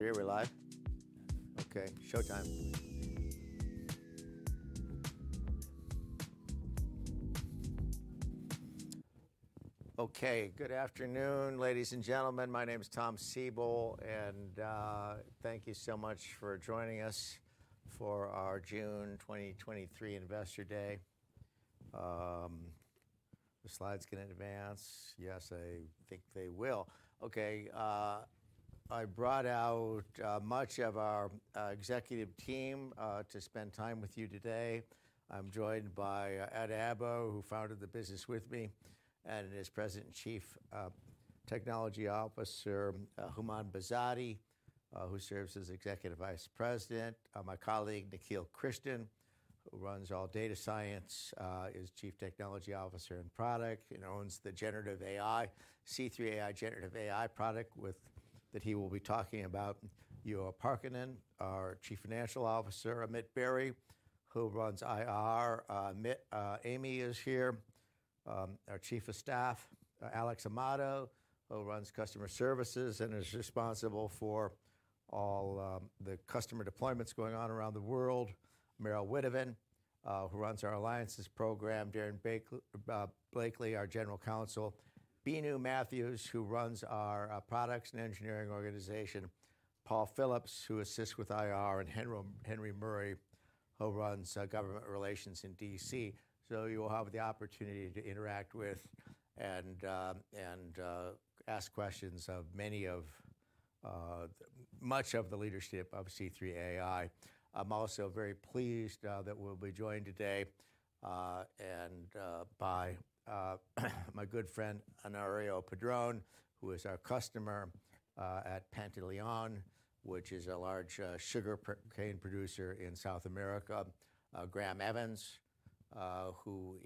We're live? Okay, showtime. Good afternoon, ladies and gentlemen. My name is Tom Siebel. Thank you so much for joining us for our June 2023 Investor Day. The slides gonna advance? Yes, I think they will. I brought out much of our executive team to spend time with you today. I'm joined by Ed Abbo, who founded the business with me, and is President and Chief Technology Officer. Houman Behzadi, who serves as Executive Vice President. My colleague, Nikhil Krishnan, who runs all Data Science, is Chief Technology Officer in product, and owns the generative AI, C3 Generative AI product that he will be talking about. Juho Parkkinen, our Chief Financial Officer. Amit Berry, who runs IR. Amit, Amy is here, our Chief of Staff. Alex Amato, who runs Customer Services and is responsible for all the customer deployments going on around the world. Merel Witteveen, who runs our Alliances program. Derron Blakely, our General Counsel. Binu Mathew, who runs our Products and Engineering organization. Paul Phillips, who assists with IR, and Henry Murray, who runs Government Relations in D.C. You will have the opportunity to interact with and ask questions of many of much of the leadership of C3 AI. I'm also very pleased that we'll be joined today and by my good friend, Honorio Padrón, who is our customer at Pantaleon, which is a large sugarcane producer in South America. Graham Evans, who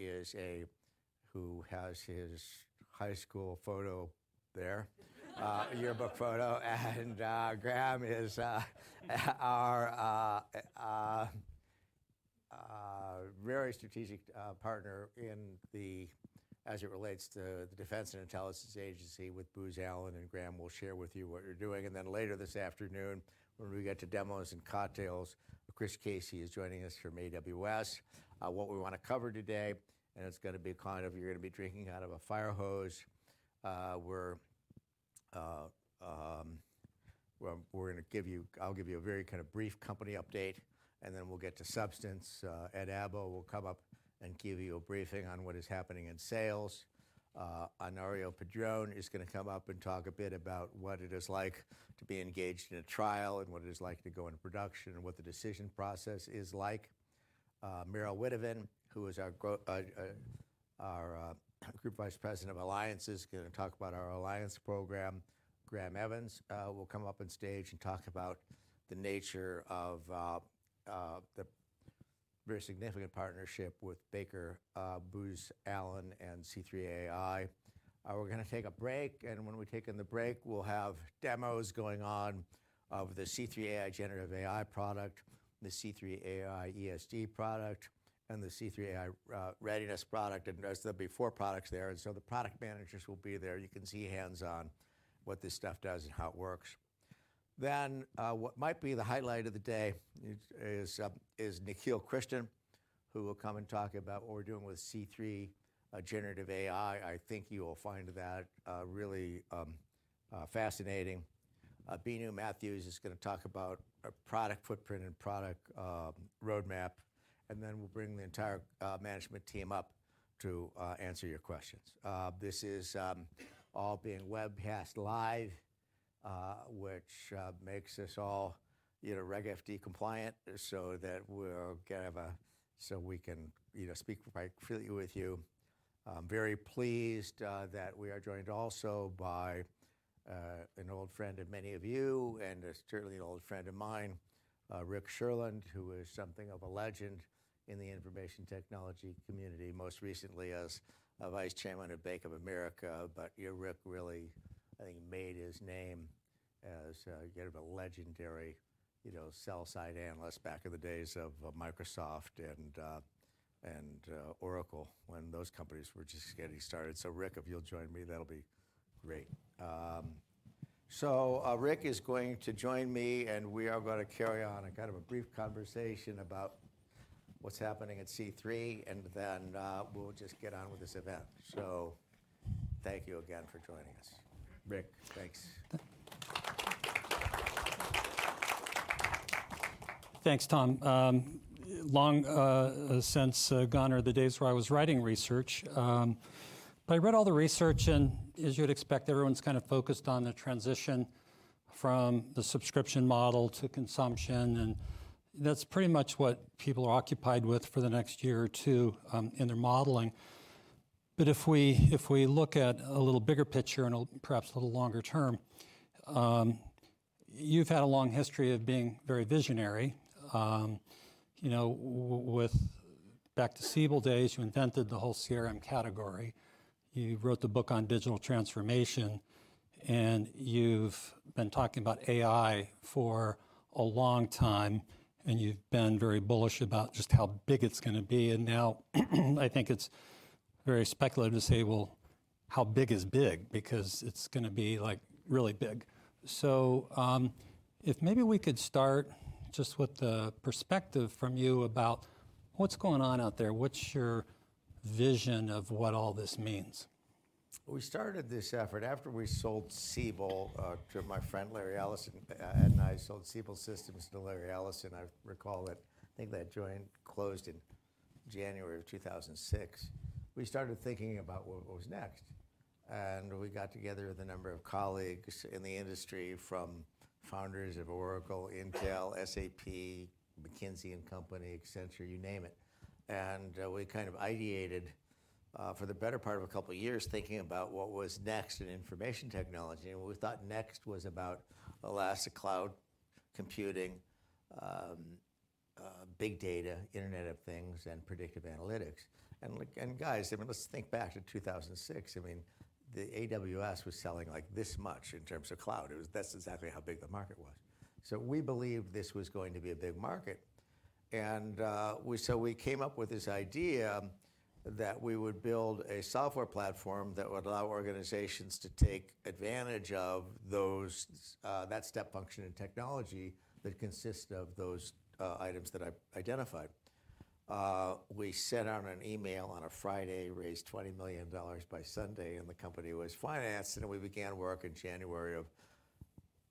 has his high school photo there. Yearbook photo. Graham Evans is our a very strategic partner in the as it relates to the Defense and Intelligence Agency with Booz Allen, and Graham will share with you what they're doing. Later this afternoon, when we get to demos and cocktails, Chris Casey is joining us from AWS. What we want to cover today, and it's gonna be kind of, you're gonna be drinking out of a fire hose. Well, I'll give you a very kind of brief company update, and then we'll get to substance. Ed Abbo will come up and give you a briefing on what is happening in sales. Honorio Padrón is gonna come up and talk a bit about what it is like to be engaged in a trial, and what it is like to go into production, and what the decision process is like. Merel Witteveen, who is our Group Vice President of Alliances, is gonna talk about our alliance program. Graham Evans will come up on stage and talk about the nature of the very significant partnership with Baker, Booz Allen, and C3 AI. We're gonna take a break, and when we take in the break, we'll have demos going on of the C3 AI generative AI product, the C3 AI ESG product, and the C3 AI Readiness product. There'll be four products there, so the product managers will be there. You can see hands-on what this stuff does and how it works. What might be the highlight of the day is Nikhil Krishnan, who will come and talk about what we're doing with C3 Generative AI. I think you will find that really fascinating. Binu Mathew is gonna talk about our product footprint and product roadmap, and then we'll bring the entire management team up to answer your questions. This is all being webcast live, which makes us all, you know, Reg FD compliant, so we can, you know, speak quite freely with you. I'm very pleased that we are joined also by an old friend of many of you, and certainly an old friend of mine, Rick Sherlund, who is something of a legend in the information technology community, most recently as a Vice Chairman at Bank of America. Yeah, Rick really, I think, made his name as kind of a legendary, you know, sell-side analyst back in the days of Microsoft and Oracle, when those companies were just getting started. Rick, if you'll join me, that'll be great. Rick is going to join me, and we are gonna carry on a kind of a brief conversation about what's happening at C3 AI, and then we'll just get on with this event. Thank you again for joining us. Rick, thanks. Thanks, Tom. long since gone are the days where I was writing research. I read all the research, and as you'd expect, everyone's kind of focused on the transition from the subscription model to consumption, and that's pretty much what people are occupied with for the next one or two, in their modeling. If we, if we look at a little bigger picture and perhaps a little longer term, you've had a long history of being very visionary. You know, with back to Siebel days, you invented the whole CRM category. You wrote the book on digital transformation, and you've been talking about AI for a long time, and you've been very bullish about just how big it's gonna be. Now, I think it's very speculative to say, well, how big is big? Because it's gonna be, like, really big. If maybe we could start just with the perspective from you about what's going on out there, what's your vision of what all this means? We started this effort after we sold Siebel, to my friend Larry Ellison. I sold Siebel Systems to Larry Ellison. I recall that joint closed in January of 2006. We started thinking about what was next, we got together with a number of colleagues in the industry, from founders of Oracle, Intel, SAP, McKinsey & Company, Accenture, you name it. We kind of ideated for the better part of a couple of years, thinking about what was next in information technology. We thought next was about elastic cloud computing, big data, Internet of Things, and predictive analytics. Look, guys, I mean, let's think back to 2006. I mean, the AWS was selling like this much in terms of cloud. That's exactly how big the market was. We believed this was going to be a big market, and we so we came up with this idea that we would build a software platform that would allow organizations to take advantage of those that step function in technology that consists of those items that I've identified. We sent out an email on a Friday, raised $20 million by Sunday, and the company was financed, and we began work in January of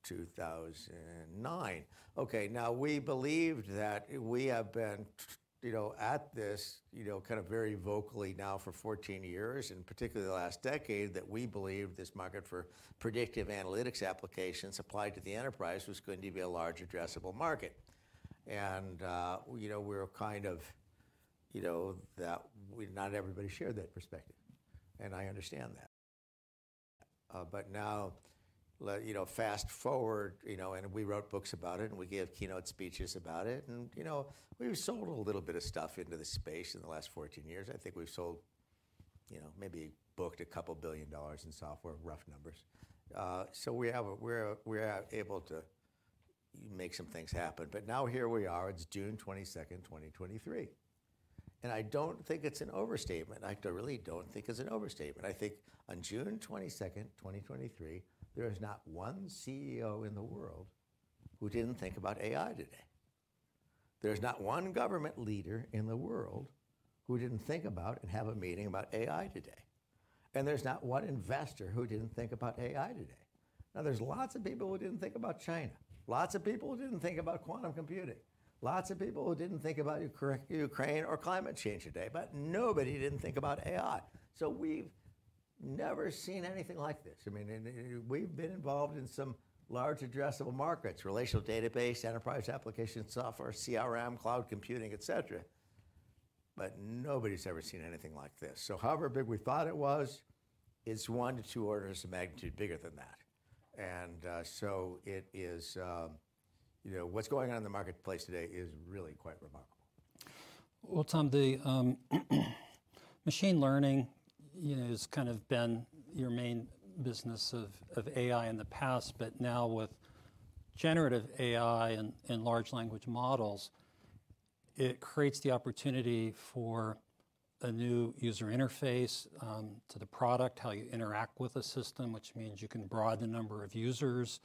2009. Okay, now, we believed that we have been, you know, at this, you know, kind of very vocally now for 14 years, and particularly the last decade, that we believed this market for predictive analytics applications applied to the enterprise was going to be a large addressable market. You know, we're kind of, you know, that... Not everybody shared that perspective, and I understand that. Now, you know, fast-forward, you know, we wrote books about it, and we gave keynote speeches about it. You know, we've sold a little bit of stuff into the space in the last 14 years. I think we've sold, you know, maybe booked $2 billion in software, rough numbers. We're able to make some things happen. Now here we are. It's June 22, 2023, and I don't think it's an overstatement. I really don't think it's an overstatement. I think on June 22, 2023, there is not one CEO in the world who didn't think about AI today. There's not one government leader in the world who didn't think about and have a meeting about AI today, there's not one investor who didn't think about AI today. There's lots of people who didn't think about China, lots of people who didn't think about quantum computing, lots of people who didn't think about Ukraine or climate change today, but nobody didn't think about AI. We've never seen anything like this. I mean, and we've been involved in some large addressable markets, relational database, enterprise application software, CRM, cloud computing, et cetera. Nobody's ever seen anything like this. However big we thought it was, it's one to two orders of magnitude bigger than that. It is. You know, what's going on in the marketplace today is really quite remarkable. Tom, the machine learning, you know, has kind of been your main business of AI in the past, but now with generative AI and large language models, it creates the opportunity for a new user interface to the product, how you interact with the system, which means you can broaden the number of users.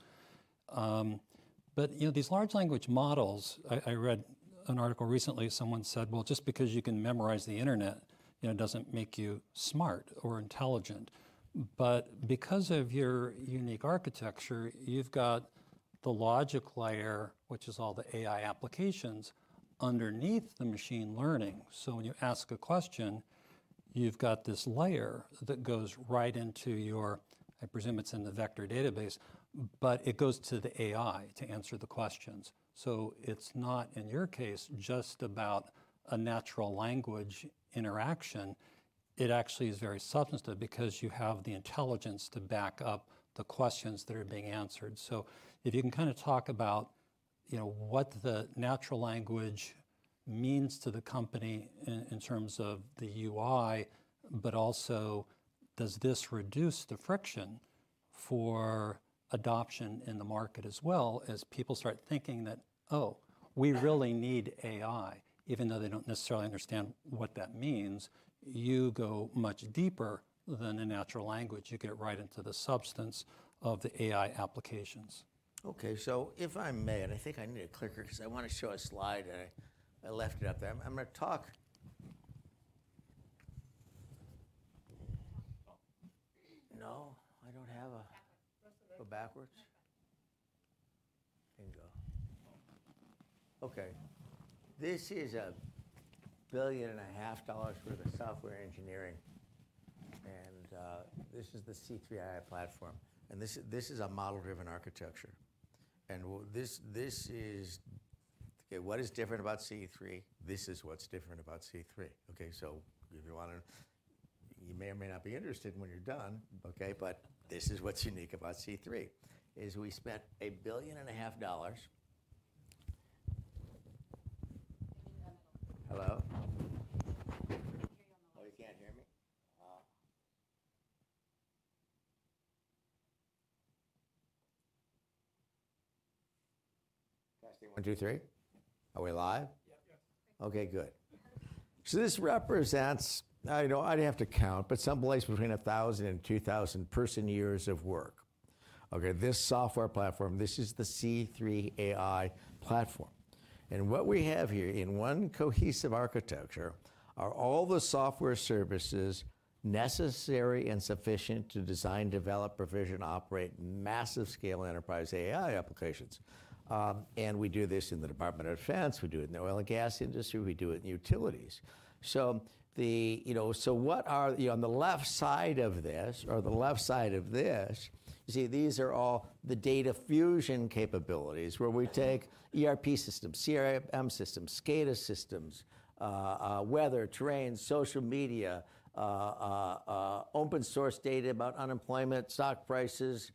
You know, these large language models, I read an article recently, someone said: Well, just because you can memorize the Internet, you know, doesn't make you smart or intelligent. Because of your unique architecture, you've got the logic layer, which is all the AI applications underneath the machine learning. When you ask a question, you've got this layer that goes right into your I presume it's in the vector database, but it goes to the AI to answer the questions. It's not, in your case, just about a natural language interaction. It actually is very substantive because you have the intelligence to back up the questions that are being answered. If you can kind of talk about, you know, what the natural language means to the company in terms of the UI, but also, does this reduce the friction for adoption in the market as well as people start thinking that, "Oh, we really need AI," even though they don't necessarily understand what that means? You go much deeper than the natural language. You get right into the substance of the AI applications. If I may, I think I need a clicker 'cause I wanna show a slide, I left it up there. No, I don't have. Go backwards? Then go. Okay. This is a billion and a half dollars worth of software engineering, this is the C3 AI Platform, and this is a model-driven architecture. What is different about C3? This is what's different about C3, okay? If you want to. You may or may not be interested when you're done, okay? This is what's unique about C3, is we spent a billion and a half dollars. Hello? We can't hear you on the live stream. Oh, you can't hear me? One, two, three. Are we live? Yep. Okay, good. This represents, I know I'd have to count, but some place between 1,000 and 2,000 person years of work. Okay, this software platform, this is the C3 AI Platform, and what we have here in one cohesive architecture are all the software services necessary and sufficient to design, develop, provision, operate massive scale enterprise AI applications. We do this in the Department of Defense. We do it in the oil and gas industry. We do it in utilities. You know, on the left side of this or the left side of this, you see, these are all the data fusion capabilities, where we take ERP systems, CRM systems, SCADA systems, weather, terrain, social media, open source data about unemployment, stock prices,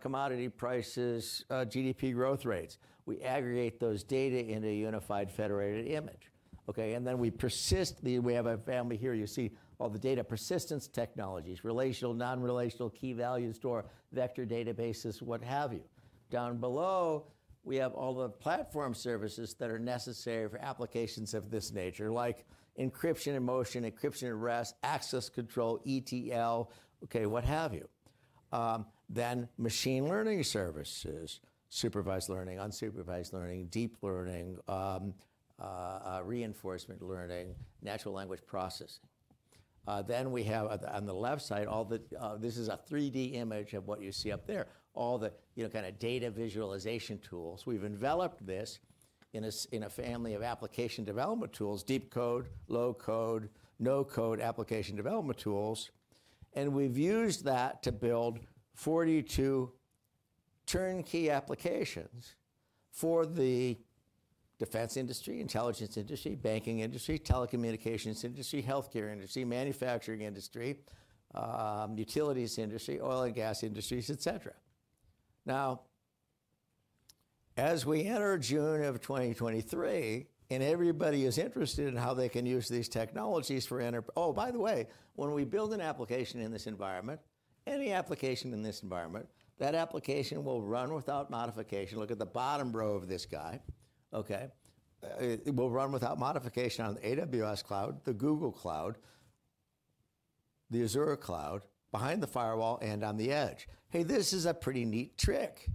commodity prices, GDP growth rates. We aggregate those data in a unified, federated image, okay? Then we have a family here. You see all the data persistence technologies, relational, non-relational, key value store, vector databases, what have you. Down below, we have all the platform services that are necessary for applications of this nature, like encryption in motion, encryption at rest, access control, ETL, okay, what have you. Then machine learning services, supervised learning, unsupervised learning, deep learning, reinforcement learning, natural language processing. Then we have on the, on the left side, all the this is a 3D image of what you see up there. All the, you know, kind of data visualization tools. We've enveloped this in a family of application development tools, deep code, low code, no code, application development tools, and we've used that to build 42 turnkey applications for the defense industry, intelligence industry, banking industry, telecommunications industry, healthcare industry, manufacturing industry, utilities industry, oil and gas industries, et cetera. As we enter June of 2023 and everybody is interested in how they can use these technologies for Oh, by the way, when we build an application in this environment, any application in this environment, that application will run without modification. Look at the bottom row of this guy, okay? It will run without modification on the AWS cloud, the Google Cloud, the Azure cloud, behind the firewall, and on the edge. Hey, this is a pretty neat trick!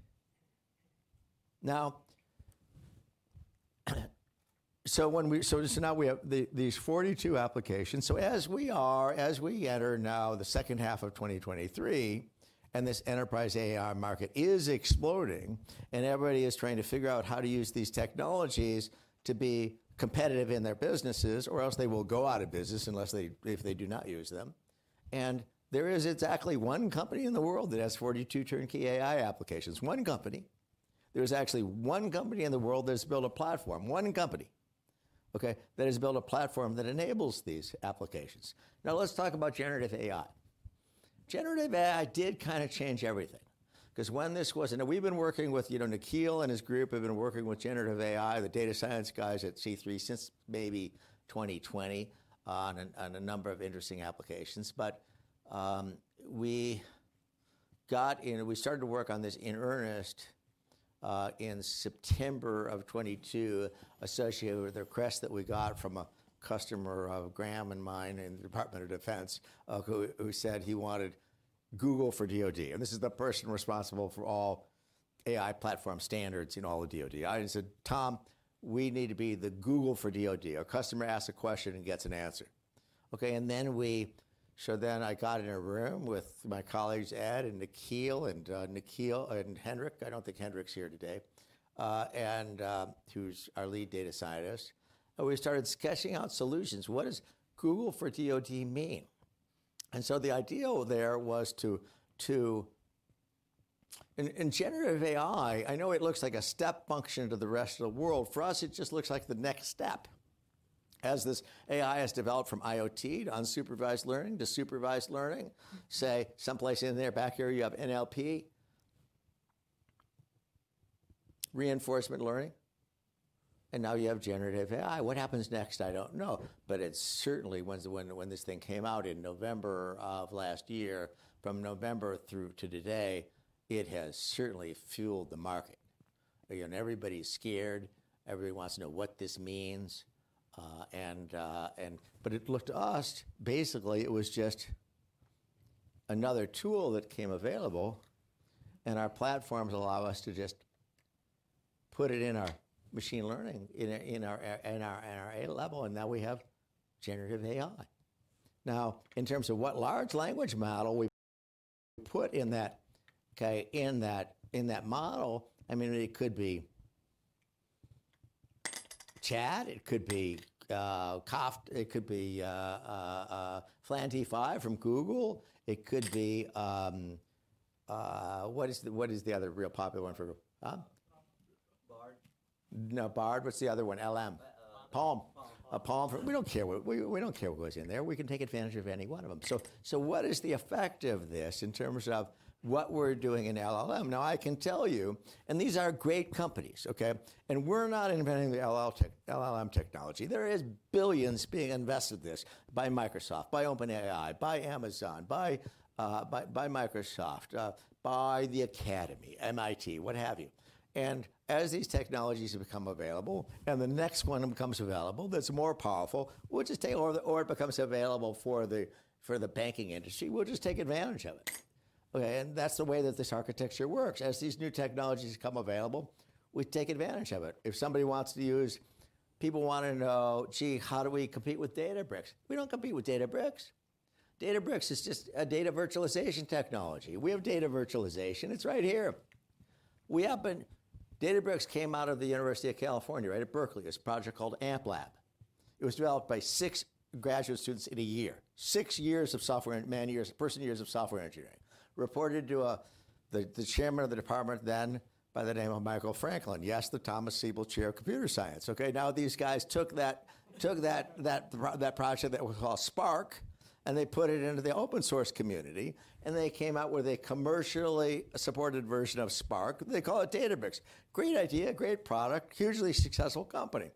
So now we have these 42 applications. As we enter now, the second half of 2023, and this enterprise AI market is exploding, and everybody is trying to figure out how to use these technologies to be competitive in their businesses, or else they will go out of business unless if they do not use them. There is exactly one company in the world that has 42 turnkey AI applications. One company. There's actually one company in the world that's built a platform, one company, okay, that has built a platform that enables these applications. Let's talk about generative AI. Generative AI did kind of change everything, because when this was. We've been working with, you know, Nikhil and his group have been working with generative AI, the data science guys at C3 since maybe 2020 on a number of interesting applications. We started to work on this in earnest in September of 2022, associated with a request that we got from a customer of Graham and mine in the Department of Defense, who said he wanted Google for DoD. This is the person responsible for all AI platform standards in all the DoD. He said, "Tom, we need to be the Google for DoD. A customer asks a question and gets an answer." I got in a room with my colleagues, Ed and Nikhil, and Nikhil and Henrik. I don't think Henrik's here today, and who's our lead data scientist, and we started sketching out solutions. What does Google for DoD mean? The idea there was to. In generative AI, I know it looks like a step function to the rest of the world. For us, it just looks like the next step. As this AI has developed from IoT to unsupervised learning, to supervised learning, say, someplace in there, back here, you have NLP, reinforcement learning. Now you have generative AI. What happens next? I don't know. It certainly, when this thing came out in November of last year, from November through to today, it has certainly fueled the market. Everybody's scared. Everybody wants to know what this means. To us, basically, it was just another tool that came available, our platforms allow us to just put it in our machine learning, in our A level. Now we have generative AI. Now, in terms of what large language model we put in that, okay, in that model, I mean, it could be Chat, it could be Copilot, it could be FLAN-T5 from Google. It could be what is the other real popular one for. Bard? No, Bard. What's the other one? LM. Uh- PaLM. PaLM. PaLM. We don't care what goes in there. We can take advantage of any one of them. What is the effect of this in terms of what we're doing in LLM? Now, I can tell you, these are great companies, okay? We're not inventing the LLM technology. There is $ billions being invested in this by Microsoft, by OpenAI, by Amazon, by Microsoft, by the Academy, MIT, what have you. As these technologies become available and the next one becomes available, that's more powerful, we'll just take. Or it becomes available for the, for the banking industry, we'll just take advantage of it. Okay. That's the way that this architecture works. As these new technologies become available, we take advantage of it. People want to know, "Gee, how do we compete with Databricks?" We don't compete with Databricks. Databricks is just a data virtualization technology. We have data virtualization. It's right here. Databricks came out of the University of California, right at Berkeley. This project called AMPLab. It was developed by six graduate students in a year. Six years of software, man years, person years of software engineering, reported to the Chairman of the department then by the name of Michael Franklin. Yes, the Thomas Siebel Chair of Computer Science. These guys took that project that was called Spark, and they put it into the open source community, and they came out with a commercially supported version of Spark. They call it Databricks. Great idea, great product, hugely successful company.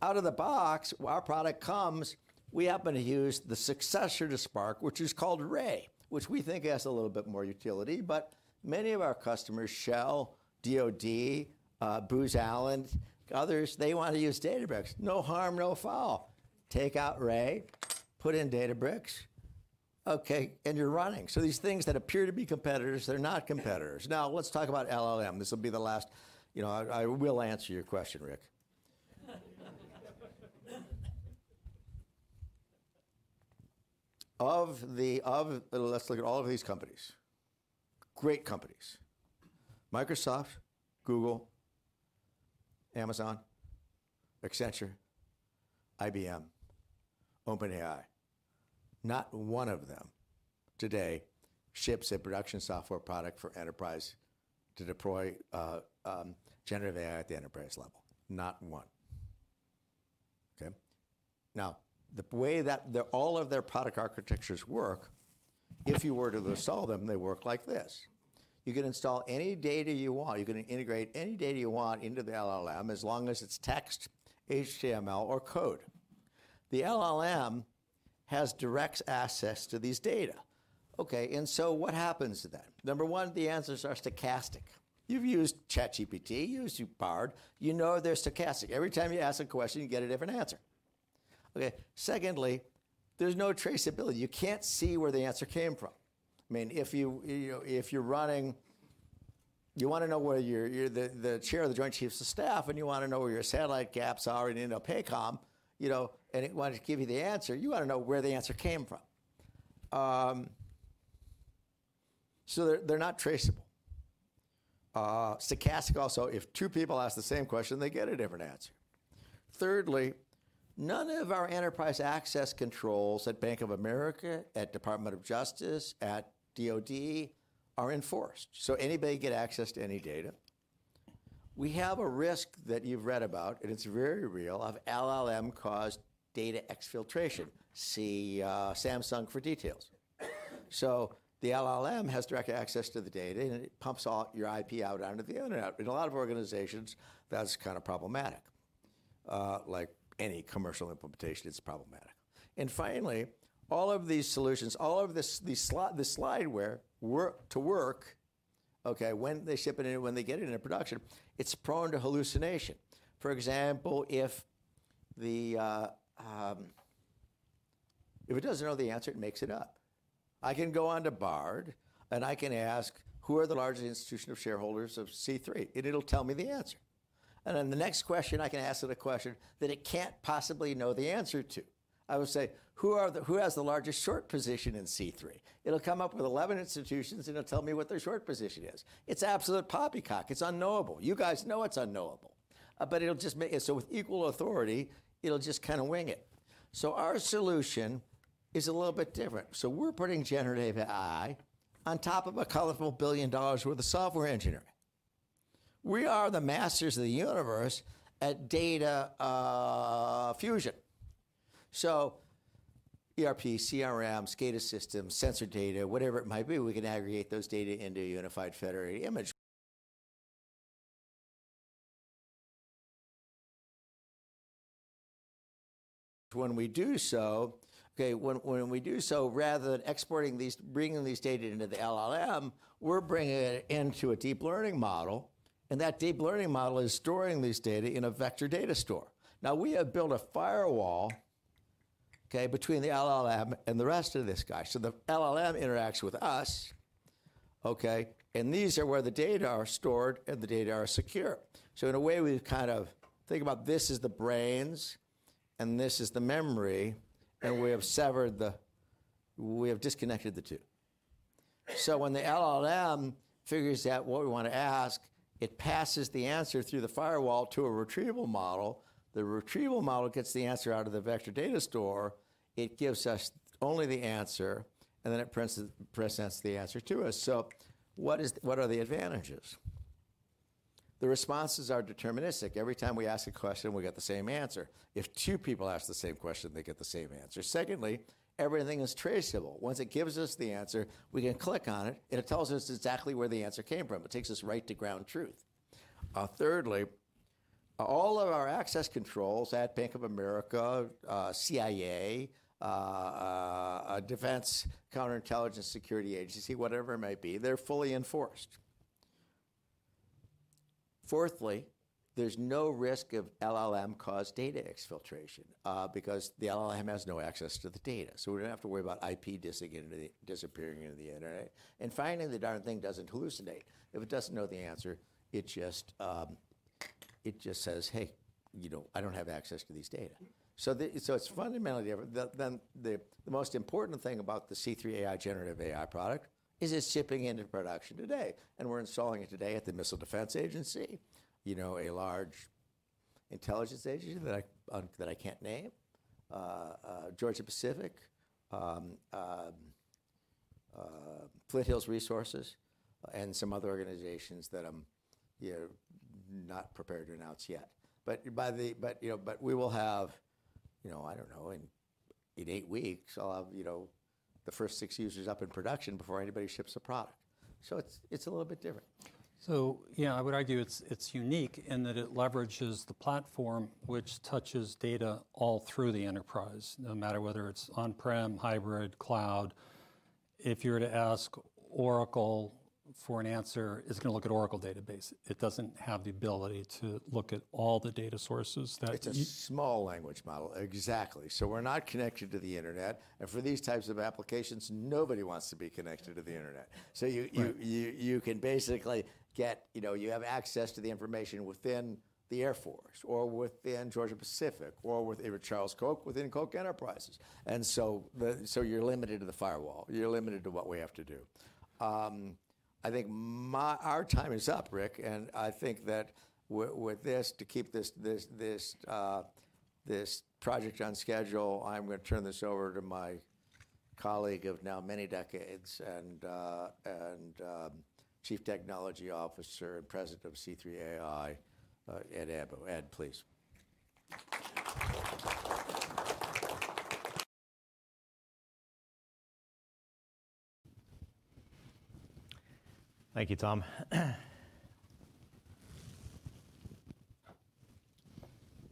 Out of the box, our product comes, we happen to use the successor to Apache Spark, which is called Ray, which we think has a little bit more utility. Many of our customers, Shell, DoD, Booz Allen, others, they want to use Databricks. No harm, no foul. Take out Ray, put in Databricks, okay, and you're running. These things that appear to be competitors, they're not competitors. Let's talk about LLM. This will be the last you know, I will answer your question, Rick. Let's look at all of these companies. Great companies. Microsoft, Google, Amazon, Accenture, IBM, OpenAI. Not one of them today ships a production software product for enterprise to deploy generative AI at the enterprise level. Not one. Okay? The way that all of their product architectures work, if you were to install them, they work like this: You can install any data you want. You can integrate any data you want into the LLM, as long as it's text, HTML, or code. The LLM has direct access to these data. What happens to that? Number one, the answers are stochastic. You've used ChatGPT, you've used Bard, you know they're stochastic. Every time you ask a question, you get a different answer. Secondly, there's no traceability. You can't see where the answer came from. I mean, if you know, if you're running... You want to know where you're the Chair of the Joint Chiefs of Staff, and you want to know where your satellite gaps are in INDOPACOM, you know, and it wanted to give you the answer, you want to know where the answer came from. They're not traceable. Stochastic also, if two people ask the same question, they get a different answer. Thirdly, none of our enterprise access controls at Bank of America, at Department of Justice, at DoD, are enforced, so anybody get access to any data. We have a risk that you've read about, and it's very real, of LLM-caused data exfiltration. See Samsung for details. The LLM has direct access to the data, and it pumps all your IP out onto the internet. In a lot of organizations, that's kind of problematic. Like any commercial implementation, it's problematic. Finally, all of these solutions, all of this slideware to work, okay, when they ship it in, when they get it into production, it's prone to hallucination. For example, if it doesn't know the answer, it makes it up. I can go on to Bard, and I can ask: Who are the largest institution of shareholders of C3? It'll tell me the answer. The next question, I can ask it a question that it can't possibly know the answer to. I will say: Who has the largest short position in C3? It'll come up with 11 institutions, it'll tell me what their short position is. It's absolute poppycock. It's unknowable. You guys know it's unknowable. It'll just make it so with equal authority, it'll just kind of wing it. Our solution is a little bit different. We're putting C3 Generative AI on top of a colorful $1 billion worth of software engineering. We are the masters of the universe at data fusion. ERP, CRM, SCADA systems, sensor data, whatever it might be, we can aggregate those data into a unified, federated image. When we do so, okay, when we do so, rather than exporting these, bringing these data into the LLM, we're bringing it into a deep learning model, and that deep learning model is storing these data in a vector data store. Now, we have built a firewall, okay, between the LLM and the rest of this guy. The LLM interacts with us, okay, and these are where the data are stored, and the data are secure. In a way, we kind of think about this as the brains and this as the memory, and we have disconnected the two. When the LLM figures out what we want to ask, it passes the answer through the firewall to a retrieval model. The retrieval model gets the answer out of the vector data store. It gives us only the answer, and then it presents the answer to us. What are the advantages? The responses are deterministic. Every time we ask a question, we get the same answer. If two people ask the same question, they get the same answer. Secondly, everything is traceable. Once it gives us the answer, we can click on it, and it tells us exactly where the answer came from. It takes us right to ground truth. Thirdly, all of our access controls at Bank of America, CIA, Defense Counterintelligence and Security Agency, whatever it may be, they're fully enforced. Fourthly, there's no risk of LLM-caused data exfiltration because the LLM has no access to the data. We don't have to worry about IP disappearing into the internet. Finally, the darn thing doesn't hallucinate. If it doesn't know the answer, it just says, "Hey, you know, I don't have access to these data." It's fundamentally different. The most important thing about the C3 AI Generative AI product is it's shipping into production today. We're installing it today at the Missile Defense Agency, you know, a large intelligence agency that I can't name, Georgia-Pacific, Flint Hills Resources, and some other organizations that I'm not prepared to announce yet. You know, we will have, you know, I don't know, in eight weeks, I'll have, you know, the first six users up in production before anybody ships a product. It's a little bit different. Yeah, I would argue it's unique in that it leverages the platform which touches data all through the enterprise, no matter whether it's on-prem, hybrid, cloud. If you were to ask Oracle for an answer, it's gonna look at Oracle database. It doesn't have the ability to look at all the data sources that. It's a small language model. Exactly. We're not connected to the internet, and for these types of applications, nobody wants to be connected to the internet. Right. You can basically get. You know, you have access to the information within the Air Force or within Georgia-Pacific, or with Charles Koch, within Koch Enterprises. So you're limited to the firewall. You're limited to what we have to do. I think our time is up, Rick, and I think that with this project on schedule, I'm gonna turn this over to my colleague of now many decades and, Chief Technology Officer and President of C3 AI, Ed Abbo. Ed, please. Thank you, Tom.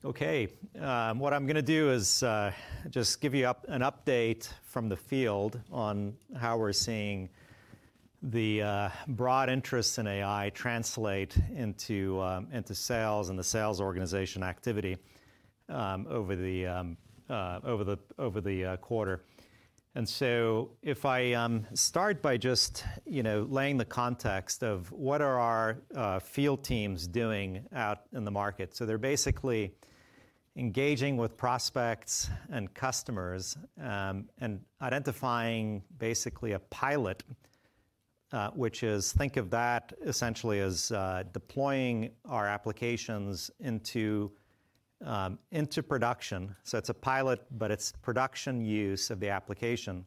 Okay, what I'm gonna do is just give you an update from the field on how we're seeing the broad interest in AI translate into sales and the sales organization activity over the quarter. If I start by just, you know, laying the context of what are our field teams doing out in the market? They're basically engaging with prospects and customers and identifying basically a pilot, which is. Think of that essentially as deploying our applications into production. It's a pilot, but it's production use of the application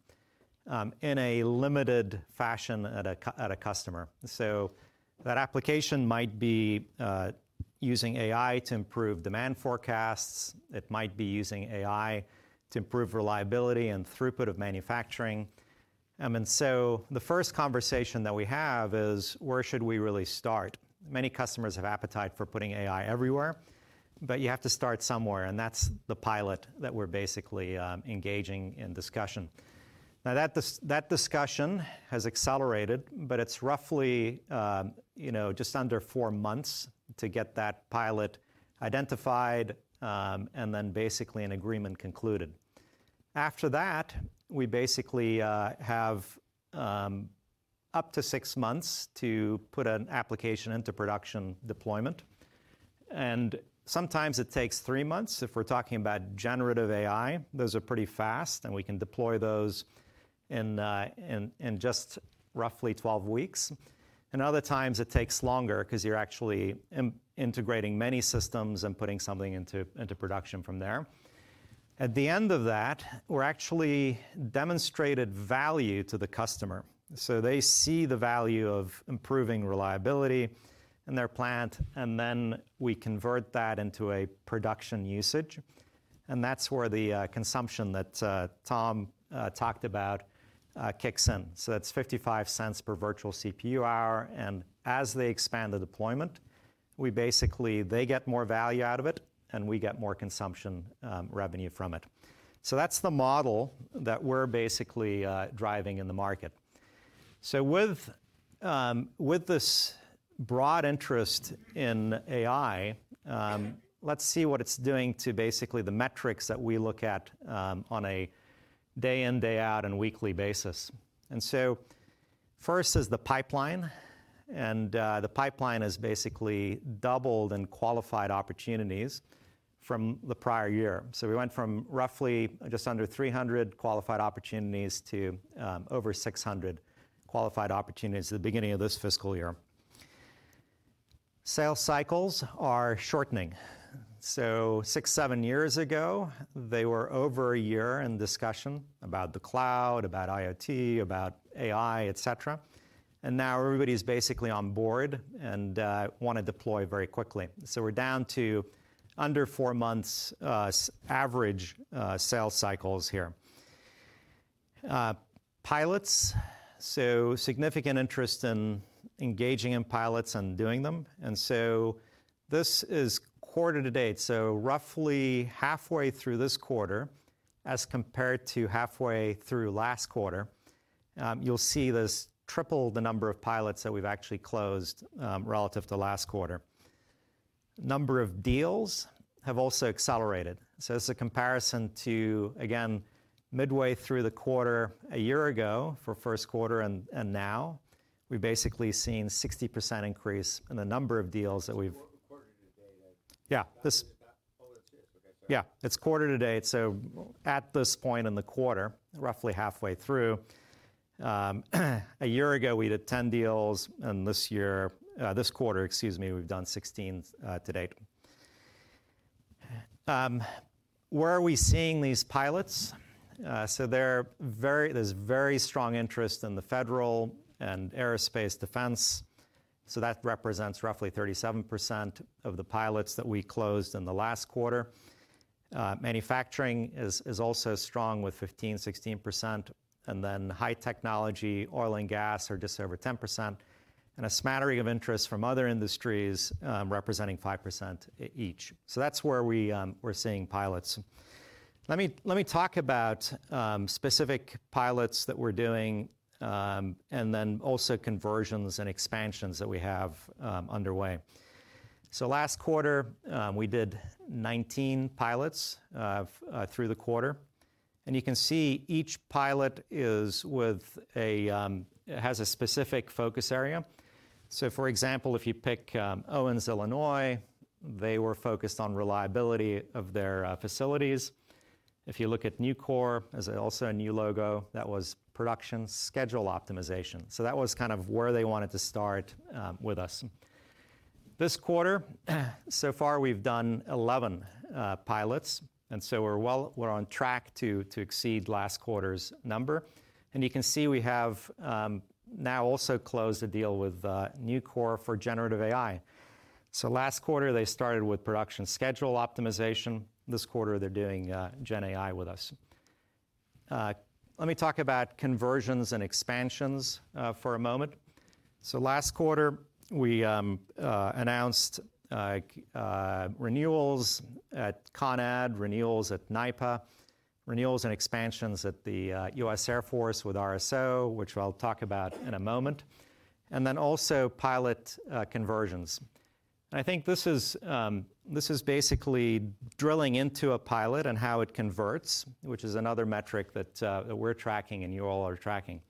in a limited fashion at a customer. That application might be using AI to improve demand forecasts, it might be using AI to improve reliability and throughput of manufacturing. The first conversation that we have is: where should we really start? Many customers have appetite for putting AI everywhere, you have to start somewhere, and that's the pilot that we're basically engaging in discussion. That discussion has accelerated, it's roughly, you know, just under four months to get that pilot identified, and basically an agreement concluded. After that, we basically have up to six months to put an application into production deployment, and sometimes it takes three months if we're talking about generative AI. Those are pretty fast, we can deploy those in just roughly 12 weeks. Other times it takes longer 'cause you're actually integrating many systems and putting something into production from there. At the end of that, we're actually demonstrated value to the customer, so they see the value of improving reliability in their plant, and then we convert that into a production usage, and that's where the consumption that Tom talked about kicks in. That's $0.55 per virtual CPU hour, and as they expand the deployment, They get more value out of it, and we get more consumption revenue from it. That's the model that we're basically driving in the market. With this broad interest in AI, let's see what it's doing to basically the metrics that we look at on a day in, day out, and weekly basis. First is the pipeline, and the pipeline is basically doubled in qualified opportunities from the prior year. We went from roughly just under 300 qualified opportunities to over 600 qualified opportunities at the beginning of this fiscal year. Sales cycles are shortening. Six, seven years ago, they were over one year in discussion about the cloud, about IoT, about AI, et cetera, and now everybody's basically on board and wanna deploy very quickly. We're down to under four months average sales cycles here. Pilots, significant interest in engaging in pilots and doing them. This is quarter to date. Roughly halfway through this quarter as compared to halfway through last quarter, you'll see there's triple the number of pilots that we've actually closed relative to last quarter. Number of deals have also accelerated. This is a comparison to, again, midway through the quarter a year ago for first quarter and now, we've basically seen 60% increase in the number of deals that we've-. Yeah, it's quarter to date, so at this point in the quarter, roughly halfway through, a year ago, we did 10 deals, and this year, this quarter, excuse me, we've done 16 to date. Where are we seeing these pilots? There's very strong interest in the federal and aerospace defense, so that represents roughly 37% of the pilots that we closed in the last quarter. Manufacturing is also strong, with 15%-16%, and then high technology, oil and gas are just over 10%, and a smattering of interest from other industries, representing 5% each. That's where we're seeing pilots. Let me talk about specific pilots that we're doing, and then also conversions and expansions that we have underway. Last quarter, we did 19 pilots through the quarter, and you can see each pilot has a specific focus area. For example, if you pick Owens-Illinois, they were focused on reliability of their facilities. If you look at Nucor, there's also a new logo that was production schedule optimization. That was kind of where they wanted to start with us. This quarter, so far, we've done 11 pilots, and we're on track to exceed last quarter's number. You can see we have now also closed a deal with Nucor for generative AI. Last quarter, they started with production schedule optimization. This quarter, they're doing gen AI with us. Let me talk about conversions and expansions for a moment. Last quarter, we announced renewals at Con Edison, renewals at NYPA, renewals and expansions at the US Air Force with RSO, which I'll talk about in a moment, and then also pilot conversions. I think this is, this is basically drilling into a pilot and how it converts, which is another metric that we're tracking and you all are tracking.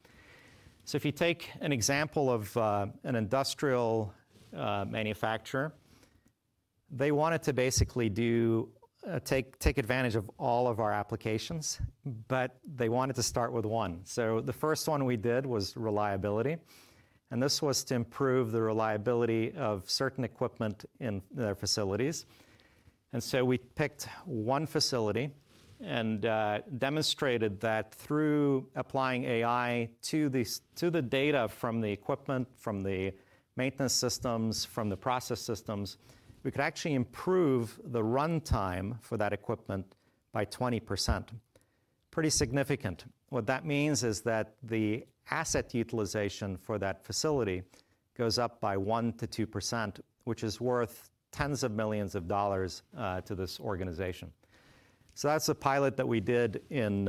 If you take an example of an industrial manufacturer, they wanted to basically take advantage of all of our applications, but they wanted to start with one. The first one we did was Reliability, and this was to improve the reliability of certain equipment in their facilities. We picked one facility and demonstrated that through applying AI to the data from the equipment, from the maintenance systems, from the process systems, we could actually improve the runtime for that equipment by 20%. Pretty significant. What that means is that the asset utilization for that facility goes up by 1%-2%, which is worth $10s of millions to this organization. That's a pilot that we did in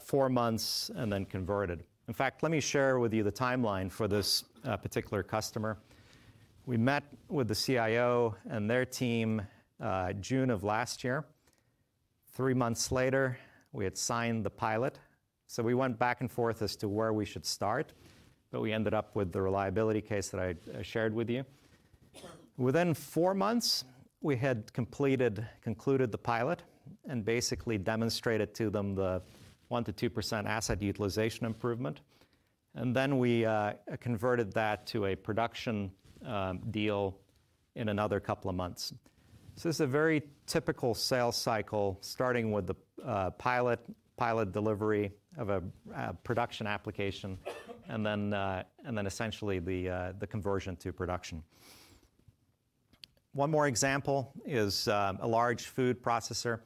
four months and then converted. In fact, let me share with you the timeline for this particular customer. We met with the CIO and their team, June of last year. Three months later, we had signed the pilot, we went back and forth as to where we should start, we ended up with the reliability case that I shared with you. Within four months, we had completed, concluded the pilot and basically demonstrated to them the 1%-2% asset utilization improvement, and then we converted that to a production deal in another couple of months. This is a very typical sales cycle, starting with the pilot delivery of a production application, and then essentially the conversion to production. One more example is a large food processor,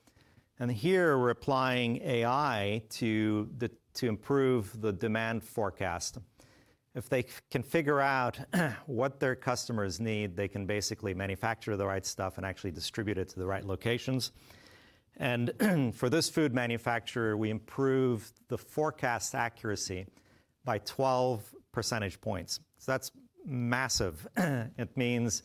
and here we're applying AI to improve the demand forecast. If they can figure out what their customers need, they can basically manufacture the right stuff and actually distribute it to the right locations. For this food manufacturer, we improved the forecast accuracy by 12 percentage points. That's massive. It means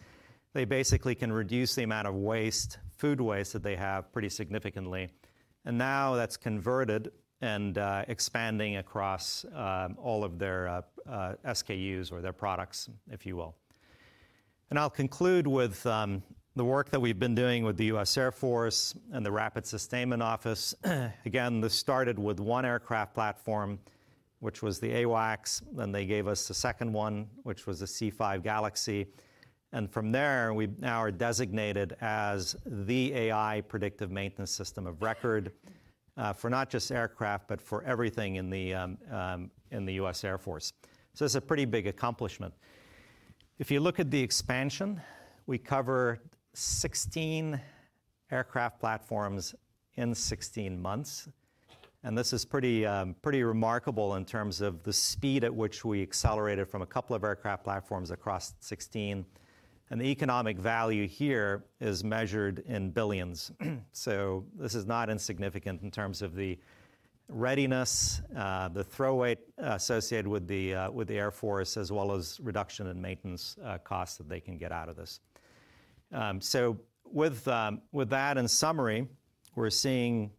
they basically can reduce the amount of waste, food waste, that they have pretty significantly, now that's converted and expanding across all of their SKUs or their products, if you will. I'll conclude with the work that we've been doing with the US Air Force and the Rapid Sustainment Office. Again, this started with one aircraft platform, which was the AWACS. They gave us a second one, which was a C-5 Galaxy, from there, we now are designated as the AI predictive maintenance system of record for not just aircraft, but for everything in the US Air Force. It's a pretty big accomplishment. If you look at the expansion, we cover 16 aircraft platforms in 16 months, and this is pretty remarkable in terms of the speed at which we accelerated from a couple of aircraft platforms across 16. The economic value here is measured in $ billions. This is not insignificant in terms of the readiness, the throw weight associated with the Air Force, as well as reduction in maintenance costs that they can get out of this. With that, in summary, we're seeing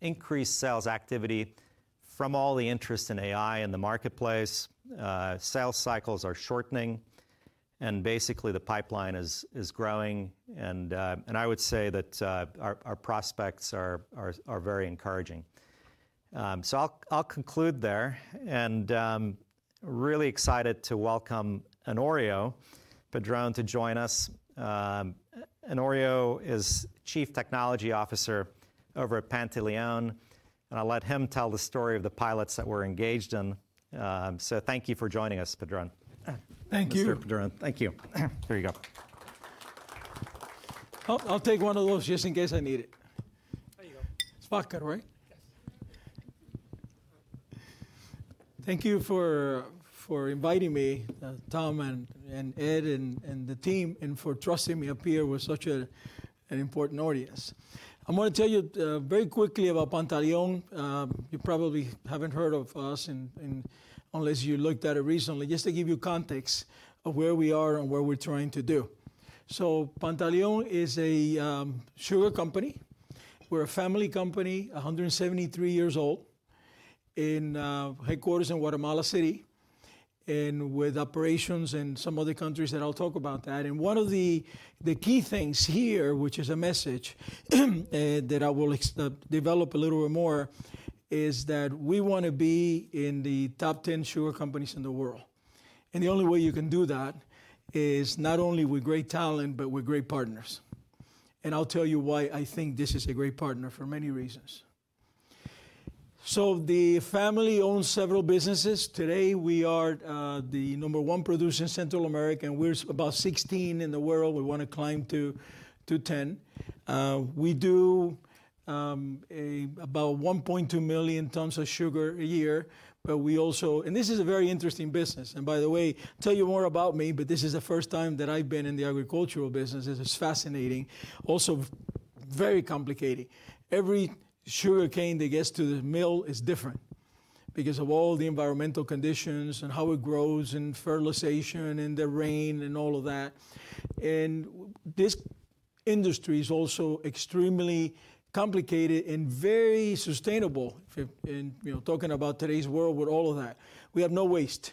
increased sales activity from all the interest in AI in the marketplace. Sales cycles are shortening, and basically, the pipeline is growing, and I would say that our prospects are very encouraging. I'll conclude there. Really excited to welcome Honorio Padrón to join us. Honorio is Chief Technology Officer over at Pantaleon, and I'll let him tell the story of the pilots that we're engaged in. Thank you for joining us, Padrón. Thank you. Mr. Padrón. Thank you. There you go. I'll take one of those just in case I need it. There you go. It's vodka, right? Yes. Thank you for inviting me, Tom and Ed and the team, and for trusting me up here with such an important audience. I'm gonna tell you very quickly about Pantaleon. You probably haven't heard of us unless you looked at it recently, just to give you context of where we are and what we're trying to do. Pantaleon is a sugar company. We're a family company, 173 years old, in headquarters in Guatemala City, and with operations in some other countries, and I'll talk about that. One of the key things here, which is a message that I will develop a little bit more, is that we want to be in the top 10 sugar companies in the world. The only way you can do that is not only with great talent, but with great partners. I'll tell you why I think this is a great partner for many reasons. The family owns several businesses. Today, we are the number one producer in Central America, and we're about 16 in the world. We want to climb to 10. We do about 1.2 million tons of sugar a year, but we also. This is a very interesting business, and by the way, tell you more about me, but this is the first time that I've been in the agricultural business. This is fascinating, also very complicated. Every sugarcane that gets to the mill is different because of all the environmental conditions, and how it grows, and fertilization, and the rain, and all of that. This industry is also extremely complicated and very sustainable for talking about today's world with all of that. We have no waste.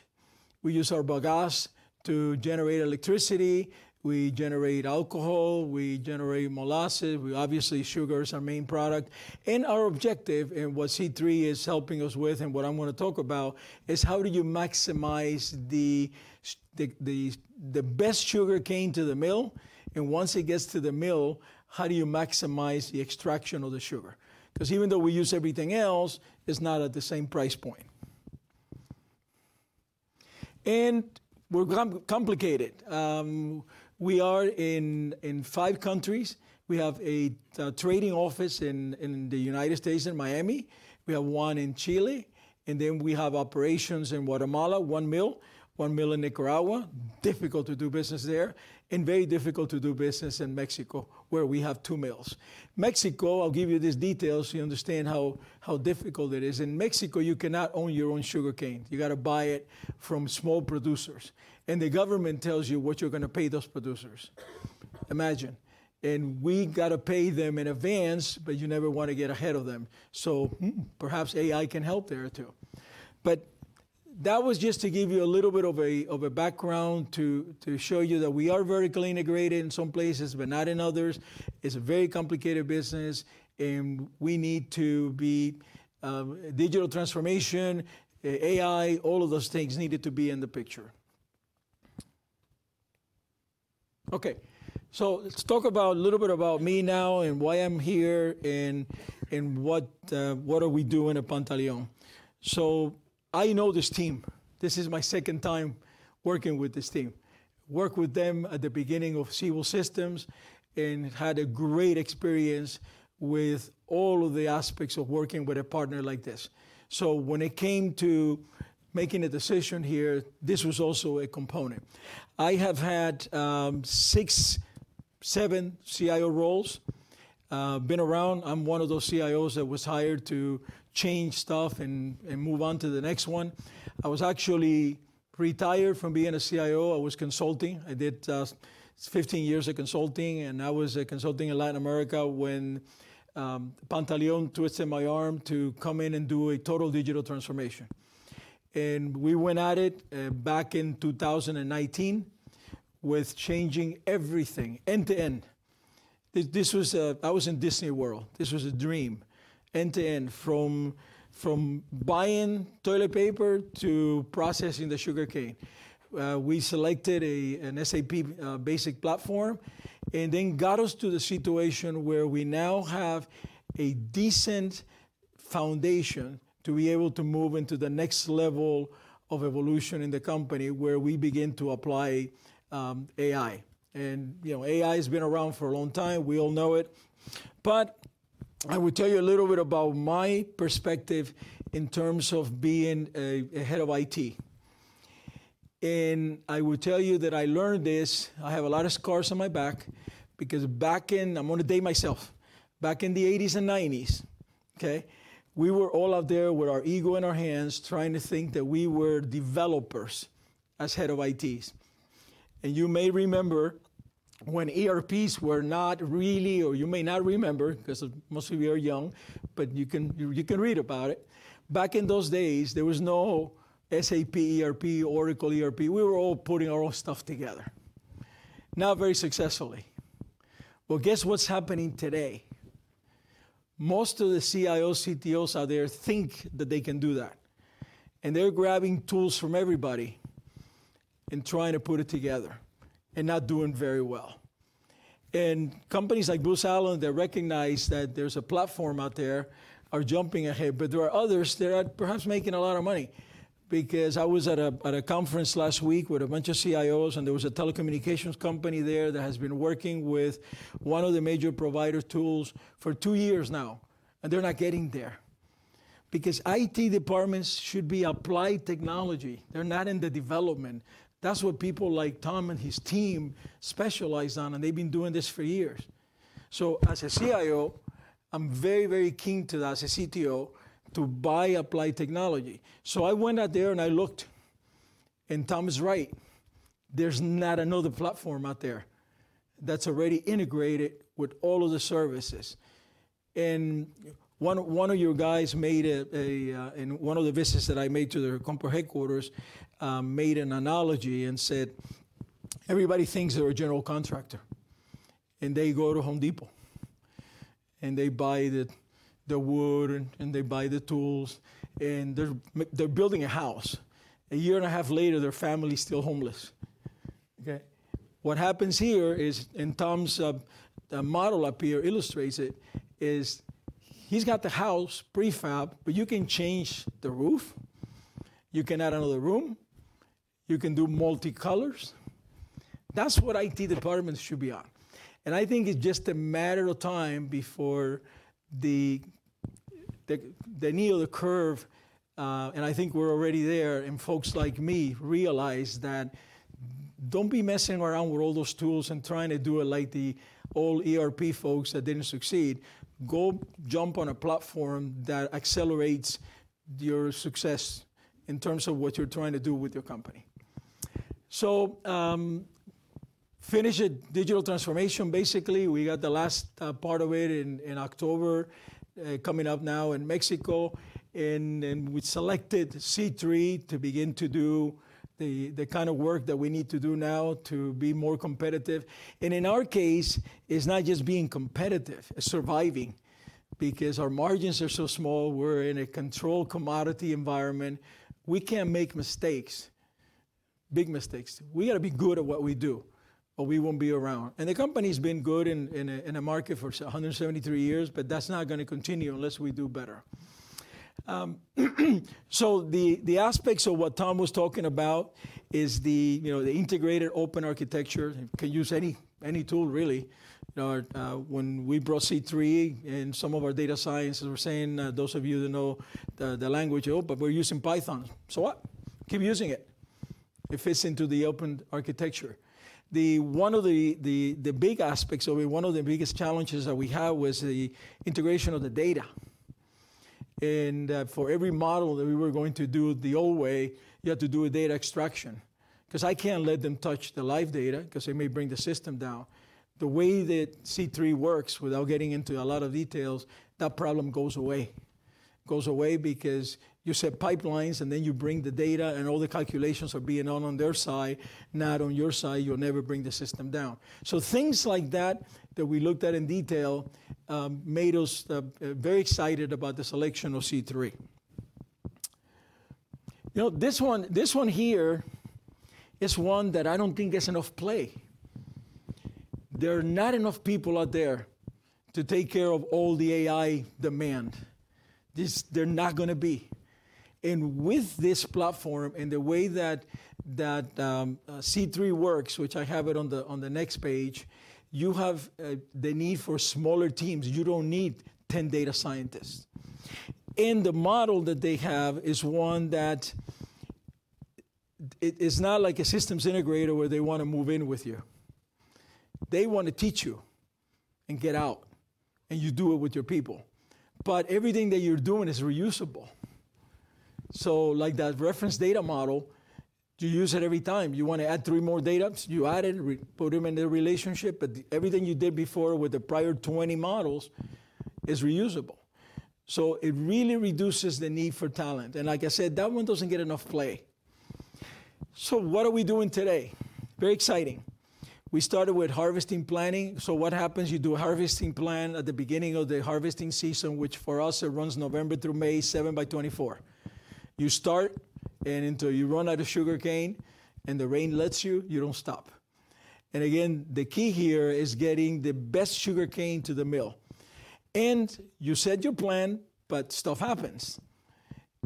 We use our bagasse to generate electricity, we generate alcohol, we generate molasses, obviously, sugar is our main product. Our objective, and what C3 is helping us with, and what I'm gonna talk about, is how do you maximize the best sugarcane to the mill, and once it gets to the mill, how do you maximize the extraction of the sugar? Because even though we use everything else, it's not at the same price point. We're complicated. We are in five countries. We have a trading office in the United States, in Miami. We have one in Chile, and then we have operations in Guatemala, one mill, one mill in Nicaragua, difficult to do business there, and very difficult to do business in Mexico, where we have two mills. Mexico, I'll give you these details so you understand how difficult it is. In Mexico, you cannot own your own sugarcane. You've got to buy it from small producers, and the government tells you what you're going to pay those producers. Imagine. We've got to pay them in advance, but you never want to get ahead of them. Perhaps AI can help there, too. That was just to give you a little bit of a background to show you that we are vertically integrated in some places, but not in others. It's a very complicated business, and we need to be, digital transformation, AI, all of those things needed to be in the picture. Let's talk about, a little bit about me now and why I'm here, and what are we doing at Pantaleon. I know this team. This is my second time working with this team. Worked with them at the beginning of Siebel Systems, and had a great experience with all of the aspects of working with a partner like this. When it came to making a decision here, this was also a component. I have had, six, seven CIO roles, been around. I'm one of those CIOs that was hired to change stuff and move on to the next one. I was actually retired from being a CIO. I was consulting. I did 15 years of consulting, and I was consulting in Latin America when Pantaleon twisted my arm to come in and do a total digital transformation. We went at it back in 2019, with changing everything end-to-end. I was in Disney World. This was a dream, end-to-end, from buying toilet paper to processing the sugarcane. We selected an SAP basic platform, and then got us to the situation where we now have a decent foundation to be able to move into the next level of evolution in the company, where we begin to apply AI. You know, AI has been around for a long time. We all know it. I will tell you a little bit about my perspective in terms of being a head of IT. I will tell you that I learned this, I have a lot of scars on my back because back in, I'm going to date myself back in the 80s and 90s, okay, we were all out there with our ego in our hands, trying to think that we were developers as head of ITs. You may remember when ERPs were not really, or you may not remember, 'cause most of you are young, but you can read about it. Back in those days, there was no SAP ERP, Oracle ERP. We were all putting our own stuff together, not very successfully. Guess what's happening today? Most of the CIOs, CTOs out there think that they can do that, and they're grabbing tools from everybody and trying to put it together, and not doing very well. Companies like Booz Allen, that recognize that there's a platform out there, are jumping ahead. There are others that are perhaps making a lot of money, because I was at a, at a conference last week with a bunch of CIOs, and there was a telecommunications company there that has been working with one of the major provider tools for two years now, and they're not getting there. IT departments should be applied technology. They're not into development. That's what people like Tom and his team specialize on, and they've been doing this for years. As a CIO, I'm very, very keen to, as a CTO, to buy applied technology. I went out there and I looked, and Tom is right. There's not another platform out there that's already integrated with all of the services. One of your guys made a, in one of the visits that I made to their corporate headquarters, made an analogy and said, "Everybody thinks they're a general contractor, and they go to Home Depot, and they buy the wood, and they buy the tools, and they're building a house. A year and a half later, their family is still homeless." Okay. What happens here is Tom's model up here illustrates it, is he's got the house prefab, but you can change the roof, you can add another room, you can do multi-colors. That's what IT departments should be on. I think it's just a matter of time before the knee of the curve, and I think we're already there, and folks like me realize that don't be messing around with all those tools and trying to do it like the old ERP folks that didn't succeed. Go jump on a platform that accelerates your success in terms of what you're trying to do with your company. Finished the digital transformation. Basically, we got the last part of it in October, coming up now in Mexico, and we selected C3 AI to begin to do the kind of work that we need to do now to be more competitive. In our case, it's not just being competitive, it's surviving, because our margins are so small. We're in a controlled commodity environment. We can't make mistakes, big mistakes. We gotta be good at what we do, or we won't be around. The company's been good in a market for 173 years, that's not gonna continue unless we do better. The aspects of what Tom was talking about is, you know, the integrated open architecture. Can use any tool, really. When we brought C3 and some of our data scientists were saying, those of you that know the language, "Oh, but we're using Python." What? Keep using it. It fits into the open architecture. One of the big aspects, or one of the biggest challenges that we had was the integration of the data. For every model that we were going to do the old way, you had to do a data extraction, 'cause I can't let them touch the live data, 'cause they may bring the system down. The way that C3 works, without getting into a lot of details, that problem goes away. Goes away because you set pipelines, and then you bring the data, and all the calculations are being done on their side, not on your side. You'll never bring the system down. Things like that we looked at in detail, made us very excited about the selection of C3. You know, this one, this one here is one that I don't think gets enough play. There are not enough people out there to take care of all the AI demand. There're not gonna be. With this platform and the way that C3 works, which I have it on the, on the next page, you have the need for smaller teams. You don't need 10 data scientists. The model that they have is one that, it's not like a systems integrator where they want to move in with you. They want to teach you and get out, and you do it with your people. Everything that you're doing is reusable. Like that reference data model, you use it every time. You want to add three more data? You add it, put them in the relationship, but everything you did before with the prior 20 models is reusable. It really reduces the need for talent. Like I said, that one doesn't get enough play. What are we doing today? Very exciting. We started with harvesting planning. What happens? You do a harvesting plan at the beginning of the harvesting season, which for us, it runs November through May, 7 by 24. You start, and until you run out of sugarcane and the rain lets you don't stop. Again, the key here is getting the best sugarcane to the mill. You set your plan, but stuff happens.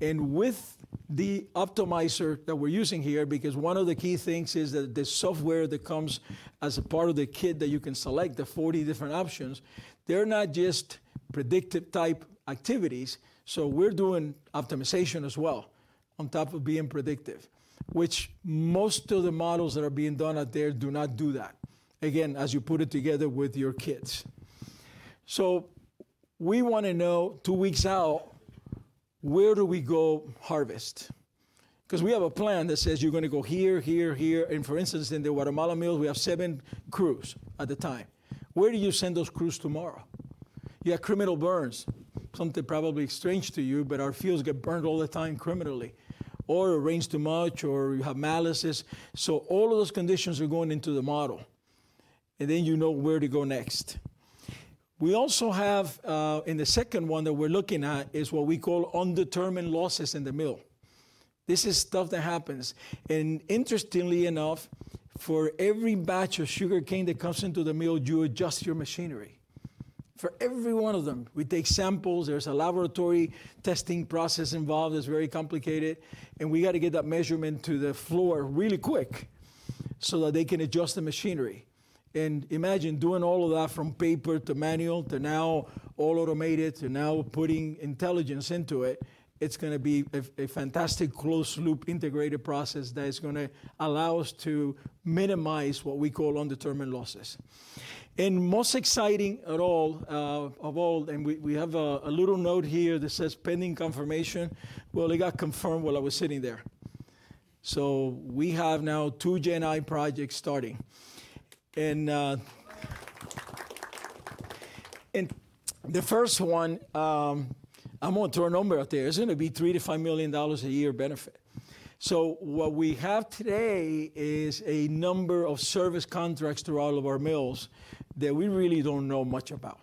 With the optimizer that we're using here, because one of the key things is that the software that comes as a part of the kit that you can select, the 40 different options, they're not just predictive-type activities, so we're doing optimization as well on top of being predictive, which most of the models that are being done out there do not do that, again, as you put it together with your kits. We wanna know two weeks out, where do we go harvest? We have a plan that says you're gonna go here, here, and for instance, in the Guatemala mill, we have seven crews at the time. Where do you send those crews tomorrow? You have criminal burns, something probably strange to you, but our fields get burned all the time criminally, or it rains too much, or you have maladies. All of those conditions are going into the model, and then you know where to go next. We also have, in the second one that we're looking at, is what we call undetermined losses in the mill. This is stuff that happens, and interestingly enough, for every batch of sugarcane that comes into the mill, you adjust your machinery. For every one of them, we take samples, there's a laboratory testing process involved, it's very complicated, and we got to get that measurement to the floor really quick, so that they can adjust the machinery. Imagine doing all of that from paper, to manual, to now all automated, to now putting intelligence into it. It's gonna be a fantastic closed-loop, integrated process that is gonna allow us to minimize what we call undetermined losses. Most exciting at all, of all, and we have a little note here that says, "Pending confirmation." Well, it got confirmed while I was sitting there. We have now two Gen AI projects starting, the first one, I'm gonna throw a number out there. It's gonna be $3 million-$5 million a year benefit. What we have today is a number of service contracts through all of our mills that we really don't know much about.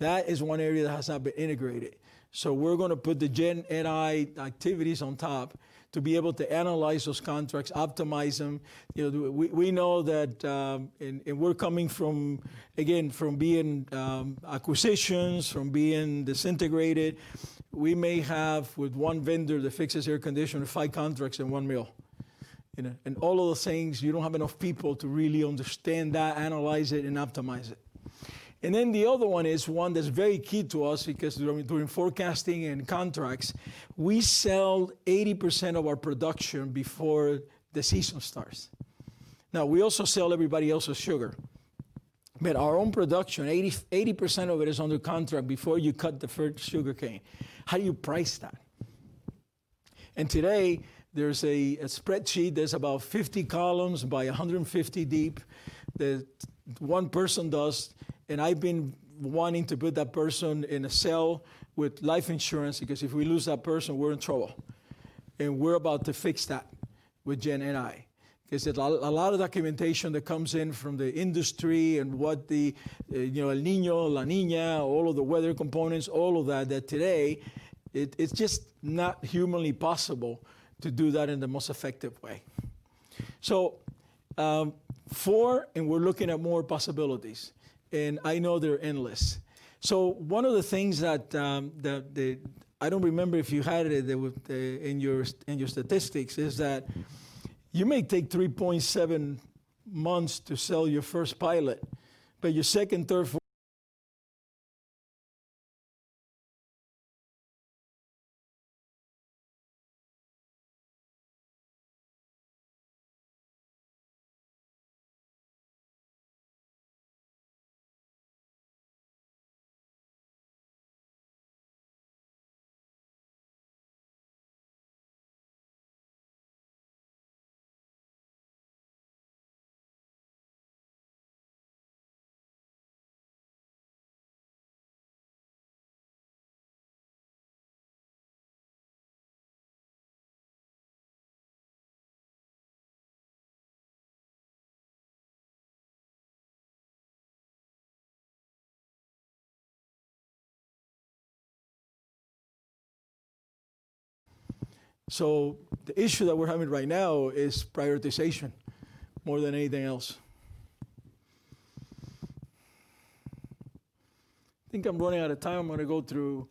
That is one area that has not been integrated. We're gonna put the Gen AI activities on top to be able to analyze those contracts, optimize them. You know, we know that. We're coming from, again, from being acquisitions, from being disintegrated. We may have, with one vendor that fixes air conditioning, five contracts in one mill, you know? All of the things, you don't have enough people to really understand that, analyze it, and optimize it. Then the other one is one that's very key to us because during forecasting and contracts, we sell 80% of our production before the season starts. We also sell everybody else's sugar, but our own production, 80% of it is under contract before you cut the first sugarcane. How do you price that? Today, there's a spreadsheet that's about 50 columns by 150 deep, that one person does, and I've been wanting to put that person in a cell with life insurance, because if we lose that person, we're in trouble. We're about to fix that with Gen AI, 'cause a lot of documentation that comes in from the industry and what the, you know, El Niño, La Niña, all of the weather components, all of that today, it's just not humanly possible to do that in the most effective way. Four, and we're looking at more possibilities, and I know they're endless. One of the things that I don't remember if you had it with the in your statistics, is that you may take 3.7 months to sell your first pilot, but your second, third. The issue that we're having right now is prioritization, more than anything else. I think I'm running out of time. I'm gonna go through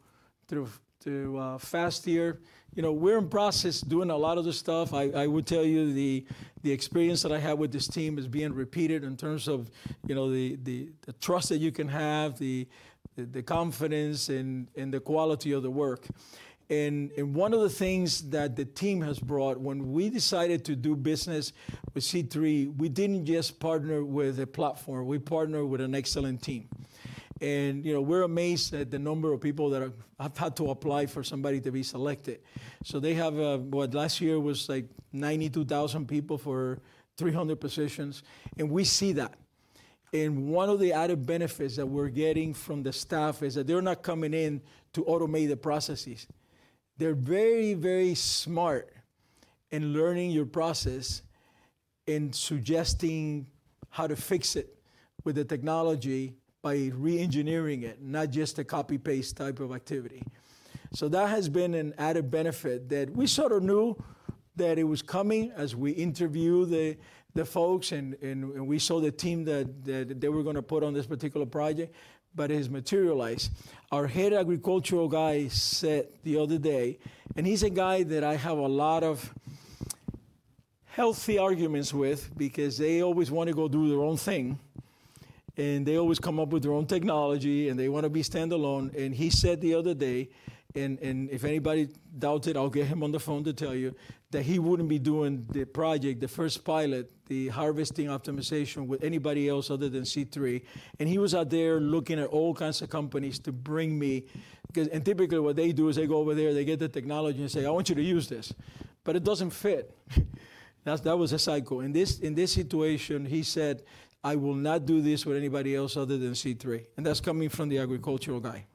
fast here. You know, we're in process doing a lot of this stuff. I would tell you, the experience that I had with this team is being repeated in terms of, you know, the trust that you can have, the confidence, and the quality of the work. One of the things that the team has brought, when we decided to do business with C3, we didn't just partner with a platform, we partnered with an excellent team. You know, we're amazed at the number of people that have had to apply for somebody to be selected. They have, what, last year was, like, 92,000 people for 300 positions, and we see that. One of the added benefits that we're getting from the staff is that they're not coming in to automate the processes. They're very, very smart in learning your process and suggesting how to fix it with the technology by re-engineering it, not just a copy-paste type of activity. That has been an added benefit that we sort of knew. that it was coming as we interview the folks and we saw the team that they were gonna put on this particular project. It has materialized. Our Head agricultural guy said the other day. He's a guy that I have a lot of healthy arguments with because they always want to go do their own thing, and they always come up with their own technology, and they want to be standalone. He said the other day, and if anybody doubts it, I'll get him on the phone to tell you, that he wouldn't be doing the project, the first pilot, the harvesting optimization, with anybody else other than C3. He was out there looking at all kinds of companies to bring me, 'cause... Typically, what they do is they go over there, they get the technology and say, "I want you to use this," but it doesn't fit. That was a cycle. In this situation, he said, "I will not do this with anybody else other than C3," and that's coming from the agricultural guy.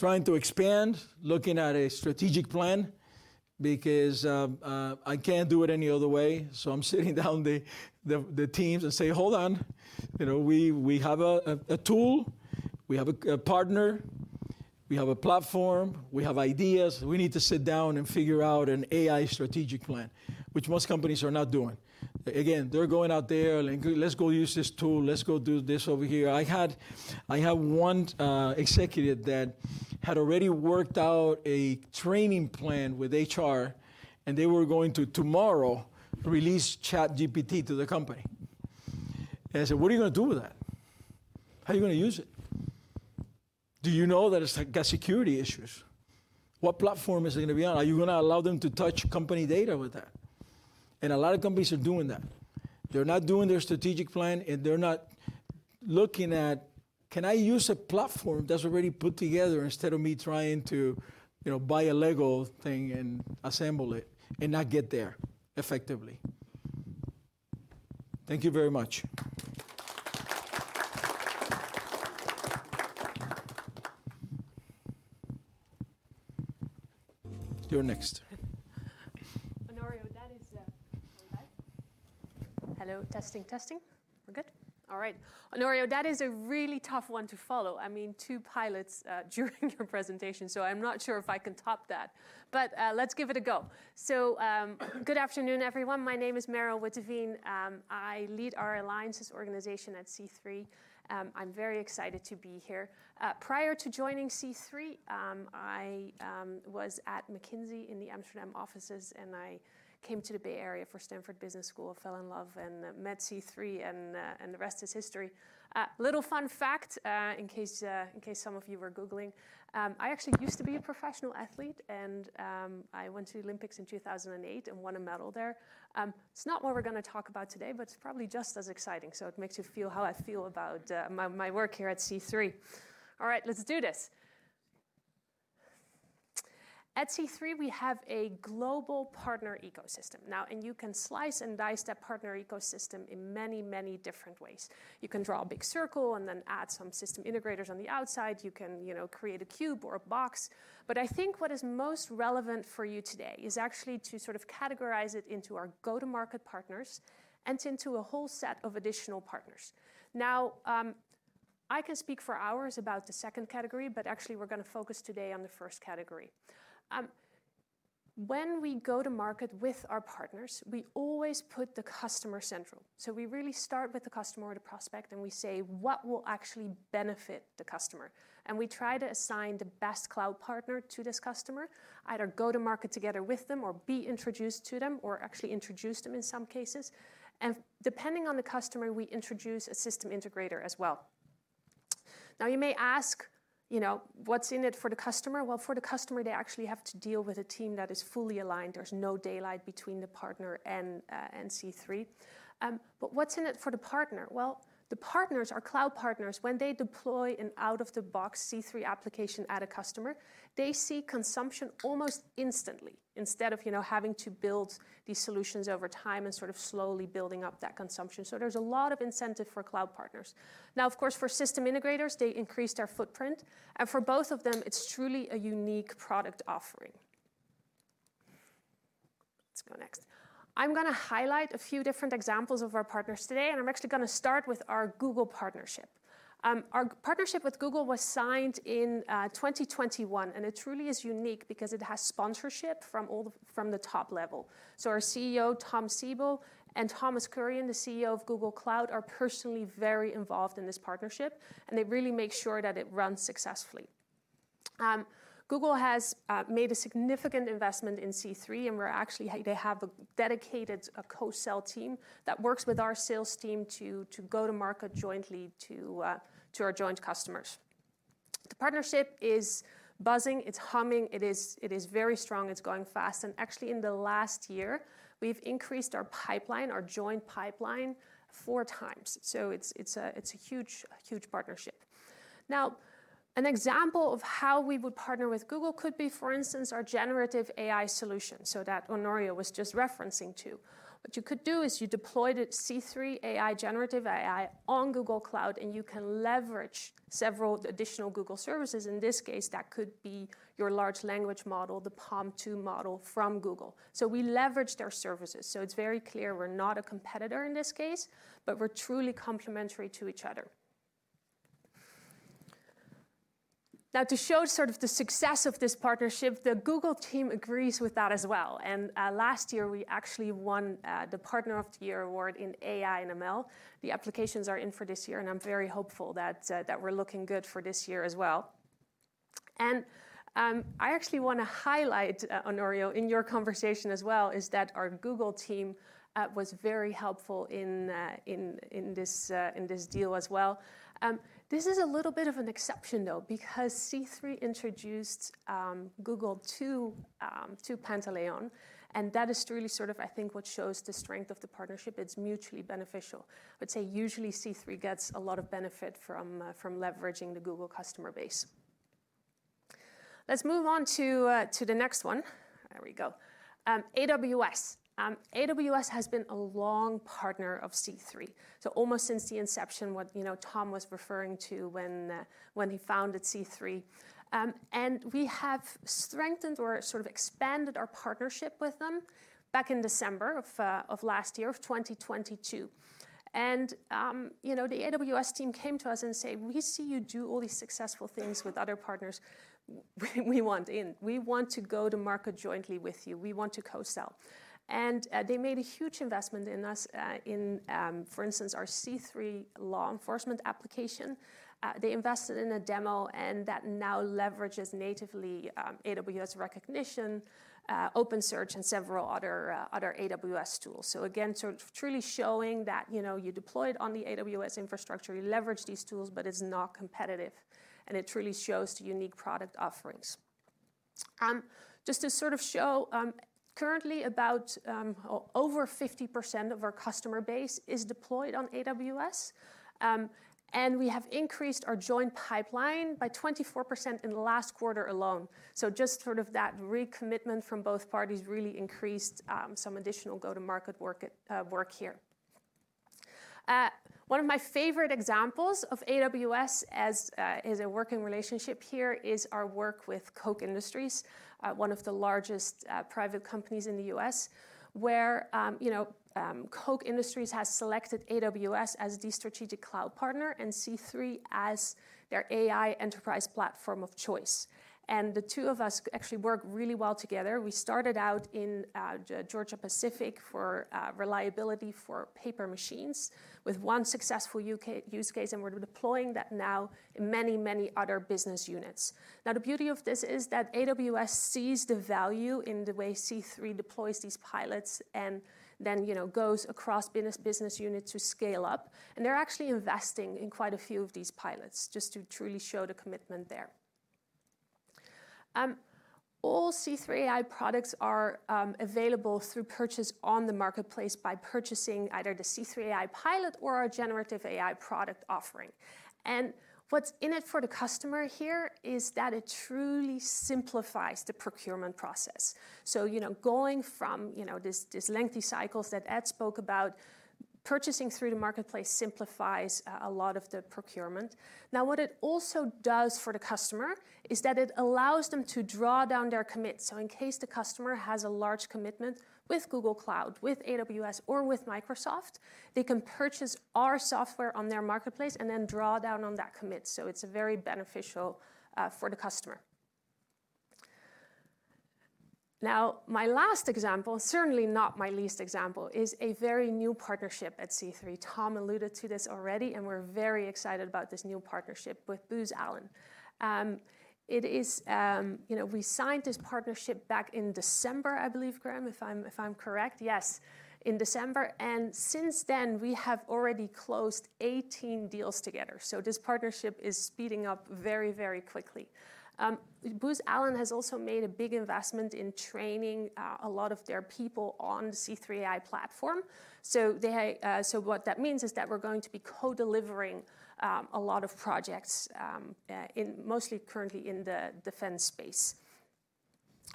Trying to expand, looking at a strategic plan because I can't do it any other way. I'm sitting down the teams and say, "Hold on, you know, we have a tool, we have a partner, we have a platform, we have ideas. We need to sit down and figure out an AI strategic plan," which most companies are not doing. Again, they're going out there, and, "Let's go use this tool. Let's go do this over here." I had one executive that had already worked out a training plan with HR, they were going to tomorrow release ChatGPT to the company. I said: "What are you gonna do with that? How are you gonna use it? Do you know that it's got security issues? What platform is it gonna be on? Are you gonna allow them to touch company data with that?" A lot of companies are doing that. They're not doing their strategic plan, they're not looking at, "Can I use a platform that's already put together, instead of me trying to, you know, buy a Lego thing and assemble it and not get there effectively?" Thank you very much. You're next. Honorio, that is. On the mic? Hello, testing. We're good? All right. Honorio, that is a really tough one to follow. I mean, two pilots during your presentation, I'm not sure if I can top that, let's give it a go. Good afternoon, everyone. My name is Merel Witteveen. I lead our alliances organization at C3. I'm very excited to be here. Prior to joining C3, I was at McKinsey in the Amsterdam offices, I came to the Bay Area for Stanford Graduate School of Business, fell in love and met C3, the rest is history. Little fun fact, in case some of you were googling, I actually used to be a professional athlete, I went to the Olympics in 2008 and won a medal there. It's not what we're going to talk about today, but it's probably just as exciting, so it makes you feel how I feel about my work here at C3. All right, let's do this. At C3, we have a global partner ecosystem. You can slice and dice that partner ecosystem in many, many different ways. You can draw a big circle and then add some system integrators on the outside. You can create a cube or a box. I think what is most relevant for you today is actually to sort of categorize it into our go-to-market partners and into a whole set of additional partners. I can speak for hours about the second category, but actually, we're gonna focus today on the first category. When we go to market with our partners, we always put the customer central. We really start with the customer or the prospect, and we say: What will actually benefit the customer? We try to assign the best cloud partner to this customer, either go to market together with them or be introduced to them, or actually introduce them in some cases. Depending on the customer, we introduce a system integrator as well. Now, you may ask, you know, "What's in it for the customer?" Well, for the customer, they actually have to deal with a team that is fully aligned. There's no daylight between the partner and C3. What's in it for the partner? Well, the partners, our cloud partners, when they deploy an out-of-the-box C3 application at a customer, they see consumption almost instantly, instead of, you know, having to build these solutions over time and sort of slowly building up that consumption. There's a lot of incentive for cloud partners. Now, of course, for system integrators, they increased our footprint, and for both of them, it's truly a unique product offering. Let's go next. I'm gonna highlight a few different examples of our partners today, and I'm actually gonna start with our Google partnership. Our partnership with Google was signed in 2021, and it truly is unique because it has sponsorship from the top level. Our CEO, Tom Siebel, and Thomas Kurian, the CEO of Google Cloud, are personally very involved in this partnership, and they really make sure that it runs successfully. Google has made a significant investment in C3 and they have a dedicated co-sell team that works with our sales team to go to market jointly to our joint customers. The partnership is buzzing, it's humming, it is very strong, it's going fast, and actually, in the last year, we've increased our pipeline, our joint pipeline, 4x. It's a huge partnership. An example of how we would partner with Google could be, for instance, our generative AI solution, so that Honorio was just referencing to. What you could do is you deployed a C3 AI, generative AI, on Google Cloud, and you can leverage several additional Google services. In this case, that could be your large language model, the PaLM 2 model from Google. We leveraged their services, so it's very clear we're not a competitor in this case, but we're truly complementary to each other. To show sort of the success of this partnership, the Google team agrees with that as well. Last year, we actually won the Partner of the Year award in AI and ML. The applications are in for this year, and I'm very hopeful that we're looking good for this year as well. I actually wanna highlight, Honorio, in your conversation as well, is that our Google team was very helpful in this deal as well. This is a little bit of an exception, though, because C3 introduced Google to Pantaleon, and that is truly sort of, I think, what shows the strength of the partnership. It's mutually beneficial. I'd say usually C3 gets a lot of benefit from leveraging the Google customer base. Let's move on to the next one. There we go. AWS. AWS has been a long partner of C3, so almost since the inception, you know, Tom was referring to when he founded C3.ai. We have strengthened or sort of expanded our partnership with them back in December of last year, of 2022. You know, the AWS team came to us and said: "We see you do all these successful things with other partners. We want in. We want to go to market jointly with you. We want to co-sell." They made a huge investment in us, in, for instance, our C3 Law Enforcement application. They invested in a demo, and that now leverages natively, Amazon Rekognition, OpenSearch, and several other AWS tools. Again, truly showing that, you know, you deploy it on the AWS infrastructure, you leverage these tools, but it's not competitive, and it truly shows the unique product offerings. Currently about over 50% of our customer base is deployed on AWS, and we have increased our joint pipeline by 24% in the last quarter alone. That recommitment from both parties really increased some additional go-to-market work here. One of my favorite examples of AWS as a working relationship here is our work with Koch Industries, one of the largest private companies in the U.S., where, you know, Koch Industries has selected AWS as the strategic cloud partner and C3 as their AI enterprise platform of choice. The two of us actually work really well together. We started out in Georgia-Pacific for reliability for paper machines, with one successful use case, and we're deploying that now in many, many other business units. The beauty of this is that AWS sees the value in the way C3 deploys these pilots and then, you know, goes across business units to scale up. They're actually investing in quite a few of these pilots, just to truly show the commitment there. All C3 AI products are available through purchase on the marketplace by purchasing either the C3 AI pilot or our Generative AI product offering. What's in it for the customer here is that it truly simplifies the procurement process. You know, going from, you know, this, these lengthy cycles that Ed spoke about, purchasing through the marketplace simplifies a lot of the procurement. What it also does for the customer is that it allows them to draw down their commits. In case the customer has a large commitment with Google Cloud, with AWS, or with Microsoft, they can purchase our software on their marketplace and then draw down on that commit. It's very beneficial for the customer. My last example, certainly not my least example, is a very new partnership at C3. Tom alluded to this already, and we're very excited about this new partnership with Booz Allen. It is, you know, we signed this partnership back in December, I believe, Graham, if I'm correct? Yes, in December. Since then, we have already closed 18 deals together, so this partnership is speeding up very, very quickly. Booz Allen has also made a big investment in training a lot of their people on the C3 AI Platform. So what that means is that we're going to be co-delivering a lot of projects in mostly currently in the defense space.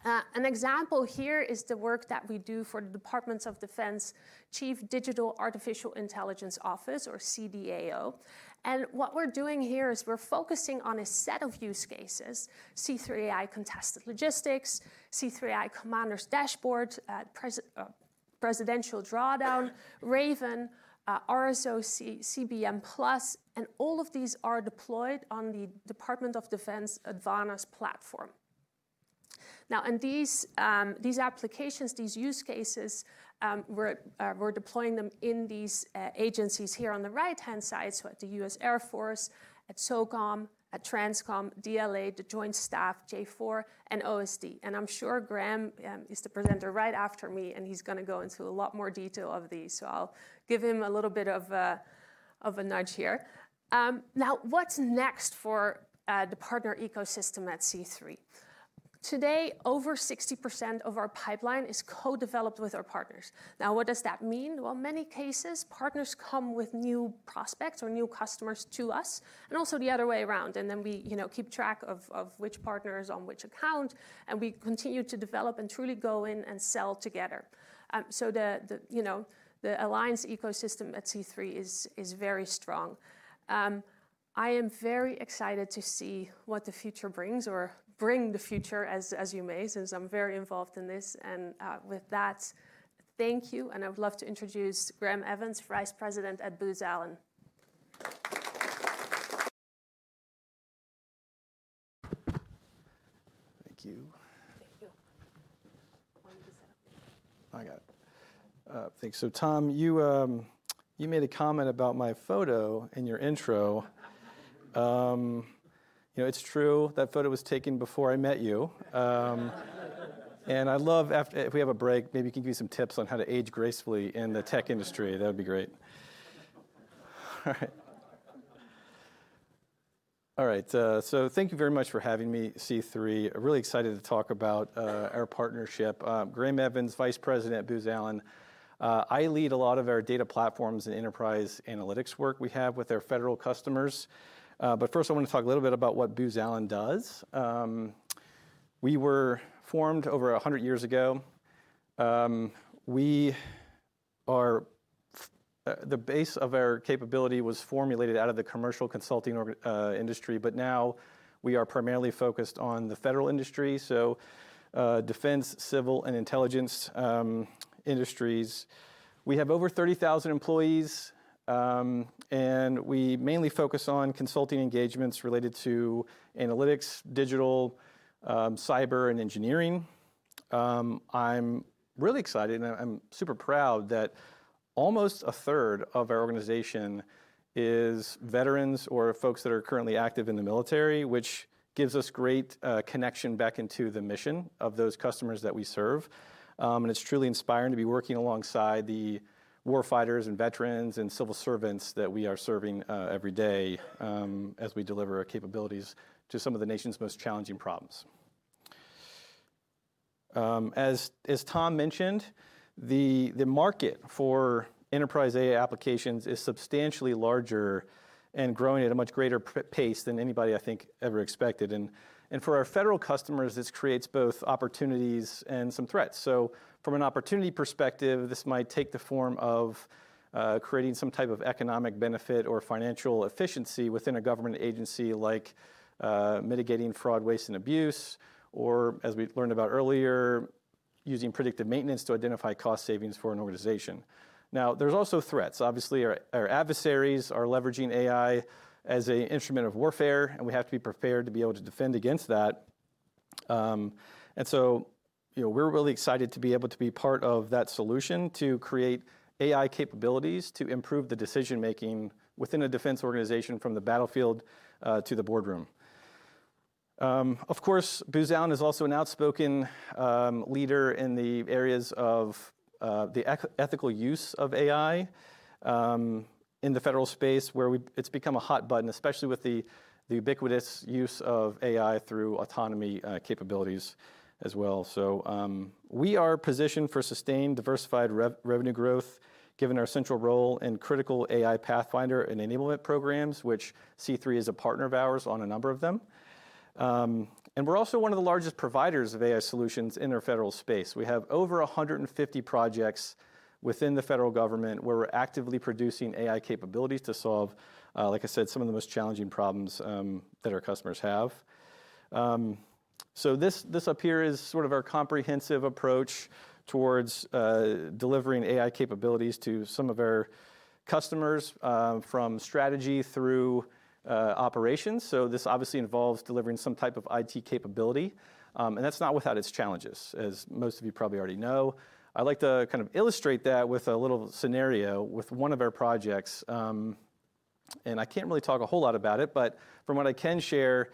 An example here is the work that we do for the Department of Defense Chief Digital Artificial Intelligence Office, or CDAO. What we're doing here is we're focusing on a set of use cases, C3 AI Contested Logistics, C3 AI Commander's Dashboard, Presidential Drawdown, RAVEN, RSOC CBM+, and all of these are deployed on the Department of Defense Advana platform. In these applications, these use cases, we're deploying them in these agencies here on the right-hand side, so at the US Air Force, at SOCOM, at TRANSCOM, DLA, the Joint Staff, J4, and OSD. I'm sure Graham is the presenter right after me, and he's gonna go into a lot more detail of these, so I'll give him a little bit of a nudge here. What's next for the partner ecosystem at C3 AI? Today, over 60% of our pipeline is co-developed with our partners. What does that mean? Well, in many cases, partners come with new prospects or new customers to us, and also the other way around, and then we, you know, keep track of which partner is on which account, and we continue to develop and truly go in and sell together. The, you know, the alliance ecosystem at C3 is very strong. I am very excited to see what the future brings or bring the future, as you may, since I'm very involved in this. Thank you. I would love to introduce Graham Evans, Vice President at Booz Allen. Thank you. Thank you. Why don't you sit down? I got it. Thanks. Tom, you made a comment about my photo in your intro. You know, it's true, that photo was taken before I met you. And I'd love if we have a break, maybe you can give me some tips on how to age gracefully in the tech industry. That'd be great. All right, thank you very much for having me, C3 I'm really excited to talk about our partnership. Graham Evans, Vice President at Booz Allen. I lead a lot of our data platforms and enterprise analytics work we have with our federal customers. First, I want to talk a little bit about what Booz Allen does. We were formed over 100 years ago. We are the base of our capability was formulated out of the commercial consulting org industry. Now we are primarily focused on the federal industry, so defense, civil, and intelligence industries. We have over 30,000 employees, and we mainly focus on consulting engagements related to analytics, digital, cyber, and engineering. I'm really excited, and I'm super proud that almost a third of our organization is veterans or folks that are currently active in the military, which gives us great connection back into the mission of those customers that we serve. It's truly inspiring to be working alongside the war fighters, and veterans, and civil servants that we are serving every day, as we deliver our capabilities to some of the nation's most challenging problems. As Tom mentioned, the market for enterprise AI applications is substantially larger and growing at a much greater pace than anybody, I think, ever expected. For our federal customers, this creates both opportunities and some threats. From an opportunity perspective, this might take the form of creating some type of economic benefit or financial efficiency within a government agency, like mitigating fraud, waste, and abuse, or, as we learned about earlier, using predictive maintenance to identify cost savings for an organization. Now, there's also threats. Obviously, our adversaries are leveraging AI as a instrument of warfare, and we have to be prepared to be able to defend against that. You know, we're really excited to be able to be part of that solution, to create AI capabilities to improve the decision making within a defense organization from the battlefield, to the boardroom. Of course, Booz Allen is also an outspoken, leader in the areas of the ethical use of AI, in the federal space, where it's become a hot button, especially with the ubiquitous use of AI through autonomy, capabilities as well. We are positioned for sustained, diversified revenue growth, given our central role in critical AI pathfinder and enablement programs, which C3 is a partner of ours on a number of them. We're also one of the largest providers of AI solutions in the federal space. We have over 150 projects within the federal government, where we're actively producing AI capabilities to solve, like I said, some of the most challenging problems that our customers have. This, this up here is sort of our comprehensive approach towards delivering AI capabilities to some of our customers, from strategy through operations. This obviously involves delivering some type of IT capability, and that's not without its challenges, as most of you probably already know. I'd like to kind of illustrate that with a little scenario with one of our projects. I can't really talk a whole lot about it, but from what I can share,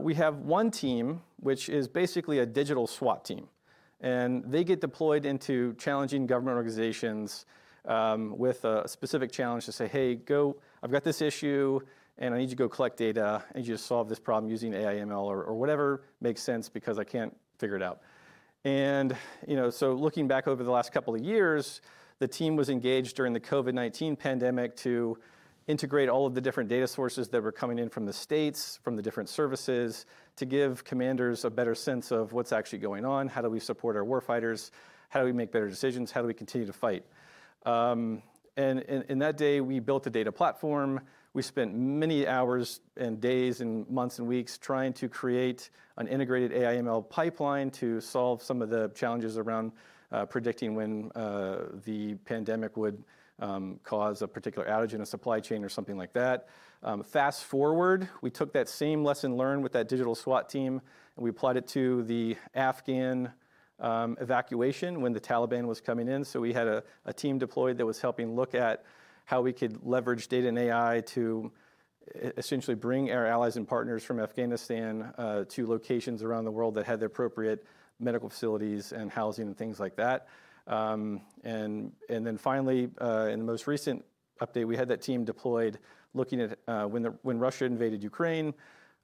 we have one team, which is basically a digital SWAT team, and they get deployed into challenging government organizations, with a specific challenge to say, "Hey, go... I've got this issue, and I need you to go collect data. I need you to solve this problem using AI, ML, or whatever makes sense, because I can't figure it out." You know, so looking back over the last couple of years, the team was engaged during the COVID-19 pandemic to integrate all of the different data sources that were coming in from the states, from the different services, to give commanders a better sense of what's actually going on, how do we support our war fighters, how do we make better decisions, how do we continue to fight? In that day, we built a data platform. We spent many hours, and days, and months, and weeks trying to create an integrated AI, ML pipeline to solve some of the challenges around predicting when the pandemic would cause a particular outage in a supply chain or something like that. Fast-forward, we took that same lesson learned with that digital SWAT team, and we applied it to the Afghan evacuation when the Taliban was coming in. We had a team deployed that was helping look at how we could leverage data and AI to essentially bring our allies and partners from Afghanistan to locations around the world that had the appropriate medical facilities and housing and things like that. Then finally, in the most recent update, we had that team deployed looking at, when Russia invaded Ukraine,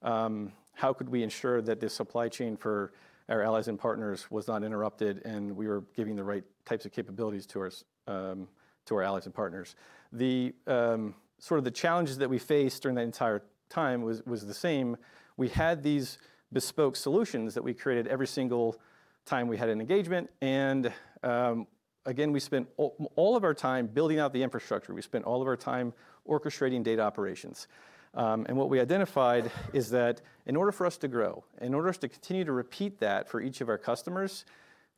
how could we ensure that the supply chain for our allies and partners was not interrupted, and we were giving the right types of capabilities to our allies and partners? The sort of the challenges that we faced during that entire time was the same. We had these bespoke solutions that we created every single time we had an engagement, and again, we spent all of our time building out the infrastructure. We spent all of our time orchestrating data operations. What we identified is that in order for us to grow, in order for us to continue to repeat that for each of our customers,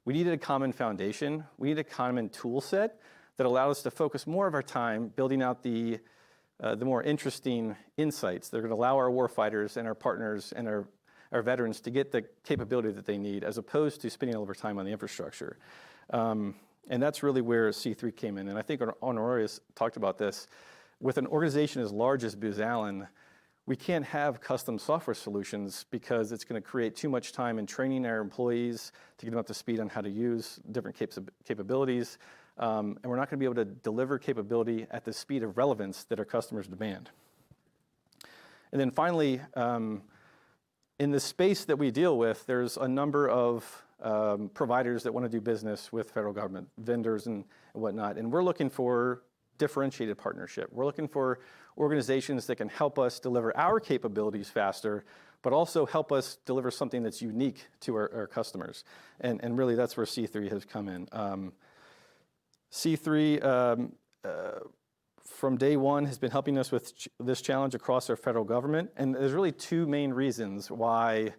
we needed a common foundation. We need a common tool set that allowed us to focus more of our time building out the more interesting insights that are gonna allow our war fighters and our partners and our veterans to get the capability that they need, as opposed to spending all of our time on the infrastructure. That's really where C3 came in, and I think Honorio talked about this. With an organization as large as Booz Allen, we can't have custom software solutions because it's gonna create too much time in training our employees to get them up to speed on how to use different capabilities, and we're not gonna be able to deliver capability at the speed of relevance that our customers demand. Finally, in the space that we deal with, there's a number of providers that wanna do business with federal government, vendors and whatnot. We're looking for differentiated partnership. We're looking for organizations that can help us deliver our capabilities faster, but also help us deliver something that's unique to our customers. Really, that's where C3 has come in. C3, from day one, has been helping us with this challenge across our federal government. There's really two main reasons why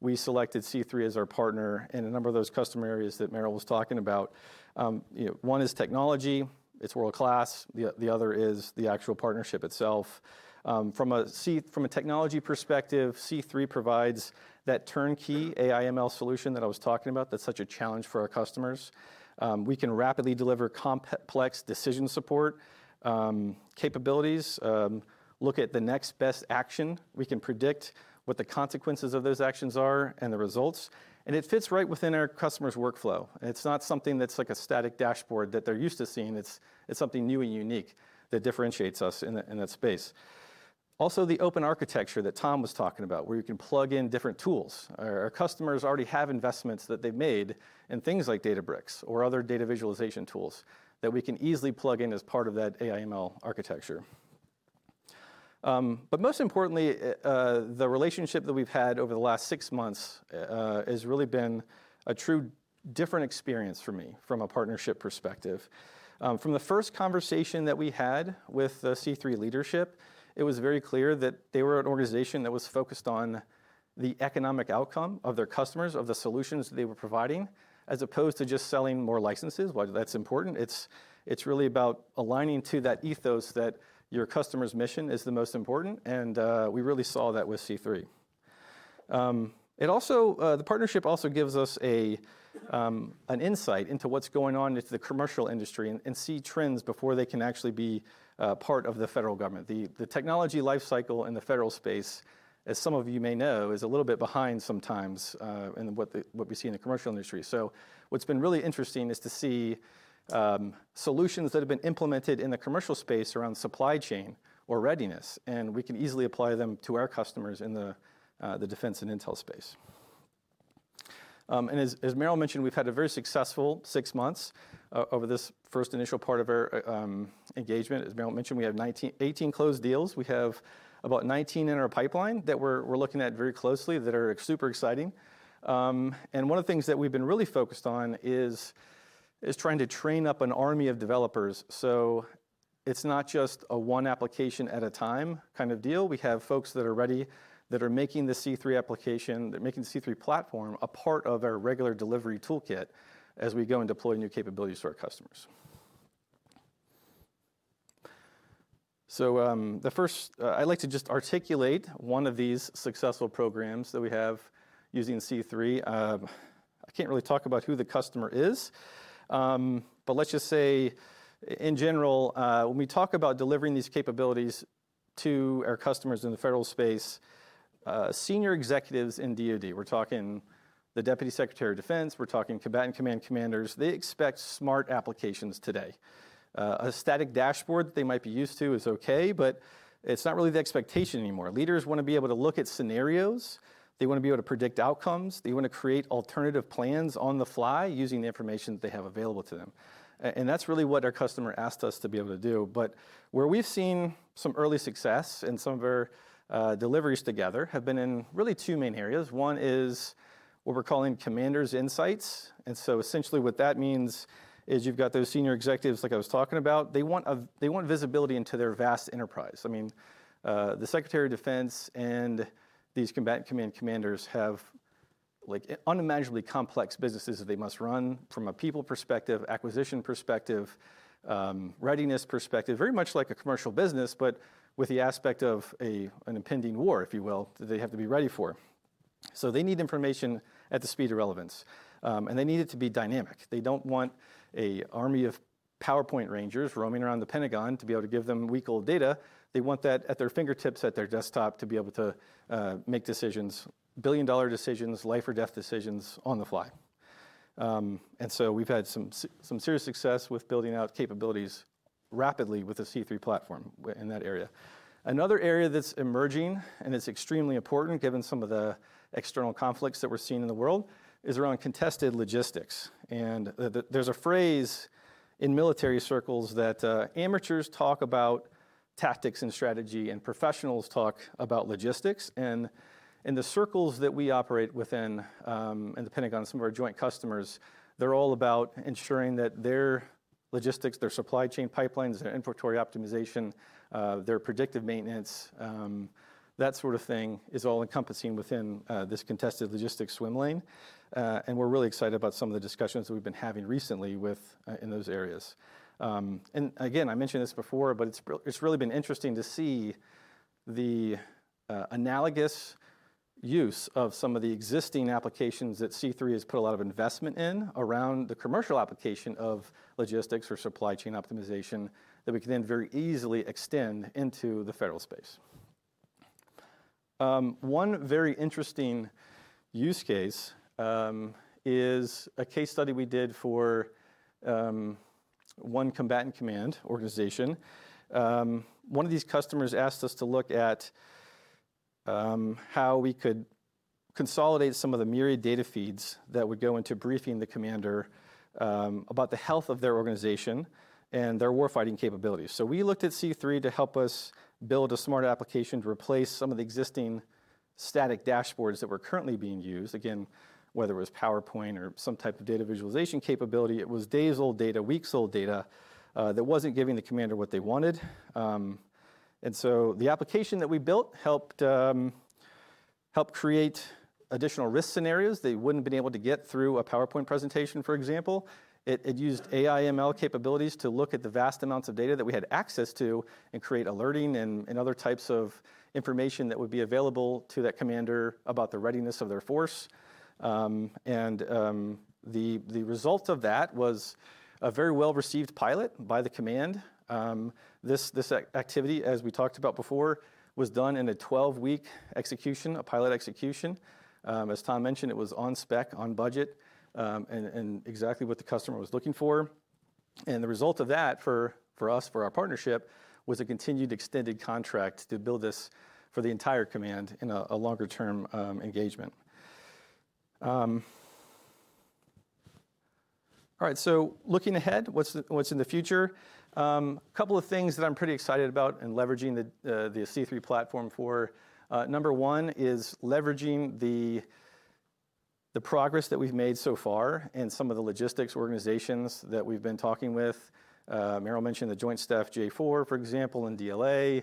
we selected C3 as our partner in a number of those customer areas that Merel was talking about. You know, one is technology. It's world-class. The other is the actual partnership itself. From a technology perspective, C3 provides that turnkey AI/ML solution that I was talking about, that's such a challenge for our customers. We can rapidly deliver complex decision support, capabilities, look at the next best action. We can predict what the consequences of those actions are and the results, it fits right within our customer's workflow. It's not something that's like a static dashboard that they're used to seeing. It's something new and unique that differentiates us in that space. Also, the open architecture that Tom was talking about, where you can plug in different tools. Our customers already have investments that they've made in things like Databricks or other data visualization tools that we can easily plug in as part of that AI/ML architecture. Most importantly, the relationship that we've had over the last six months has really been a true different experience for me from a partnership perspective. From the first conversation that we had with the C3 leadership, it was very clear that they were an organization that was focused on the economic outcome of their customers, of the solutions they were providing, as opposed to just selling more licenses. While that's important, it's really about aligning to that ethos that your customer's mission is the most important, and we really saw that with C3. The partnership also gives us an insight into what's going on with the commercial industry and see trends before they can actually be part of the federal government. The technology life cycle in the federal space, as some of you may know, is a little bit behind sometimes, in what we see in the commercial industry. What's been really interesting is to see solutions that have been implemented in the commercial space around supply chain or readiness, and we can easily apply them to our customers in the defense and intel space. As Merel mentioned, we've had a very successful six months over this first initial part of our engagement. As Merel mentioned, we have 18 closed deals. We have about 19 in our pipeline that we're looking at very closely, that are super exciting. One of the things that we've been really focused on is trying to train up an army of developers, so it's not just a one application at a time kind of deal. We have folks that are ready, that are making the C3 application, they're making the C3 platform a part of our regular delivery toolkit as we go and deploy new capabilities to our customers. The first, I'd like to just articulate one of these successful programs that we have using C3. I can't really talk about who the customer is, but let's just say in general, when we talk about delivering these capabilities to our customers in the federal space, senior executives in DoD, we're talking the Deputy Secretary of Defense, we're talking combatant command commanders, they expect smart applications today. A static dashboard they might be used to is okay, but it's not really the expectation anymore. Leaders wanna be able to look at scenarios. They wanna be able to predict outcomes. They wanna create alternative plans on the fly using the information that they have available to them. That's really what our customer asked us to be able to do. Where we've seen some early success in some of our deliveries together have been in really two main areas. One is what we're calling Commander's Insights. Essentially what that means is you've got those senior executives like I was talking about. They want visibility into their vast enterprise. I mean, the Secretary of Defense and these combatant command commanders have, like, unimaginably complex businesses that they must run from a people perspective, acquisition perspective, readiness perspective, very much like a commercial business, but with the aspect of an impending war, if you will, that they have to be ready for. They need information at the speed of relevance, and they need it to be dynamic. They don't want an army of PowerPoint rangers roaming around the Pentagon to be able to give them week-old data. They want that at their fingertips, at their desktop, to be able to make decisions, billion-dollar decisions, life or death decisions, on the fly. We've had some serious success with building out capabilities rapidly with the C3 platform in that area. Another area that's emerging, it's extremely important, given some of the external conflicts that we're seeing in the world, is around contested logistics. There's a phrase in military circles that amateurs talk about tactics and strategy, and professionals talk about logistics. In the circles that we operate within, in the Pentagon, some of our joint customers, they're all about ensuring that their logistics, their supply chain pipelines, their inventory optimization, their predictive maintenance, that sort of thing is all-encompassing within this contested logistics swim lane. We're really excited about some of the discussions we've been having recently with in those areas. Again, I mentioned this before, but it's really been interesting to see the analogous use of some of the existing applications that C3 has put a lot of investment in around the commercial application of logistics or supply chain optimization that we can then very easily extend into the federal space. One very interesting use case is a case study we did for one combatant command organization. One of these customers asked us to look at how we could consolidate some of the myriad data feeds that would go into briefing the commander about the health of their organization and their warfighting capabilities. We looked at C3 to help us build a smart application to replace some of the existing static dashboards that were currently being used. Again, whether it was PowerPoint or some type of data visualization capability, it was days-old data, weeks-old data, that wasn't giving the commander what they wanted. The application that we built helped create additional risk scenarios they wouldn't have been able to get through a PowerPoint presentation, for example. It used AI/ML capabilities to look at the vast amounts of data that we had access to and create alerting and other types of information that would be available to that commander about the readiness of their force. The result of that was a very well-received pilot by the command. This activity, as we talked about before, was done in a 12-week execution, a pilot execution. As Tom mentioned, it was on spec, on budget, and exactly what the customer was looking for. The result of that, for us, for our partnership, was a continued extended contract to build this for the entire command in a longer-term engagement. All right, looking ahead, what's in the future? A couple of things that I'm pretty excited about in leveraging the C3 platform for, number one is leveraging the progress that we've made so far in some of the logistics organizations that we've been talking with. Merel mentioned the Joint Staff J4, for example, and DLA.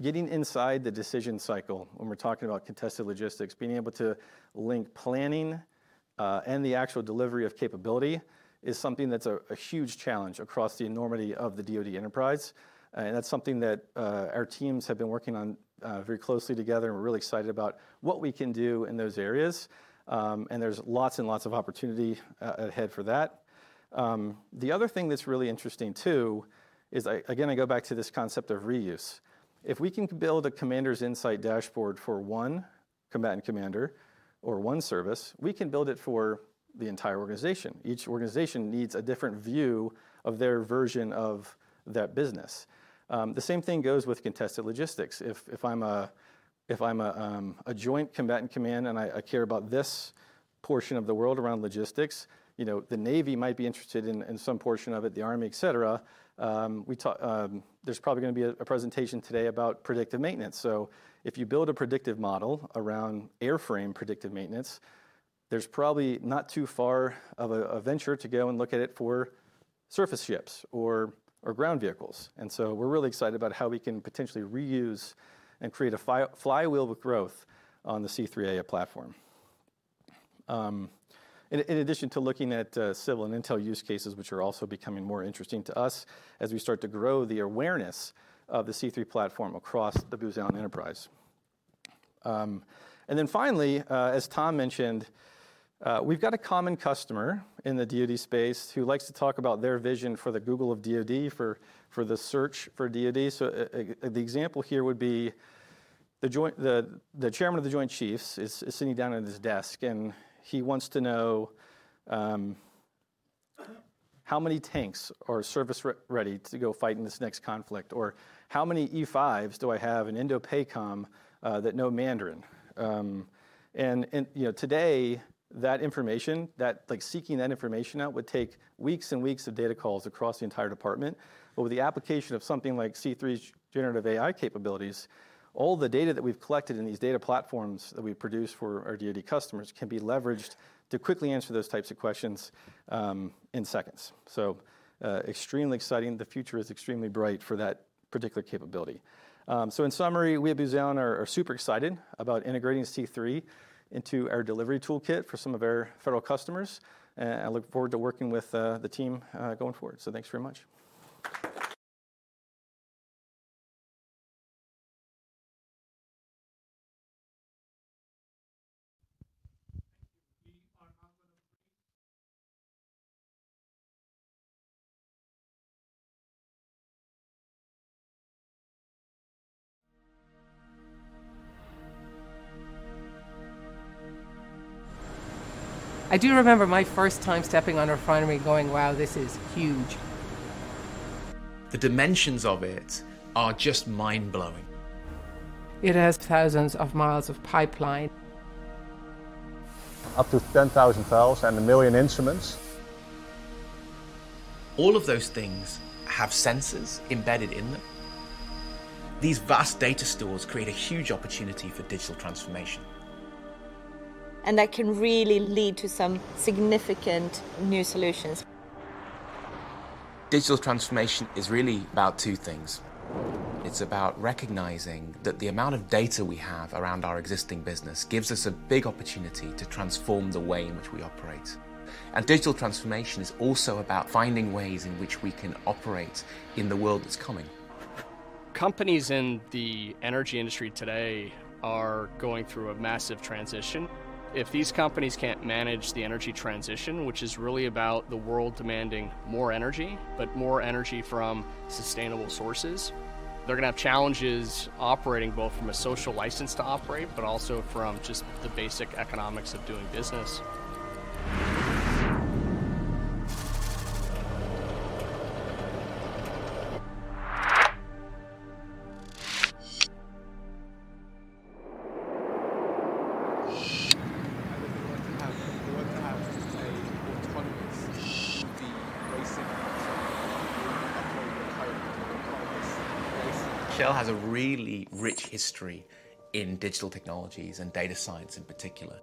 Getting inside the decision cycle when we're talking about contested logistics, being able to link planning and the actual delivery of capability is something that's a huge challenge across the enormity of the DoD enterprise. That's something that our teams have been working on very closely together, and we're really excited about what we can do in those areas. There's lots and lots of opportunity ahead for that. The other thing that's really interesting, too, is I again go back to this concept of reuse. If we can build a Commander's Insight Dashboard for one combatant commander or one service, we can build it for the entire organization. Each organization needs a different view of their version of that business. The same thing goes with contested logistics. If I'm a joint combatant command, and I care about this portion of the world around logistics, you know, the Navy might be interested in some portion of it, the Army, et cetera. We talk. There's probably gonna be a presentation today about predictive maintenance. If you build a predictive model around airframe predictive maintenance, there's probably not too far of a venture to go and look at it for surface ships or ground vehicles. We're really excited about how we can potentially reuse and create a flywheel with growth on the C3 AI Platform. In addition to looking at civil and intel use cases, which are also becoming more interesting to us as we start to grow the awareness of the C3 Platform across the Booz Allen enterprise. Finally, as Tom mentioned, we've got a common customer in the DoD space who likes to talk about their vision for the Google of DoD, for the search for DoD. The example here would be the Chairman of the Joint Chiefs is sitting down at his desk, and he wants to know, how many tanks are service ready to go fight in this next conflict, or how many E5s do I have in INDOPACOM, that know Mandarin? You know, today, that information, that, like, seeking that information out would take weeks and weeks of data calls across the entire department. With the application of something like C3's generative AI capabilities, all the data that we've collected in these data platforms that we produce for our DoD customers can be leveraged to quickly answer those types of questions in seconds. Extremely exciting. The future is extremely bright for that particular capability. In summary, we at Booz Allen are super excited about integrating C3 into our delivery toolkit for some of our federal customers, and I look forward to working with the team going forward. Thanks very much. Thank you. We are after the break. I do remember my first time stepping on a refinery, going, "Wow, this is huge! The dimensions of it are just mind-blowing. It has thousands of miles of pipeline. Up to 10,000 valves and 1 million instruments. All of those things have sensors embedded in them. These vast data stores create a huge opportunity for digital transformation. That can really lead to some significant new solutions. Digital transformation is really about two things. It's about recognizing that the amount of data we have around our existing business gives us a big opportunity to transform the way in which we operate. Digital transformation is also about finding ways in which we can operate in the world that's coming. Companies in the energy industry today are going through a massive transition. If these companies can't manage the energy transition, which is really about the world demanding more energy, but more energy from sustainable sources, they're gonna have challenges operating, both from a social license to operate, but also from just the basic economics of doing business. We want to have an autonomous 3D racing game. We play at home on this. Shell has a really rich history in digital technologies, and data science in particular.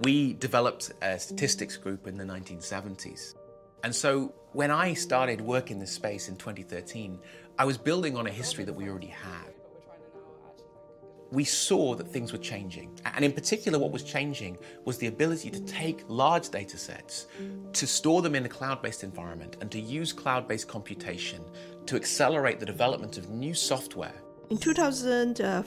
We developed a statistics group in the 1970s, and so when I started work in this space in 2013, I was building on a history that we already had. We saw that things were changing, and in particular, what was changing was the ability to take large data sets, to store them in a cloud-based environment, and to use cloud-based computation to accelerate the development of new software. In 2015,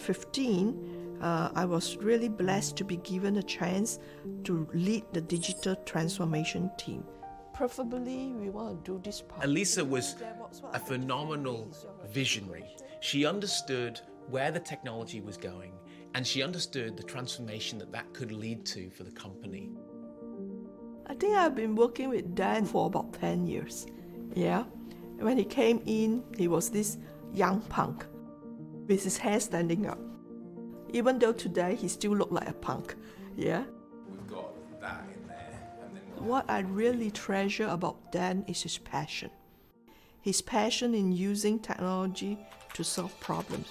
I was really blessed to be given a chance to lead the digital transformation team. Preferably, we want to do this part- Elisa was a phenomenal visionary. She understood where the technology was going, and she understood the transformation that that could lead to for the company. I think I've been working with Dan for about 10 years. Yeah. When he came in, he was this young punk with his hair standing up. Even though today he still look like a punk, yeah? We've got that in there, and then. What I really treasure about Dan is his passion in using technology to solve problems.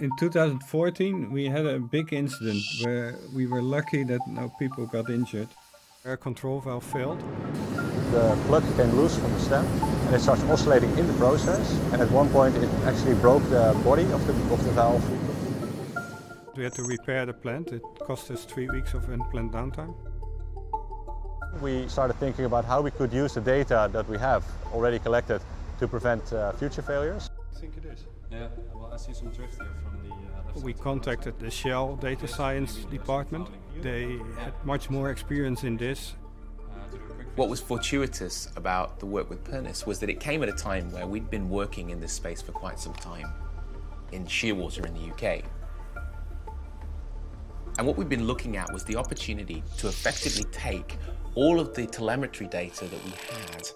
In 2014, we had a big incident where we were lucky that no people got injured. Our control valve failed. The plug came loose from the stem, and it started oscillating in the process, and at one point, it actually broke the body of the valve. We had to repair the plant. It cost us three weeks of in-plant downtime. We started thinking about how we could use the data that we have already collected to prevent future failures. I think it is. Yeah, well, I see some drips there from the, left side- We contacted the Shell data science department. They had much more experience in this. What was fortuitous about the work with Pernis was that it came at a time where we'd been working in this space for quite some time, in Shearwater in the U.K. What we'd been looking at was the opportunity to effectively take all of the telemetry data that we had,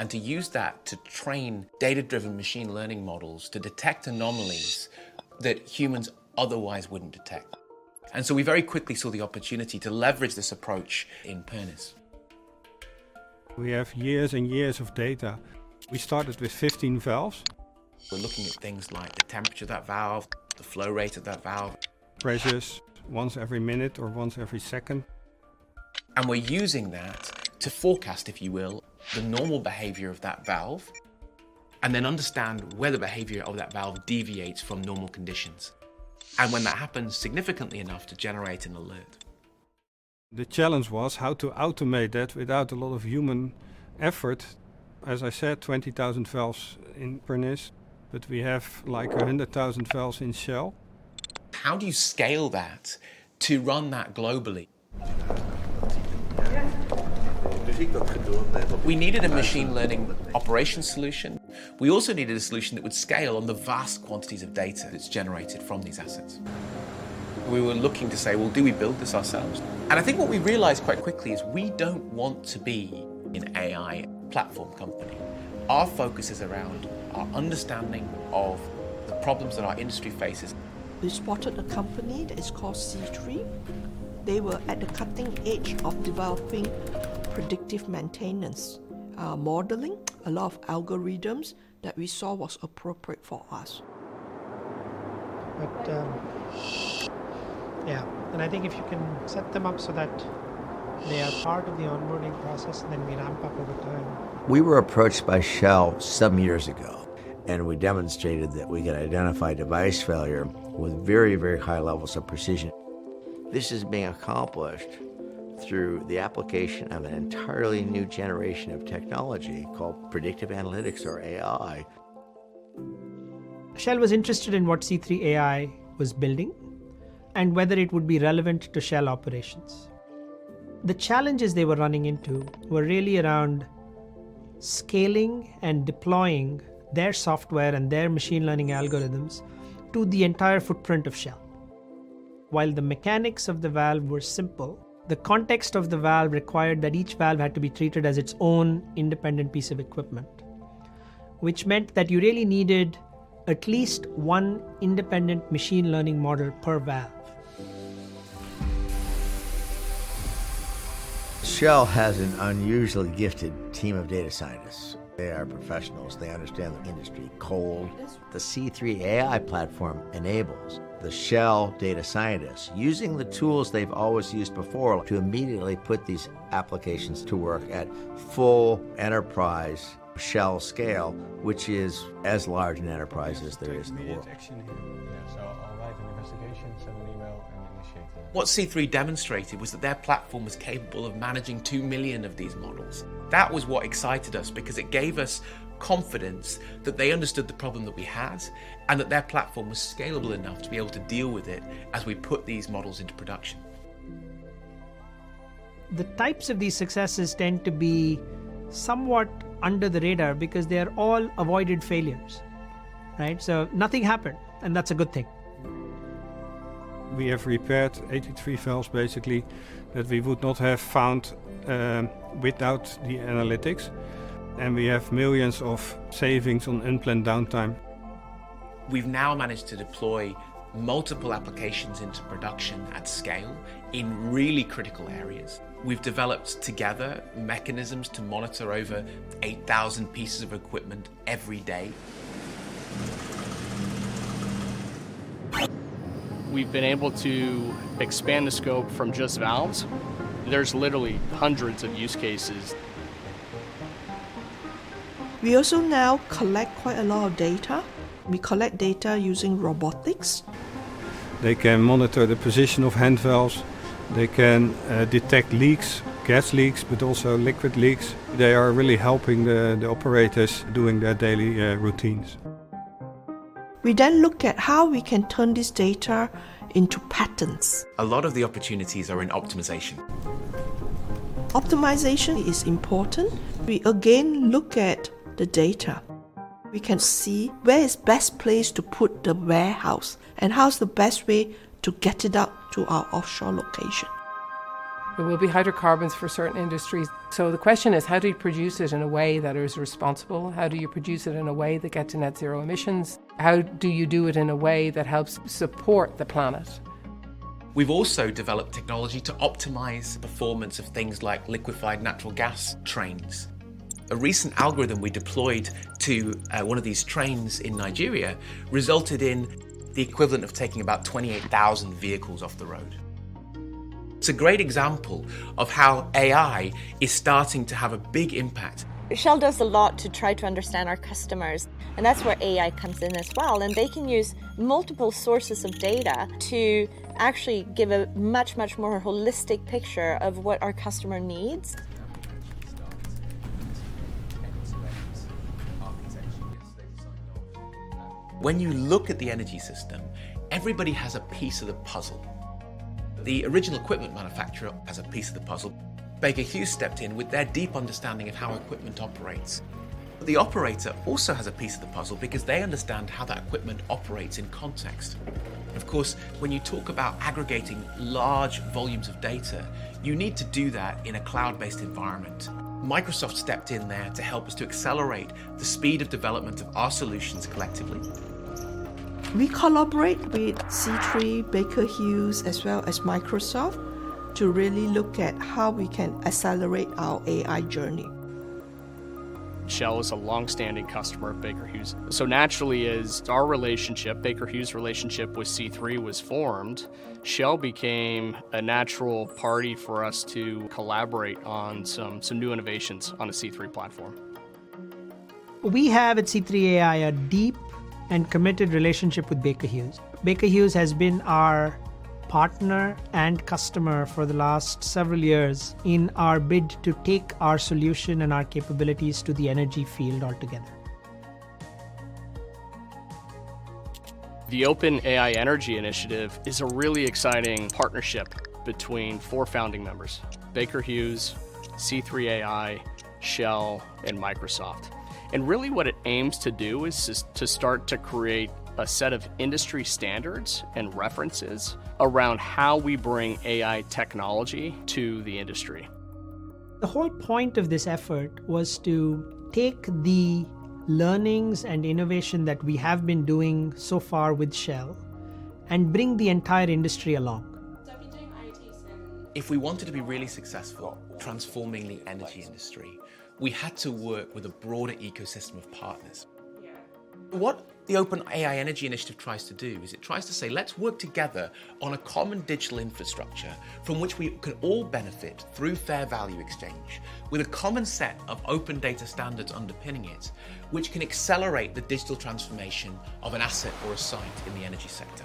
and to use that to train data-driven machine learning models to detect anomalies that humans otherwise wouldn't detect. We very quickly saw the opportunity to leverage this approach in Pernis. We have years and years of data. We started with 15 valves. We're looking at things like the temperature of that valve, the flow rate of that valve... Pressures once every minute or once every second. We're using that to forecast, if you will, the normal behavior of that valve, and then understand where the behavior of that valve deviates from normal conditions, and when that happens significantly enough to generate an alert. The challenge was how to automate that without a lot of human effort. As I said, 20,000 valves in Pernis, but we have, like, 100,000 valves in Shell. How do you scale that to run that globally? I think what we do. We needed a machine learning operation solution. We also needed a solution that would scale on the vast quantities of data that's generated from these assets. We were looking to say, "Well, do we build this ourselves?" I think what we realized quite quickly is we don't want to be an AI platform company. Our focus is around our understanding of the problems that our industry faces. We spotted a company that is called C3. They were at the cutting edge of developing predictive maintenance, modeling, a lot of algorithms that we saw was appropriate for us. Yeah, I think if you can set them up so that they are part of the onboarding process, then we ramp up over time. We were approached by Shell some years ago. We demonstrated that we could identify device failure with very, very high levels of precision. This is being accomplished through the application of an entirely new generation of technology called predictive analytics, or AI. Shell was interested in what C3 AI was building, and whether it would be relevant to Shell operations. The challenges they were running into were really around scaling and deploying their software and their machine learning algorithms to the entire footprint of Shell. While the mechanics of the valve were simple, the context of the valve required that each valve had to be treated as its own independent piece of equipment, which meant that you really needed at least one independent machine learning model per valve. Shell has an unusually gifted team of data scientists. They are professionals. They understand the industry cold. The C3 AI Platform enables the Shell data scientists, using the tools they've always used before, to immediately put these applications to work at full enterprise Shell scale, which is as large an enterprise as there is in the world. I'll write an investigation, send an email, and initiate it. What C3 demonstrated was that their platform was capable of managing 2 million of these models. That was what excited us, because it gave us confidence that they understood the problem that we had, and that their platform was scalable enough to be able to deal with it as we put these models into production. The types of these successes tend to be somewhat under the radar, because they are all avoided failures, right? Nothing happened, and that's a good thing. We have repaired 83 valves, basically, that we would not have found without the analytics, and we have millions of savings on unplanned downtime. We've now managed to deploy multiple applications into production at scale in really critical areas. We've developed, together, mechanisms to monitor over 8,000 pieces of equipment every day. We've been able to expand the scope from just valves. There's literally hundreds of use cases. We also now collect quite a lot of data. We collect data using robotics. They can monitor the position of hand valves. They can detect leaks, gas leaks, but also liquid leaks. They are really helping the operators doing their daily routines. We look at how we can turn this data into patterns. A lot of the opportunities are in optimization. Optimization is important. We again look at the data. We can see where is best place to put the warehouse, and how is the best way to get it out to our offshore location. There will be hydrocarbons for certain industries. The question is, how do you produce it in a way that is responsible? How do you produce it in a way that gets to net zero emissions? How do you do it in a way that helps support the planet? We've also developed technology to optimize performance of things like liquefied natural gas trains. A recent algorithm we deployed to one of these trains in Nigeria resulted in the equivalent of taking about 28,000 vehicles off the road. It's a great example of how AI is starting to have a big impact. Shell does a lot to try to understand our customers. That's where AI comes in as well. They can use multiple sources of data to actually give a much, much more holistic picture of what our customer needs. When you look at the energy system, everybody has a piece of the puzzle. The original equipment manufacturer has a piece of the puzzle. Baker Hughes stepped in with their deep understanding of how equipment operates. The operator also has a piece of the puzzle, because they understand how that equipment operates in context. Of course, when you talk about aggregating large volumes of data, you need to do that in a cloud-based environment. Microsoft stepped in there to help us to accelerate the speed of development of our solutions collectively. We collaborate with C3, Baker Hughes, as well as Microsoft, to really look at how we can accelerate our AI journey. Shell is a long-standing customer of Baker Hughes, naturally as Baker Hughes' relationship with C3 was formed, Shell became a natural party for us to collaborate on some new innovations on the C3 Platform. We have, at C3 AI, a deep and committed relationship with Baker Hughes. Baker Hughes has been our partner and customer for the last several years in our bid to take our solution and our capabilities to the energy field altogether. The Open AI Energy Initiative is a really exciting partnership between four founding members: Baker Hughes, C3 AI, Shell, and Microsoft. Really, what it aims to do is just to start to create a set of industry standards and references around how we bring AI technology to the industry. The whole point of this effort was to take the learnings and innovation that we have been doing so far with Shell and bring the entire industry along. I've been doing IT. If we wanted to be really successful transforming the energy industry, we had to work with a broader ecosystem of partners. What the Open AI Energy Initiative tries to do is it tries to say, "Let's work together on a common digital infrastructure from which we can all benefit through fair value exchange, with a common set of open data standards underpinning it, which can accelerate the digital transformation of an asset or a site in the energy sector.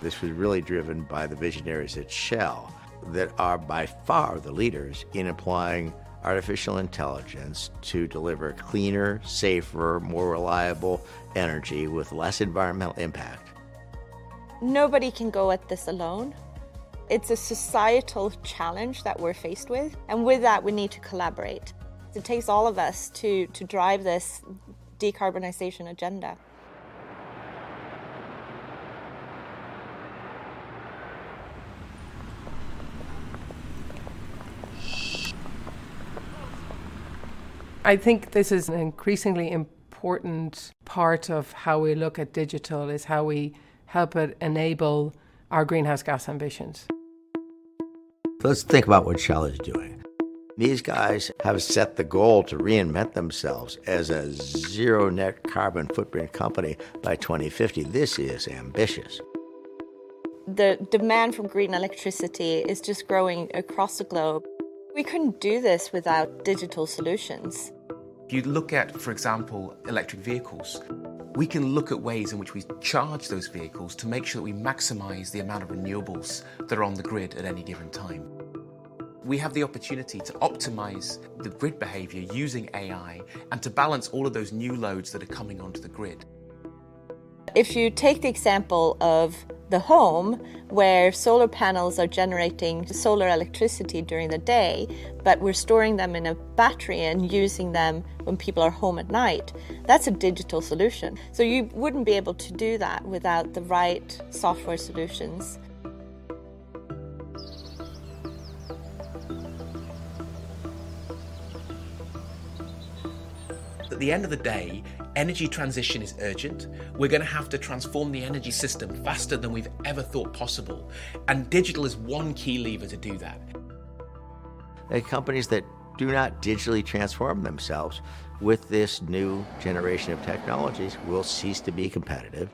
This was really driven by the visionaries at Shell that are by far the leaders in applying artificial intelligence to deliver cleaner, safer, more reliable energy with less environmental impact. Nobody can go at this alone. It's a societal challenge that we're faced with. With that, we need to collaborate. It takes all of us to drive this decarbonization agenda. I think this is an increasingly important part of how we look at digital, is how we help it enable our greenhouse gas ambitions. Let's think about what Shell is doing. These guys have set the goal to reinvent themselves as a zero net carbon footprint company by 2050. This is ambitious. The demand for green electricity is just growing across the globe. We couldn't do this without digital solutions. If you look at, for example, electric vehicles, we can look at ways in which we charge those vehicles to make sure that we maximize the amount of renewables that are on the grid at any given time. We have the opportunity to optimize the grid behavior using AI, and to balance all of those new loads that are coming onto the grid. If you take the example of the home, where solar panels are generating solar electricity during the day, but we're storing them in a battery and using them when people are home at night, that's a digital solution, so you wouldn't be able to do that without the right software solutions. At the end of the day, energy transition is urgent. We're gonna have to transform the energy system faster than we've ever thought possible. Digital is one key lever to do that. Companies that do not digitally transform themselves with this new generation of technologies will cease to be competitive.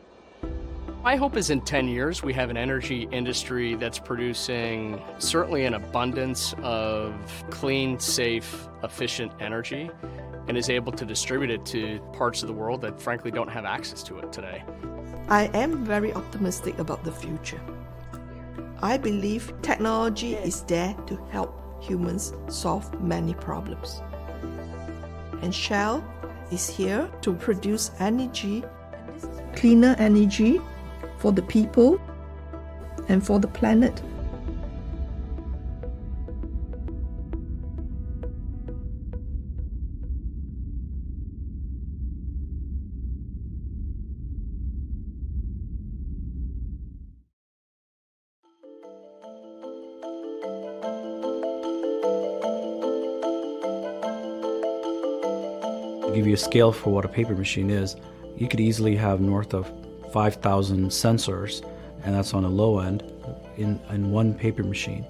My hope is in 10 years, we have an energy industry that's producing certainly an abundance of clean, safe, efficient energy, and is able to distribute it to parts of the world that frankly don't have access to it today. I am very optimistic about the future. I believe technology is there to help humans solve many problems. Shell is here to produce energy, cleaner energy, for the people and for the planet. To give you a scale for what a paper machine is, you could easily have north of 5,000 sensors, and that's on a low end, in one paper machine.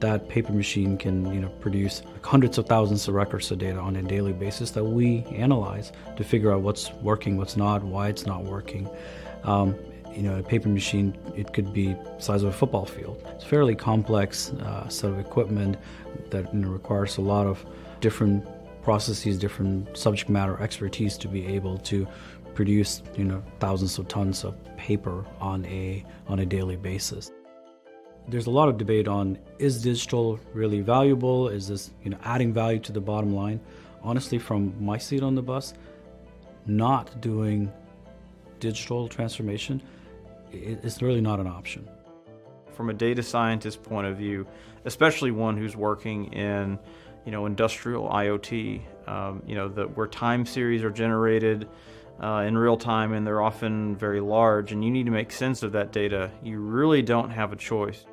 That paper machine can, you know, produce hundreds of thousands of records of data on a daily basis that we analyze to figure out what's working, what's not, and why it's not working. You know, a paper machine, it could be the size of a football field. It's a fairly complex set of equipment that, you know, requires a lot of different processes, different subject matter expertise, to be able to produce, you know, thousands of tons of paper on a daily basis. There's a lot of debate on, is digital really valuable? Is this, you know, adding value to the bottom line? Honestly, from my seat on the bus, not doing digital transformation, it's really not an option. From a data scientist point of view, especially one who's working in, you know, industrial IoT, you know, where time series are generated, in real time, and they're often very large, and you need to make sense of that data, you really don't have a choice.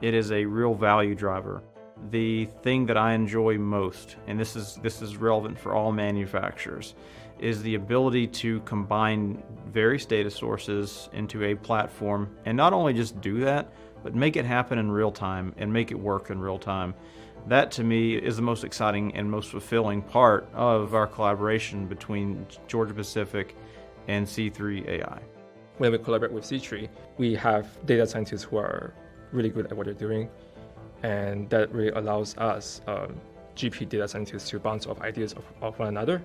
It is a real value driver. The thing that I enjoy most, and this is, this is relevant for all manufacturers, is the ability to combine various data sources into a platform, and not only just do that, but make it happen in real time, and make it work in real time. That, to me, is the most exciting and most fulfilling part of our collaboration between Georgia-Pacific and C3 AI. When we collaborate with C3, we have data scientists who are really good at what they're doing, and that really allows us, GP data scientists, to bounce off ideas off one another,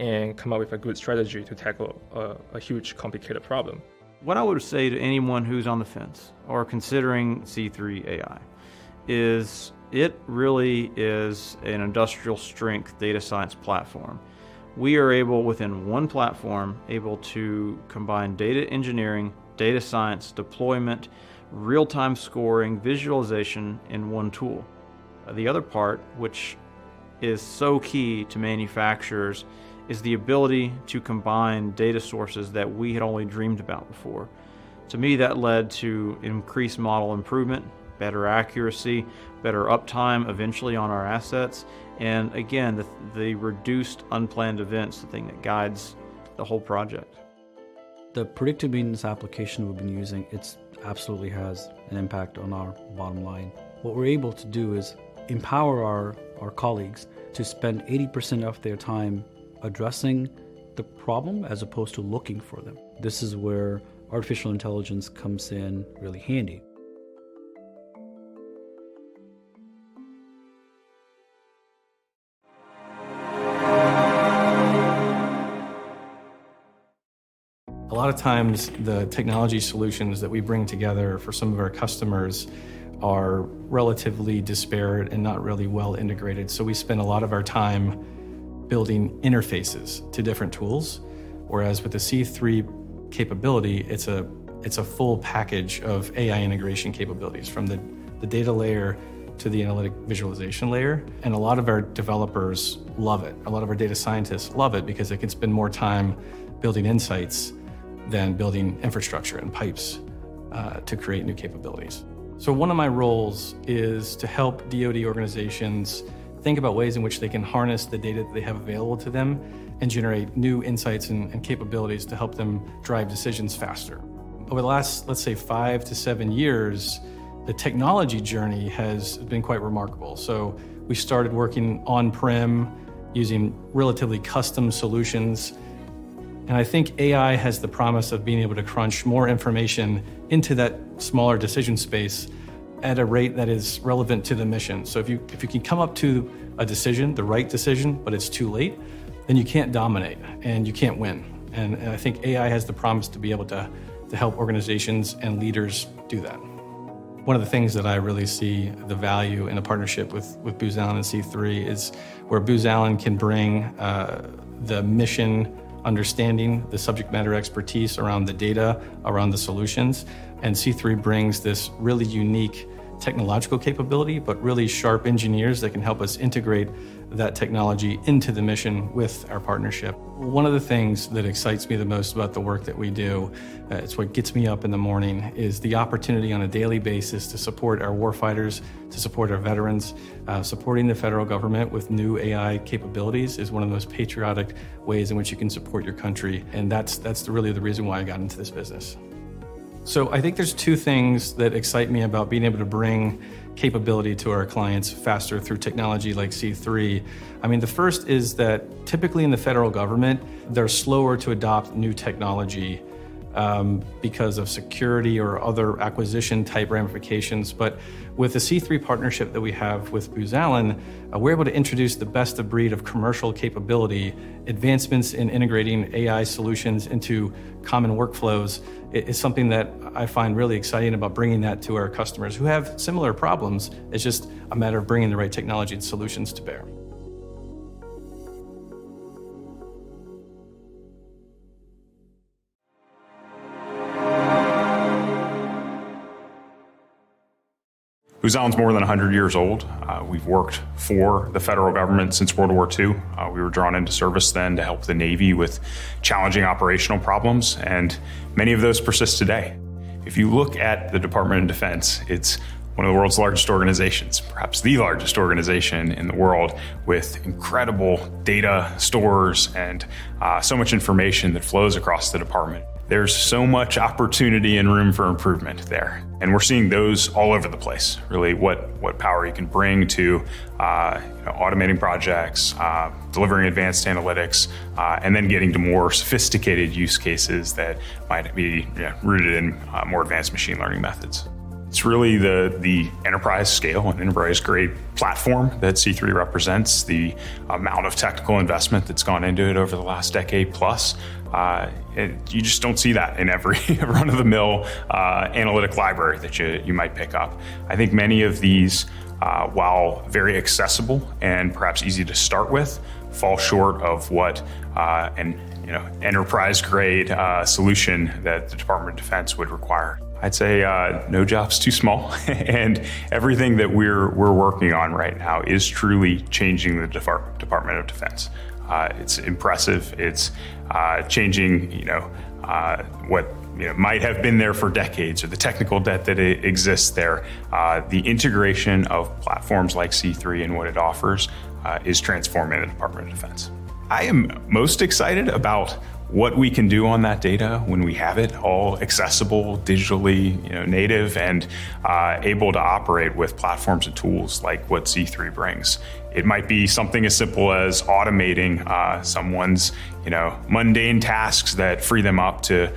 and come up with a good strategy to tackle a huge, complicated problem. What I would say to anyone who's on the fence or considering C3 AI is, it really is an industrial-strength data science platform. We are able, within one platform, to combine data engineering, data science, deployment, real-time scoring, visualization in one tool. The other part, which is so key to manufacturers, is the ability to combine data sources that we had only dreamed about before. To me, that led to increased model improvement, better accuracy, better uptime, eventually, on our assets. Again, the reduced unplanned events, the thing that guides the whole project. The predictive maintenance application we've been using, it's absolutely has an impact on our bottom line. What we're able to do is empower our colleagues to spend 80% of their time addressing the problem, as opposed to looking for them. This is where artificial intelligence comes in really handy. A lot of times, the technology solutions that we bring together for some of our customers are relatively disparate and not really well integrated, so we spend a lot of our time building interfaces to different tools. Whereas with the C3 capability, it's a full package of AI integration capabilities, from the data layer to the analytic visualization layer, and a lot of our developers love it. A lot of our data scientists love it because they can spend more time building insights than building infrastructure and pipes to create new capabilities. One of my roles is to help DoD organizations think about ways in which they can harness the data that they have available to them and generate new insights and capabilities to help them drive decisions faster. Over the last, let's say, five to seven years, the technology journey has been quite remarkable. We started working on-prem, using relatively custom solutions, and I think AI has the promise of being able to crunch more information into that smaller decision space at a rate that is relevant to the mission. If you can come up to a decision, the right decision, but it's too late, then you can't dominate, and you can't win. I think AI has the promise to be able to help organizations and leaders do that. One of the things that I really see the value in a partnership with Booz Allen and C3 is where Booz Allen can bring the mission, understanding the subject matter expertise around the data, around the solutions, and C3 brings this really unique technological capability, but really sharp engineers that can help us integrate that technology into the mission with our partnership. One of the things that excites me the most about the work that we do, it's what gets me up in the morning, is the opportunity on a daily basis to support our war fighters, to support our veterans. Supporting the federal government with new AI capabilities is one of the most patriotic ways in which you can support your country, and that's really the reason why I got into this business. I think there's two things that excite me about being able to bring capability to our clients faster through technology like C3. I mean, the first is that typically in the federal government, they're slower to adopt new technology, because of security or other acquisition-type ramifications. With the C3 partnership that we have with Booz Allen, we're able to introduce the best of breed of commercial capability. Advancements in integrating AI solutions into common workflows is something that I find really exciting about bringing that to our customers who have similar problems. It's just a matter of bringing the right technology and solutions to bear. Booz Allen's more than 100 years old. We've worked for the federal government since World War II. We were drawn into service then to help the Navy with challenging operational problems. Many of those persist today. If you look at the Department of Defense, it's one of the world's largest organizations, perhaps the largest organization in the world, with incredible data stores and so much information that flows across the department. There's so much opportunity and room for improvement there. We're seeing those all over the place, really, what power you can bring to automating projects, delivering advanced analytics, and getting to more sophisticated use cases that might be, yeah, rooted in more advanced machine learning methods. It's really the enterprise scale and enterprise-grade platform that C3 represents, the amount of technical investment that's gone into it over the last decade plus. You just don't see that in every run-of-the-mill analytic library that you might pick up. I think many of these, while very accessible and perhaps easy to start with, fall short of what an, you know, enterprise-grade solution that the Department of Defense would require. I'd say no job's too small, and everything that we're working on right now is truly changing the Department of Defense. It's impressive. It's changing, you know, what, you know, might have been there for decades or the technical debt that exists there. The integration of platforms like C3 and what it offers is transforming the Department of Defense. I am most excited about what we can do on that data when we have it all accessible, digitally, you know, native, and able to operate with platforms and tools like what C3 brings. It might be something as simple as automating, someone's, you know, mundane tasks that free them up to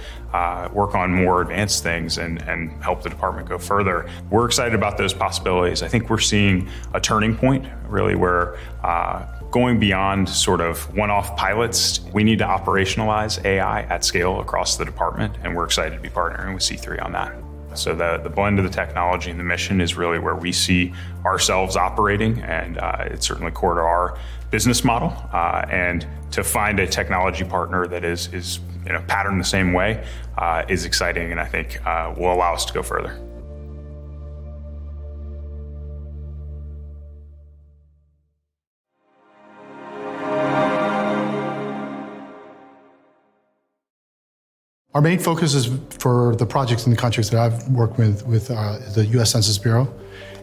work on more advanced things and help the department go further. We're excited about those possibilities. I think we're seeing a turning point, really, where going beyond sort of one-off pilots, we need to operationalize AI at scale across the department, and we're excited to be partnering with C3 on that. The blend of the technology and the mission is really where we see ourselves operating, and it's certainly core to our business model. To find a technology partner that is, you know, patterned the same way, is exciting and I think, will allow us to go further. Our main focus is for the projects in the countries that I've worked with, the U.S. Census Bureau,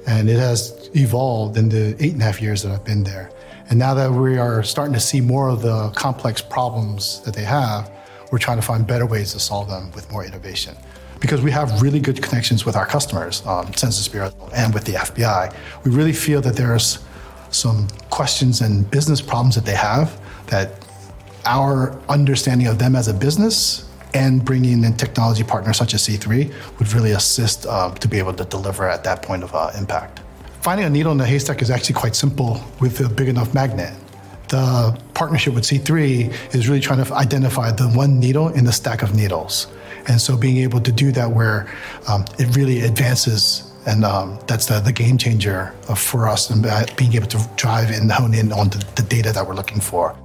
and it has evolved in the eight and a half years that I've been there. Now that we are starting to see more of the complex problems that they have, we're trying to find better ways to solve them with more innovation. We have really good connections with our customers, Census Bureau and with the FBI, we really feel that there's some questions and business problems that they have, that our understanding of them as a business and bringing in technology partners such as C3, would really assist, to be able to deliver at that point of, impact. Finding a needle in a haystack is actually quite simple with a big enough magnet. The partnership with C3 is really trying to identify the one needle in the stack of needles. Being able to do that where it really advances, and that's the game changer for us and that being able to drive and hone in on the data that we're looking for.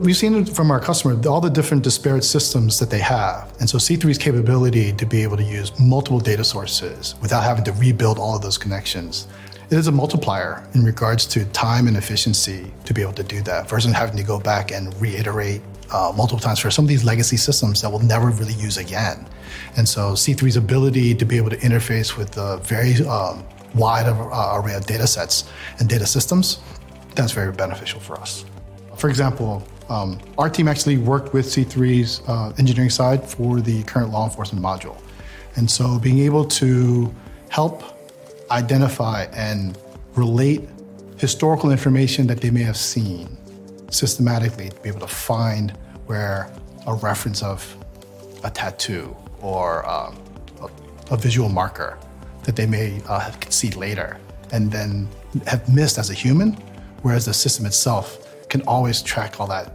We've seen it from our customer, all the different disparate systems that they have. C3's capability to be able to use multiple data sources without having to rebuild all of those connections, is a multiplier in regards to time and efficiency, to be able to do that versus having to go back and reiterate multiple times for some of these legacy systems that we'll never really use again. C3's ability to be able to interface with a very wide array of data sets and data systems, that's very beneficial for us. For example, our team actually worked with C3's engineering side for the current law enforcement module, and so being able to help identify and relate historical information that they may have seen systematically, to be able to find where a reference of a tattoo or a visual marker that they may see later and then have missed as a human, whereas the system itself can always track all that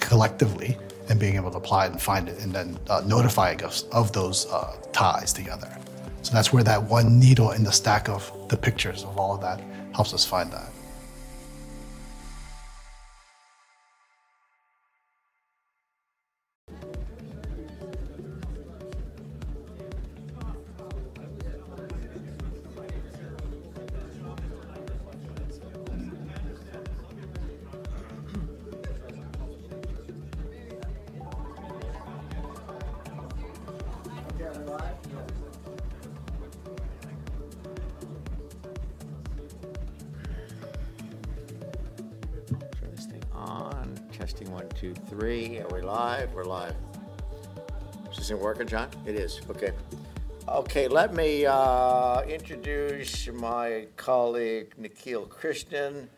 collectively, and being able to apply it and find it, and then notify us of those ties together. That's where that one needle in the stack of the pictures of all of that helps us find that. Turn this thing on. Testing 1, 2, 3. Are we live? We're live. Is this thing working, John? It is. Okay, let me introduce my colleague, Nikhil Krishnan.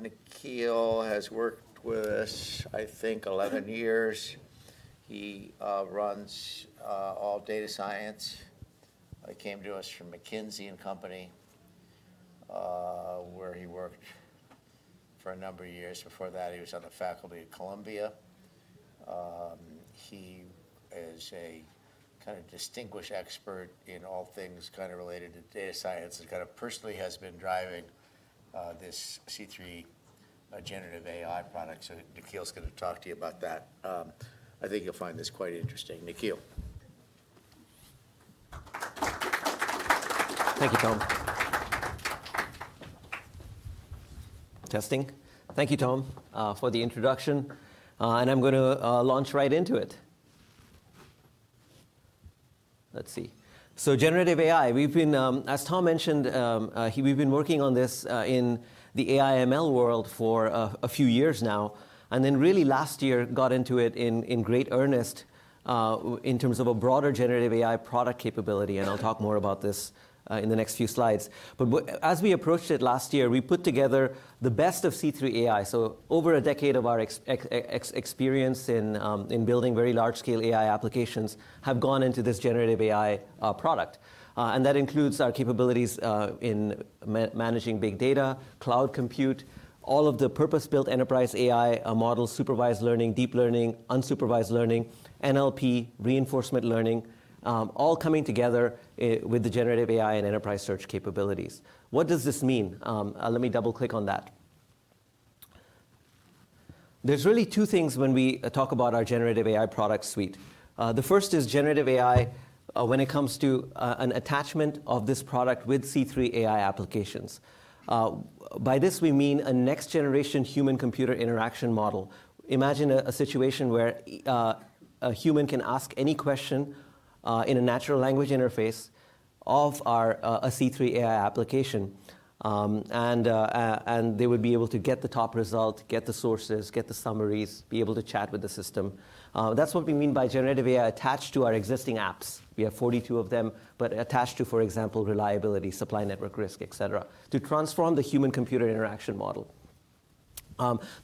Nikhil has worked with us, I think, 11 years. He runs all data science. He came to us from McKinsey & Company, where he worked for a number of years. Before that, he was on the faculty at Columbia. He is a kind of distinguished expert in all things kind of related to data science, and kind of personally has been driving this C3 Generative AI product. Nikhil's going to talk to you about that. I think you'll find this quite interesting. Nikhil. Thank you, Tom. Testing. Thank you, Tom, for the introduction, and I'm gonna launch right into it. Let's see. Generative AI. We've been as Tom mentioned, we've been working on this in the AI ML world for a few years now, and then really last year got into it in great earnest in terms of a broader Generative AI product capability, and I'll talk more about this in the next few slides. As we approached it last year, we put together the best of C3 AI. Over a decade of our experience in building very large-scale AI applications have gone into this Generative AI product. That includes our capabilities in managing big data, cloud compute, all of the purpose-built enterprise AI models, supervised learning, deep learning, unsupervised learning, NLP, reinforcement learning, all coming together with the generative AI and enterprise search capabilities. What does this mean? Let me double-click on that. There's really two things when we talk about our generative AI product suite. The first is generative AI when it comes to an attachment of this product with C3 AI applications. By this, we mean a next-generation human-computer interaction model. Imagine a situation where a human can ask any question in a natural language interface of a C3 AI application, and they would be able to get the top result, get the sources, get the summaries, be able to chat with the system. That's what we mean by generative AI attached to our existing apps. We have 42 of them, but attached to, for example, reliability, supply network risk, et cetera, to transform the human-computer interaction model.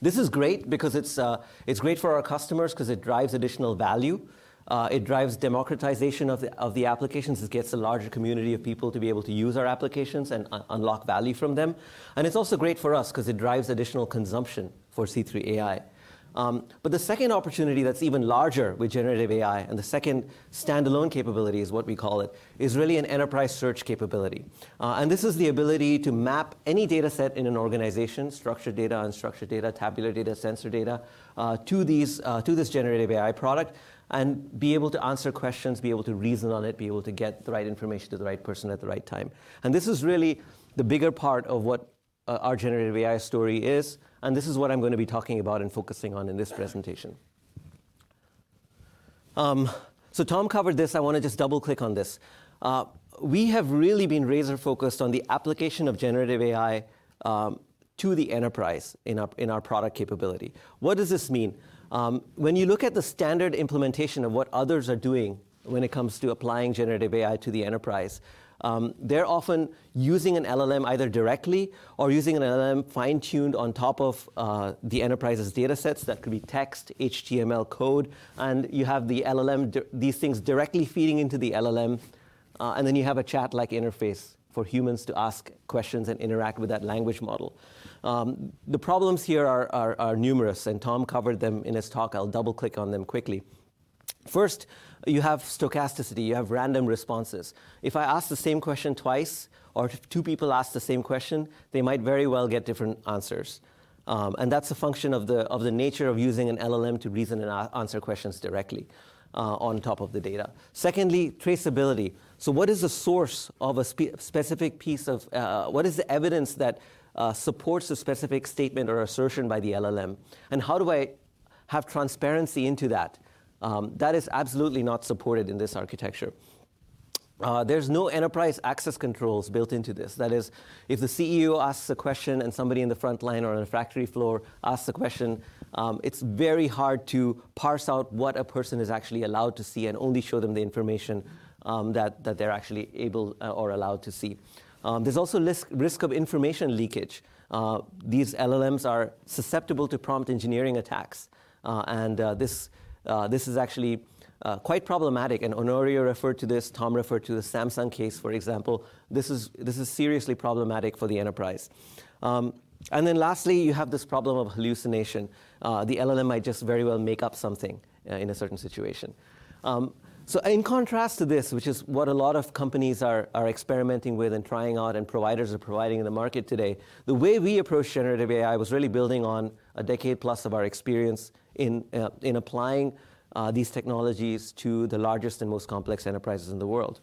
This is great because it's great for our customers 'cause it drives additional value, it drives democratization of the applications. It gets a larger community of people to be able to use our applications and unlock value from them. It's also great for us 'cause it drives additional consumption for C3 AI. The second opportunity that's even larger with generative AI, the second standalone capability is what we call it, is really an enterprise search capability. This is the ability to map any dataset in an organization, structured data, unstructured data, tabular data, sensor data to this generative AI product, and be able to answer questions, be able to reason on it, be able to get the right information to the right person at the right time. This is really the bigger part of what our generative AI story is, and this is what I'm going to be talking about and focusing on in this presentation. Tom covered this. I want to just double-click on this. We have really been laser-focused on the application of generative AI to the enterprise in our product capability. What does this mean? When you look at the standard implementation of what others are doing when it comes to applying generative AI to the enterprise, they're often using an LLM either directly or using an LLM fine-tuned on top of the enterprise's datasets. That could be text, HTML code, you have the LLM, these things directly feeding into the LLM. You have a chat-like interface for humans to ask questions and interact with that language model. The problems here are numerous, Tom covered them in his talk. I'll double-click on them quickly. First, you have stochasticity. You have random responses. If I ask the same question twice, or if two people ask the same question, they might very well get different answers. That's a function of the, of the nature of using an LLM to reason and answer questions directly on top of the data. Secondly, traceability. What is the source of a specific piece of, what is the evidence that supports a specific statement or assertion by the LLM, and how do I have transparency into that? That is absolutely not supported in this architecture. There's no enterprise access controls built into this. That is, if the CEO asks a question, and somebody in the front line or on a factory floor asks a question, it's very hard to parse out what a person is actually allowed to see and only show them the information that they're actually able or allowed to see. There's also less risk of information leakage. These LLMs are susceptible to prompt engineering attacks, and this is actually quite problematic, and Honorio referred to this. Tom referred to the Samsung case, for example. This is seriously problematic for the enterprise. Lastly, you have this problem of hallucination. The LLM might just very well make up something in a certain situation. In contrast to this, which is what a lot of companies are experimenting with and trying out and providers are providing in the market today, the way we approach generative AI was really building on a decade-plus of our experience in applying these technologies to the largest and most complex enterprises in the world.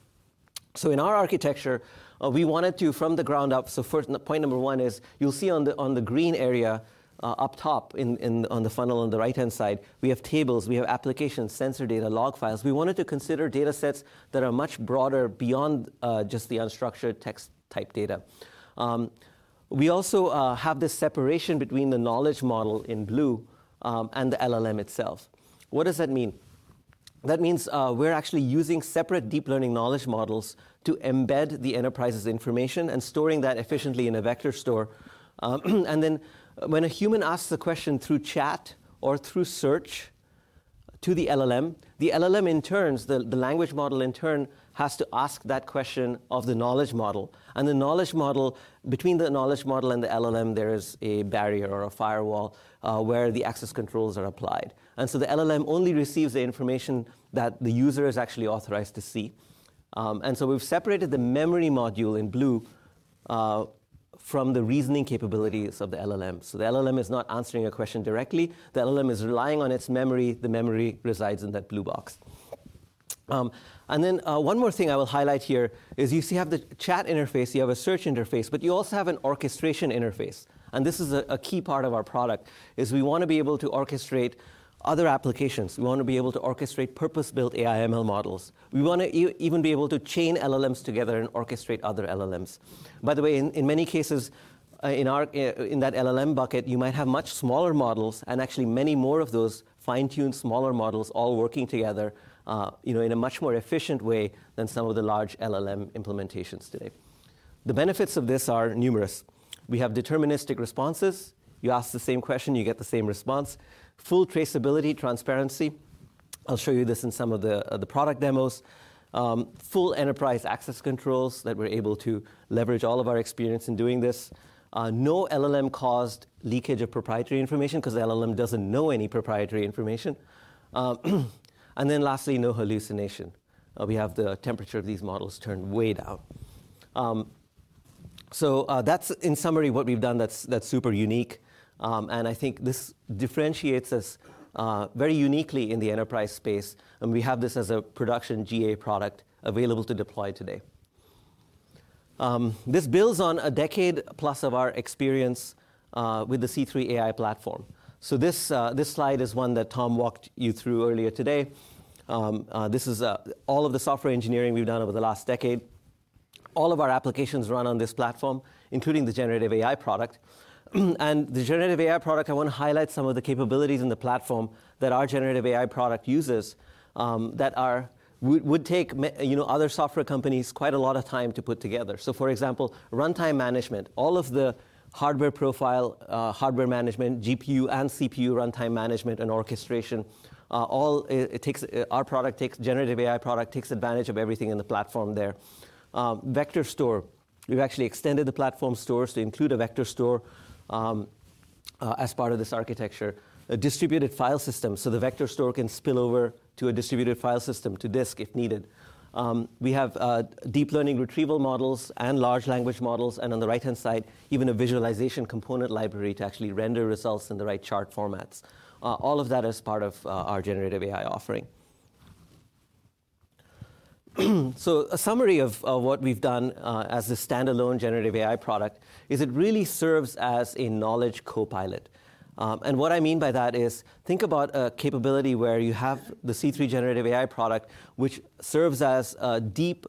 In our architecture, we wanted to, from the ground up... First, point number one is, you'll see on the green area, up top on the funnel on the right-hand side, we have tables, we have applications, sensor data, log files. We wanted to consider data sets that are much broader, beyond just the unstructured text-type data. We also have this separation between the knowledge model in blue and the LLM itself. What does that mean? That means we're actually using separate deep learning knowledge models to embed the enterprise's information and storing that efficiently in a vector store. When a human asks a question through chat or through search to the LLM, the LLM in turn, the language model in turn, has to ask that question of the knowledge model, and the knowledge model, between the knowledge model and the LLM, there is a barrier or a firewall, where the access controls are applied. The LLM only receives the information that the user is actually authorized to see. We've separated the memory module in blue from the reasoning capabilities of the LLM. The LLM is not answering a question directly. The LLM is relying on its memory. The memory resides in that blue box. One more thing I will highlight here is you see you have the chat interface, you have a search interface, but you also have an orchestration interface. This is a key part of our product, is we want to be able to orchestrate other applications. We want to be able to orchestrate purpose-built AI, ML models. We want to even be able to chain LLMs together and orchestrate other LLMs. By the way, in many cases, in our in that LLM bucket, you might have much smaller models and actually many more of those fine-tuned, smaller models all working together, you know, in a much more efficient way than some of the large LLM implementations today. The benefits of this are numerous. We have deterministic responses. You ask the same question, you get the same response. Full traceability, transparency. I'll show you this in some of the, of the product demos. Full enterprise access controls, that we're able to leverage all of our experience in doing this. No LLM-caused leakage of proprietary information, 'cause the LLM doesn't know any proprietary information. And then lastly, no hallucination. We have the temperature of these models turned way down. That's in summary what we've done that's super unique, and I think this differentiates us, very uniquely in the enterprise space, and we have this as a production GA product available to deploy today. This builds on a decade-plus of our experience, with the C3 AI Platform. This, this slide is one that Tom walked you through earlier today. This is, all of the software engineering we've done over the last decade. All of our applications run on this platform, including the generative AI product. The generative AI product, I want to highlight some of the capabilities in the platform that our generative AI product uses, would take you know, other software companies quite a lot of time to put together. For example, runtime management. All of the hardware profile, hardware management, GPU and CPU runtime management and orchestration. Our product takes, generative AI product, takes advantage of everything in the platform there. Vector store, we've actually extended the platform stores to include a vector store, as part of this architecture. A distributed file system, so the vector store can spill over to a distributed file system, to disk, if needed. We have deep learning retrieval models and large language models, and on the right-hand side, even a visualization component library to actually render results in the right chart formats. All of that is part of our Generative AI offering. A summary of what we've done as a standalone Generative AI product is it really serves as a knowledge Copilot. And what I mean by that is, think about a capability where you have the C3 Generative AI product, which serves as a deep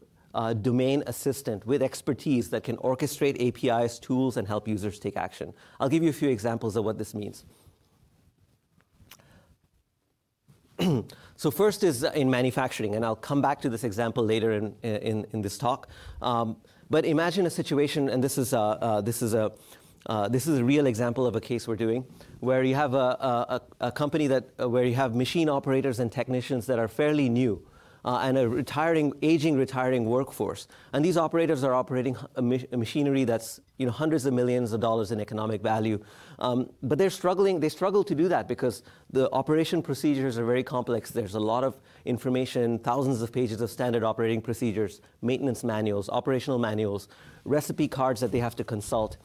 domain assistant with expertise that can orchestrate APIs, tools, and help users take action. I'll give you a few examples of what this means. First is in manufacturing, and I'll come back to this example later in this talk. But imagine a situation, and this is a real example of a case we're doing, where you have a company that, where you have machine operators and technicians that are fairly new, and a retiring, aging, retiring workforce. These operators are operating a machinery that's, you know, hundreds of millions of dollars in economic value. They struggle to do that because the operation procedures are very complex. There's a lot of information, thousands of pages of standard operating procedures, maintenance manuals, operational manuals, recipe cards that they have to consult,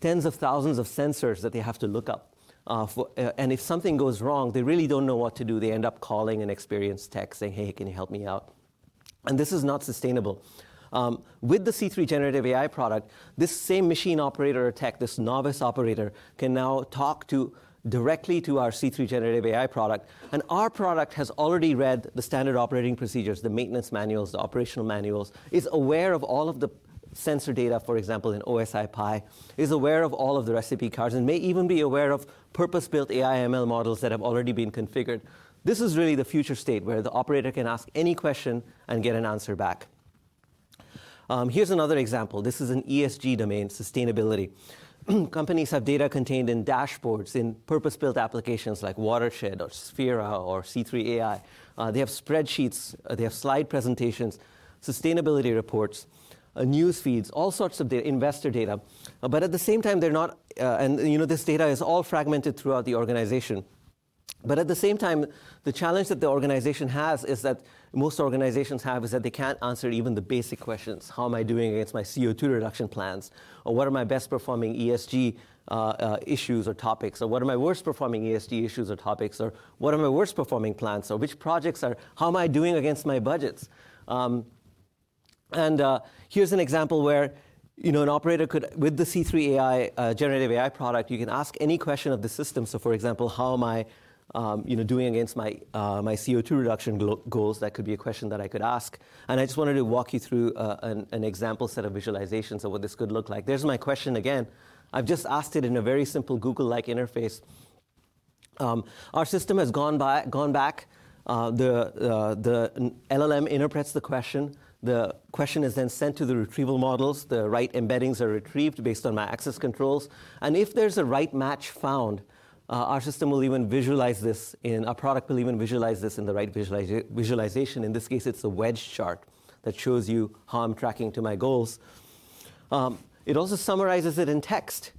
tens of thousands of sensors that they have to look up, and if something goes wrong, they really don't know what to do. They end up calling an experienced tech, saying, "Hey, can you help me out?" This is not sustainable. With the C3 Generative AI product, this same machine operator or tech, this novice operator, can now talk to, directly to our C3 Generative AI product, and our product has already read the standard operating procedures, the maintenance manuals, the operational manuals, is aware of all of the sensor data, for example, in OSIsoft PI, is aware of all of the recipe cards, and may even be aware of purpose-built AI/ML models that have already been configured. This is really the future state, where the operator can ask any question and get an answer back. Here's another example. This is an ESG domain: sustainability. Companies have data contained in dashboards, in purpose-built applications like Watershed or Sphera or C3 AI. They have spreadsheets, they have slide presentations, sustainability reports, news feeds, all sorts of investor data. At the same time, they're not. You know, this data is all fragmented throughout the organization. At the same time, the challenge that the organization has is that, most organizations have, is that they can't answer even the basic questions: How am I doing against my CO2 reduction plans? Or what are my best-performing ESG issues or topics? Or what are my worst-performing ESG issues or topics? Or what are my worst-performing plans, or which projects are how am I doing against my budgets? Here's an example where, you know, an operator with the C3 Generative AI product, you can ask any question of the system. For example, "How am I, you know, doing against my CO2 reduction goals?" That could be a question that I could ask. I just wanted to walk you through an example set of visualizations of what this could look like. There's my question again. I've just asked it in a very simple Google-like interface. Our system has gone back. The LLM interprets the question. The question is then sent to the retrieval models. The right embeddings are retrieved based on my access controls, and if there's a right match found, our product will even visualize this in the right visualization. In this case, it's a wedge chart that shows you how I'm tracking to my goals. It also summarizes it in text.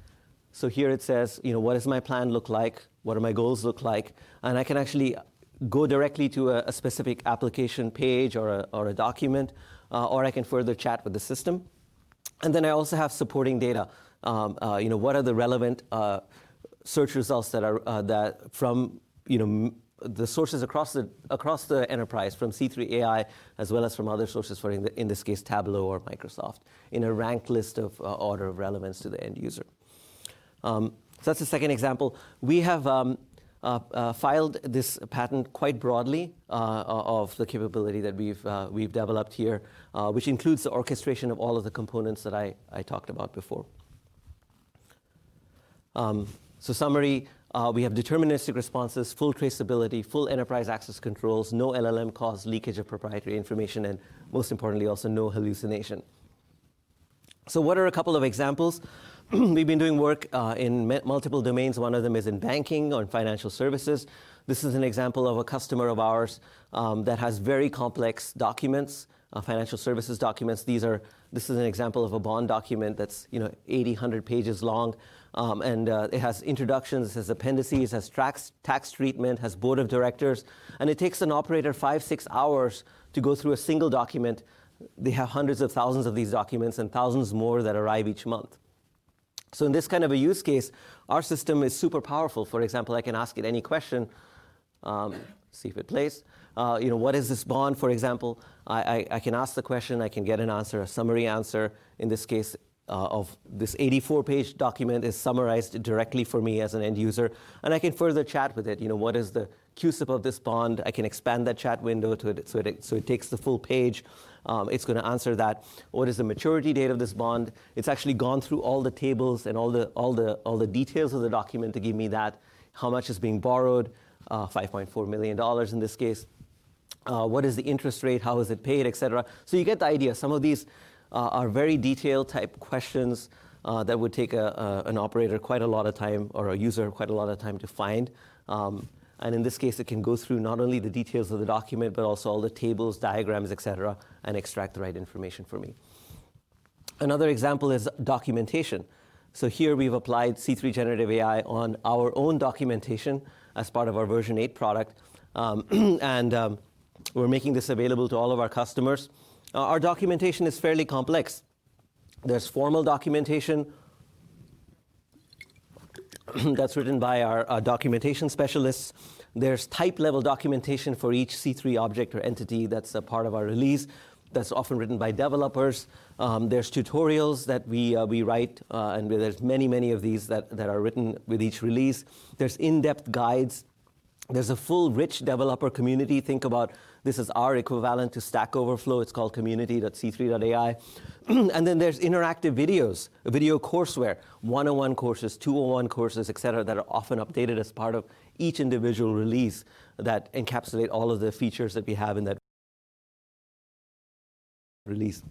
Here it says, you know, what does my plan look like? What do my goals look like? I can actually go directly to a specific application page or a document, or I can further chat with the system. I also have supporting data. You know, what are the relevant search results that are that from, you know, the sources across the enterprise, from C3 AI, as well as from other sources, for in this case, Tableau or Microsoft, in a ranked list of order of relevance to the end user. That's the second example. We have filed this patent quite broadly of the capability that we've developed here, which includes the orchestration of all of the components that I talked about before. Summary: we have deterministic responses, full traceability, full enterprise access controls, no LLM-caused leakage of proprietary information, and most importantly, also no hallucination. What are a couple of examples? We've been doing work in multiple domains. One of them is in banking or in financial services. This is an example of a customer of ours that has very complex documents, financial services documents. This is an example of a bond document that's, you know, 80, 100 pages long, it has introductions, it has appendices, it has tax treatment, has Board of Directors, and it takes an operator five, six hours to go through a single document. They have hundreds of thousands of these documents, thousands more that arrive each month. In this kind of a use case, our system is super powerful. For example, I can ask it any question, see if it plays. You know, what is this bond, for example? I can ask the question. I can get an answer, a summary answer. In this case, of this 84-page document is summarized directly for me as an end user, I can further chat with it. You know, what is the CUSIP of this bond? I can expand that chat window so that it takes the full page. It's gonna answer that. What is the maturity date of this bond? It's actually gone through all the tables and all the details of the document to give me that. How much is being borrowed? $5.4 million in this case. What is the interest rate? How is it paid, et cetera? You get the idea. Some of these are very detailed type questions that would take an operator quite a lot of time to find. In this case, it can go through not only the details of the document, but also all the tables, diagrams, et cetera, and extract the right information for me. Another example is documentation. Here, we've applied C3 Generative AI on our own documentation as part of our Version 8 product, and we're making this available to all of our customers. Our documentation is fairly complex. There's formal documentation that's written by our documentation specialists. There's type-level documentation for each C3 object or entity that's a part of our release that's often written by developers. There's tutorials that we write, and there's many of these that are written with each release. There's in-depth guides. There's a full, rich developer community. Think about, this is our equivalent to Stack Overflow. It's called community.c3.ai. There's interactive videos, a video courseware, 101 courses, 201 courses, et cetera, that are often updated as part of each individual release, that encapsulate all of the features that we have in that release.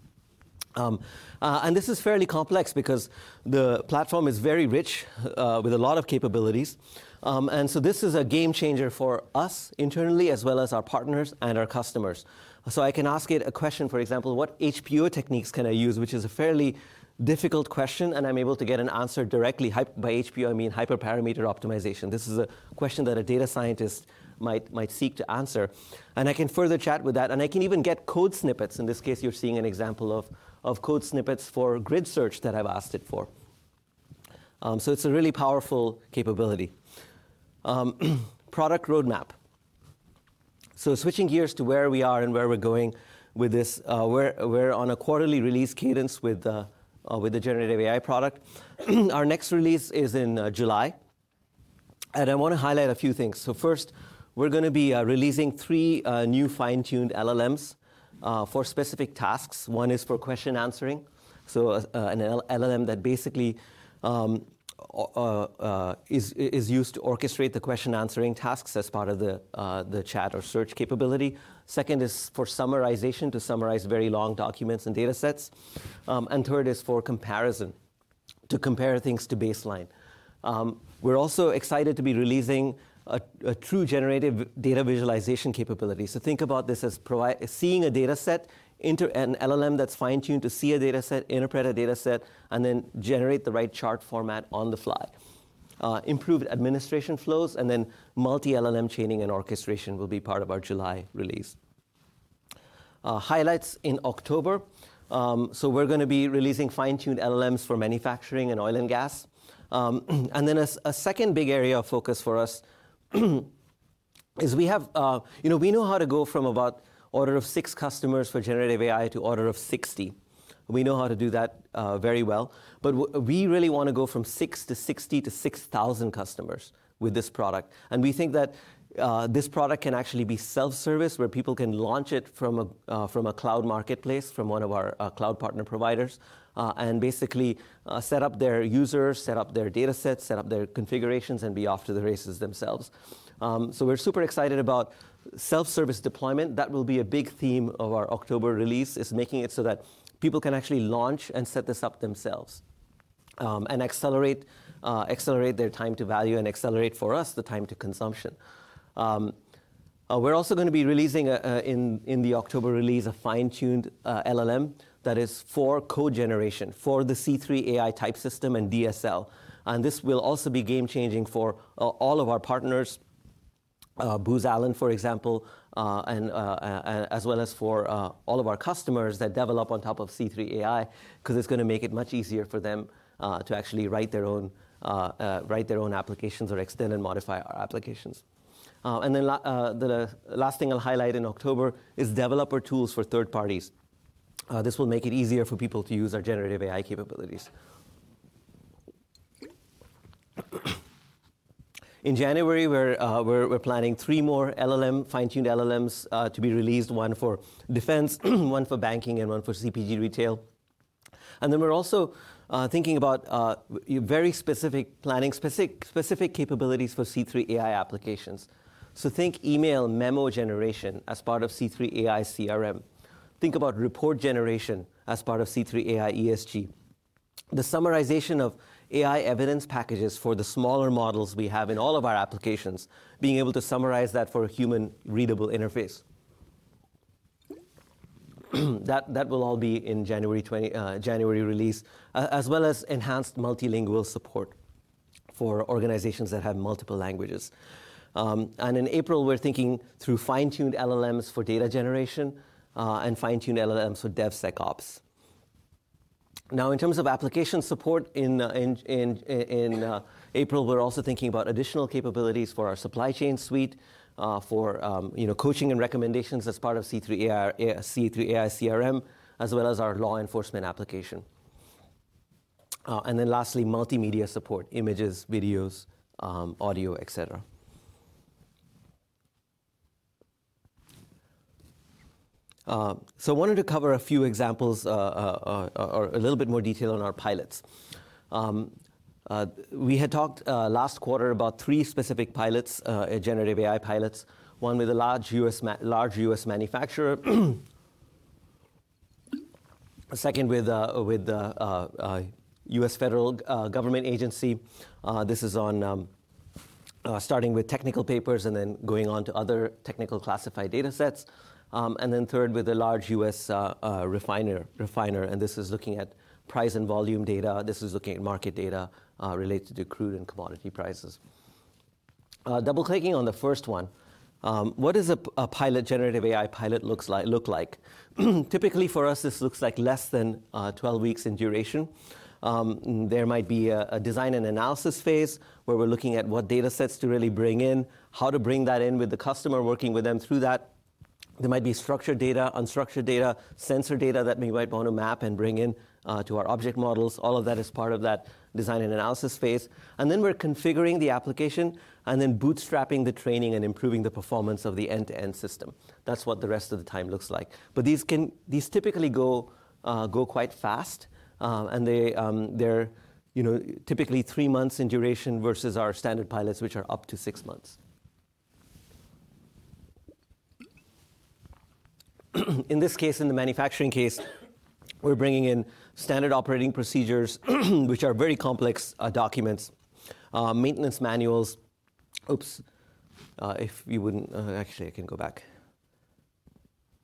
This is fairly complex because the platform is very rich with a lot of capabilities. This is a game changer for us internally, as well as our partners and our customers. I can ask it a question, for example: What HPO techniques can I use? Which is a fairly difficult question, and I'm able to get an answer directly. By HPO, I mean hyperparameter optimization. This is a question that a data scientist might seek to answer, and I can further chat with that, and I can even get code snippets. In this case, you're seeing an example of code snippets for grid search that I've asked it for. It's a really powerful capability. Product roadmap. Switching gears to where we are and where we're going with this, we're on a quarterly release cadence with the Generative AI product. Our next release is in July, and I wanna highlight a few things. First, we're gonna be releasing three new fine-tuned LLMs for specific tasks. One is for question answering, so an LLM that basically is used to orchestrate the question-answering tasks as part of the chat or search capability. Second is for summarization, to summarize very long documents and data sets. Third is for comparison, to compare things to baseline. We're also excited to be releasing a true generative data visualization capability, so think about this as seeing a data set into an LLM that's fine-tuned to see a data set, interpret a data set, and then generate the right chart format on the fly. Improved administration flows, and then multi-LLM chaining and orchestration will be part of our July release. Highlights in October. We're gonna be releasing fine-tuned LLMs for manufacturing and oil and gas. A second big area of focus for us, is we have. You know, we know how to go from about order of six customers for generative AI to order of 60. We know how to do that very well, but we really wanna go from six to 60 to 6,000 customers with this product. We think that this product can actually be self-service, where people can launch it from a cloud marketplace, from one of our cloud partner providers, and basically, set up their users, set up their data sets, set up their configurations, and be off to the races themselves. We're super excited about self-service deployment. That will be a big theme of our October release, is making it so that people can actually launch and set this up themselves, and accelerate their time to value and accelerate, for us, the time to consumption. We're also gonna be releasing in the October release, a fine-tuned LLM that is for code generation, for the C3 AI type system and DSL, and this will also be game-changing for all of our partners, Booz Allen, for example, and as well as for all of our customers that develop on top of C3 AI, 'cause it's gonna make it much easier for them to actually write their own applications or extend and modify our applications. Then the last thing I'll highlight in October is developer tools for third parties. This will make it easier for people to use our generative AI capabilities. In January, we're planning three more LLM, fine-tuned LLMs to be released. One for defense, one for banking, and one for CPG retail. We're also thinking about very specific planning, specific capabilities for C3 AI applications. Think email memo generation as part of C3 AI CRM. Think about report generation as part of C3 AI ESG. The summarization of AI evidence packages for the smaller models we have in all of our applications, being able to summarize that for a human-readable interface. That will all be in January 29, January release, as well as enhanced multilingual support for organizations that have multiple languages. In April, we're thinking through fine-tuned LLMs for data generation, and fine-tuned LLMs for DevSecOps. In terms of application support, in April, we're also thinking about additional capabilities for our supply chain suite, you know, coaching and recommendations as part of C3 AI, C3 AI CRM, as well as our law enforcement application. Lastly, multimedia support: images, videos, audio, et cetera. I wanted to cover a few examples, or a little bit more detail on our pilots. We had talked last quarter about three specific pilots, generative AI pilots. One with a large U.S. manufacturer, a second with a U.S. federal government agency. This is on starting with technical papers and then going on to other technical classified data sets. Then third, with a large U.S. refiner, this is looking at price and volume data. This is looking at market data, related to crude and commodity prices. Double-clicking on the first one, what does a pilot, generative AI pilot look like? Typically, for us, this looks like less than 12 weeks in duration. There might be a design and analysis phase, where we're looking at what data sets to really bring in, how to bring that in with the customer, working with them through that. There might be structured data, unstructured data, sensor data that we might want to map and bring in to our object models. All of that is part of that design and analysis phase. We're configuring the application and then bootstrapping the training and improving the performance of the end-to-end system. That's what the rest of the time looks like. These typically go quite fast, and they're, you know, typically three months in duration versus our standard pilots, which are up to six months. In this case, in the manufacturing case, we're bringing in standard operating procedures, which are very complex documents. Maintenance manuals. Oops, actually, I can go back.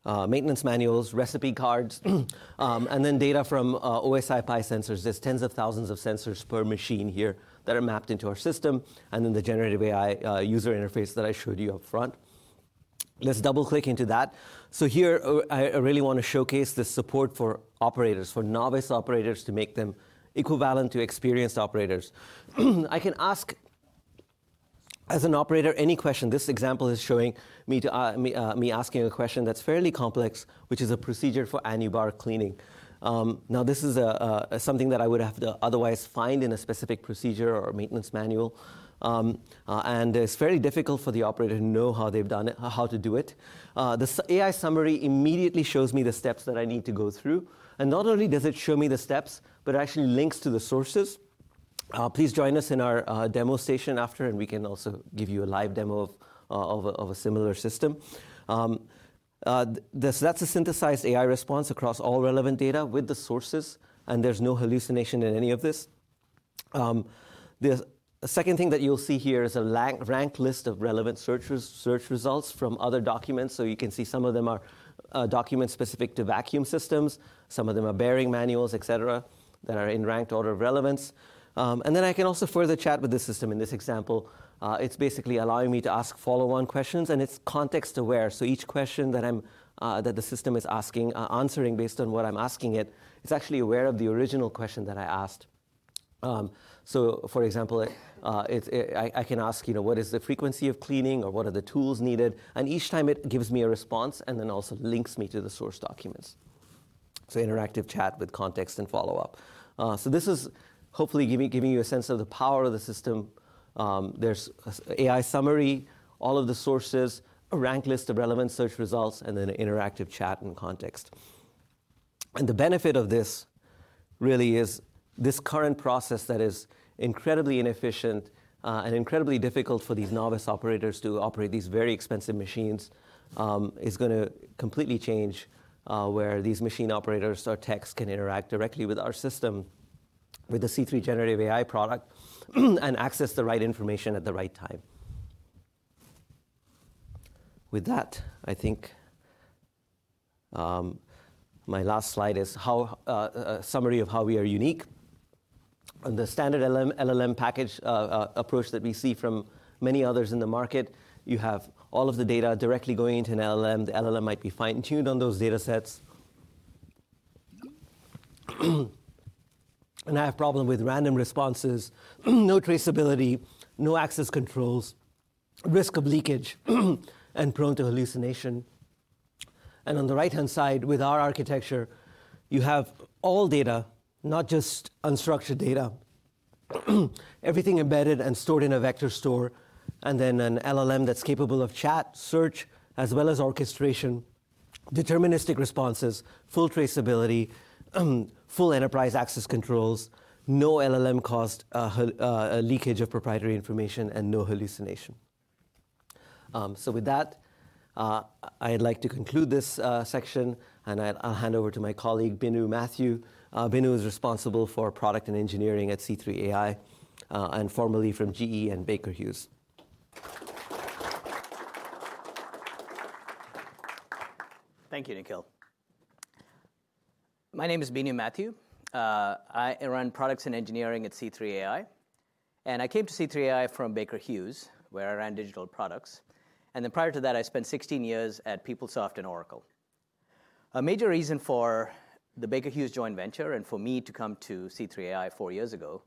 Maintenance manuals, recipe cards, and then data from OSIsoft PI sensors. There's tens of thousands of sensors per machine here that are mapped into our system, and then the generative AI user interface that I showed you up front. Let's double-click into that. Here, I really wanna showcase the support for operators, for novice operators, to make them equivalent to experienced operators. I can ask, as an operator, any question. This example is showing me to me asking a question that's fairly complex, which is a procedure for Annubar cleaning. Now, this is a something that I would have to otherwise find in a specific procedure or maintenance manual. It's very difficult for the operator to know how they've done it, how to do it. The AI summary immediately shows me the steps that I need to go through, and not only does it show me the steps, but it actually links to the sources. Please join us in our demo station after, and we can also give you a live demo of a similar system. That's a synthesized AI response across all relevant data with the sources, and there's no hallucination in any of this. The second thing that you'll see here is a ranked list of relevant search results from other documents. You can see some of them are documents specific to vacuum systems. Some of them are bearing manuals, et cetera, that are in ranked order of relevance. I can also further chat with the system in this example. It's basically allowing me to ask follow-on questions, and it's context-aware. Each question that I'm, that the system is asking, answering based on what I'm asking it's actually aware of the original question that I asked. For example, it's, I can ask, you know, what is the frequency of cleaning, or what are the tools needed? Each time it gives me a response and then also links me to the source documents. Interactive chat with context and follow-up. This is hopefully giving you a sense of the power of the system. There's a AI summary, all of the sources, a ranked list of relevant search results, and then an interactive chat and context. The benefit of this really is, this current process that is incredibly inefficient, and incredibly difficult for these novice operators to operate these very expensive machines, is gonna completely change, where these machine operators or techs can interact directly with our system, with the C3 Generative AI product, and access the right information at the right time. With that, I think, my last slide is how, a summary of how we are unique. On the standard LLM package, approach that we see from many others in the market, you have all of the data directly going into an LLM. The LLM might be fine-tuned on those datasets. I have problem with random responses, no traceability, no access controls, risk of leakage, and prone to hallucination. On the right-hand side, with our architecture, you have all data, not just unstructured data, everything embedded and stored in a vector store, and then an LLM that's capable of chat, search, as well as orchestration, deterministic responses, full traceability, full enterprise access controls, no LLM-caused leakage of proprietary information, and no hallucination. So with that, I'd like to conclude this section, and I'll hand over to my colleague, Binu Mathew. Binu is responsible for product and engineering at C3 AI, and formerly from GE and Baker Hughes. Thank you, Nikhil. My name is Binu Mathew. I run products and engineering at C3 AI, and I came to C3 AI from Baker Hughes, where I ran digital products, and then prior to that, I spent 16 years at PeopleSoft and Oracle. A major reason for the Baker Hughes joint venture, and for me to come to C3 AI 4 years ago,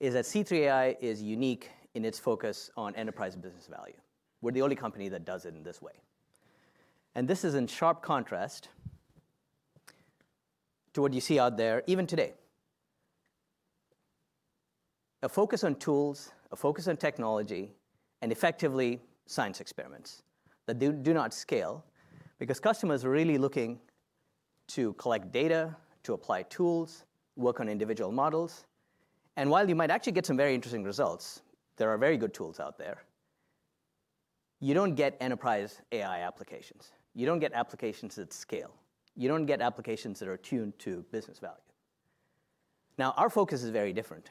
is that C3 AI is unique in its focus on enterprise business value. We're the only company that does it in this way. This is in sharp contrast to what you see out there, even today. A focus on tools, a focus on technology, and effectively, science experiments that do not scale, because customers are really looking to collect data, to apply tools, work on individual models, and while you might actually get some very interesting results, there are very good tools out there, you don't get enterprise AI applications. You don't get applications that scale. You don't get applications that are attuned to business value. Our focus is very different.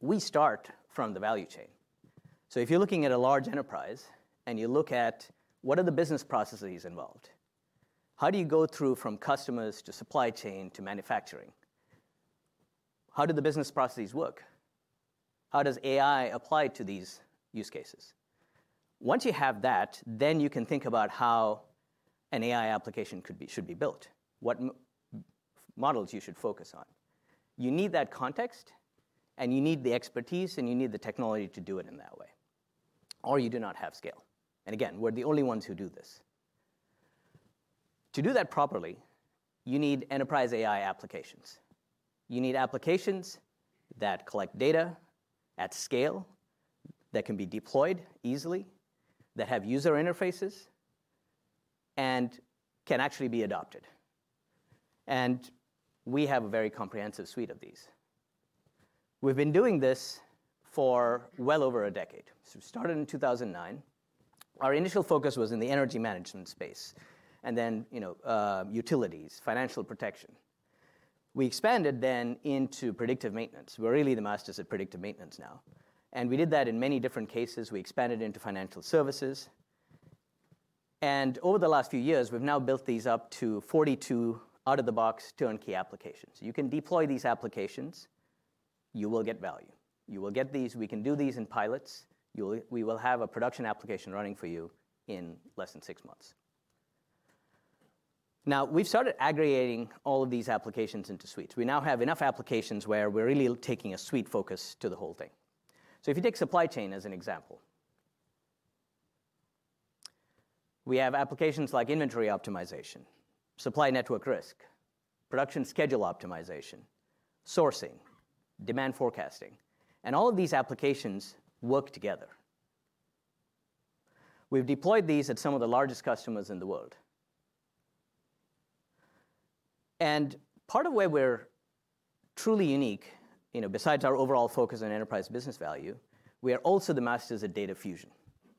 We start from the value chain. If you're looking at a large enterprise, and you look at: What are the business processes involved? How do you go through from customers to supply chain to manufacturing? How do the business processes work? How does AI apply to these use cases? Once you have that, then you can think about how an AI application could be, should be built, what models you should focus on. You need that context, and you need the expertise, and you need the technology to do it in that way, or you do not have scale. Again, we're the only ones who do this. To do that properly, you need enterprise AI applications. You need applications that collect data at scale, that can be deployed easily, that have user interfaces and can actually be adopted. We have a very comprehensive suite of these. We've been doing this for well over a decade. We started in 2009. Our initial focus was in the energy management space, then, you know, utilities, financial protection. We expanded then into predictive maintenance. We're really the masters at predictive maintenance now. We did that in many different cases. We expanded into financial services. Over the last few years, we've now built these up to 42 out-of-the-box, turnkey applications. You can deploy these applications, you will get value. We can do these in pilots. We will have a production application running for you in less than 6 months. Now, we've started aggregating all of these applications into suites. We now have enough applications where we're really taking a suite focus to the whole thing. If you take supply chain as an example, we have applications like inventory optimization, C3 AI Supply Network Risk, production schedule optimization, sourcing, demand forecasting, and all of these applications work together. We've deployed these at some of the largest customers in the world. Part of where we're truly unique, you know, besides our overall focus on enterprise business value, we are also the masters of data fusion,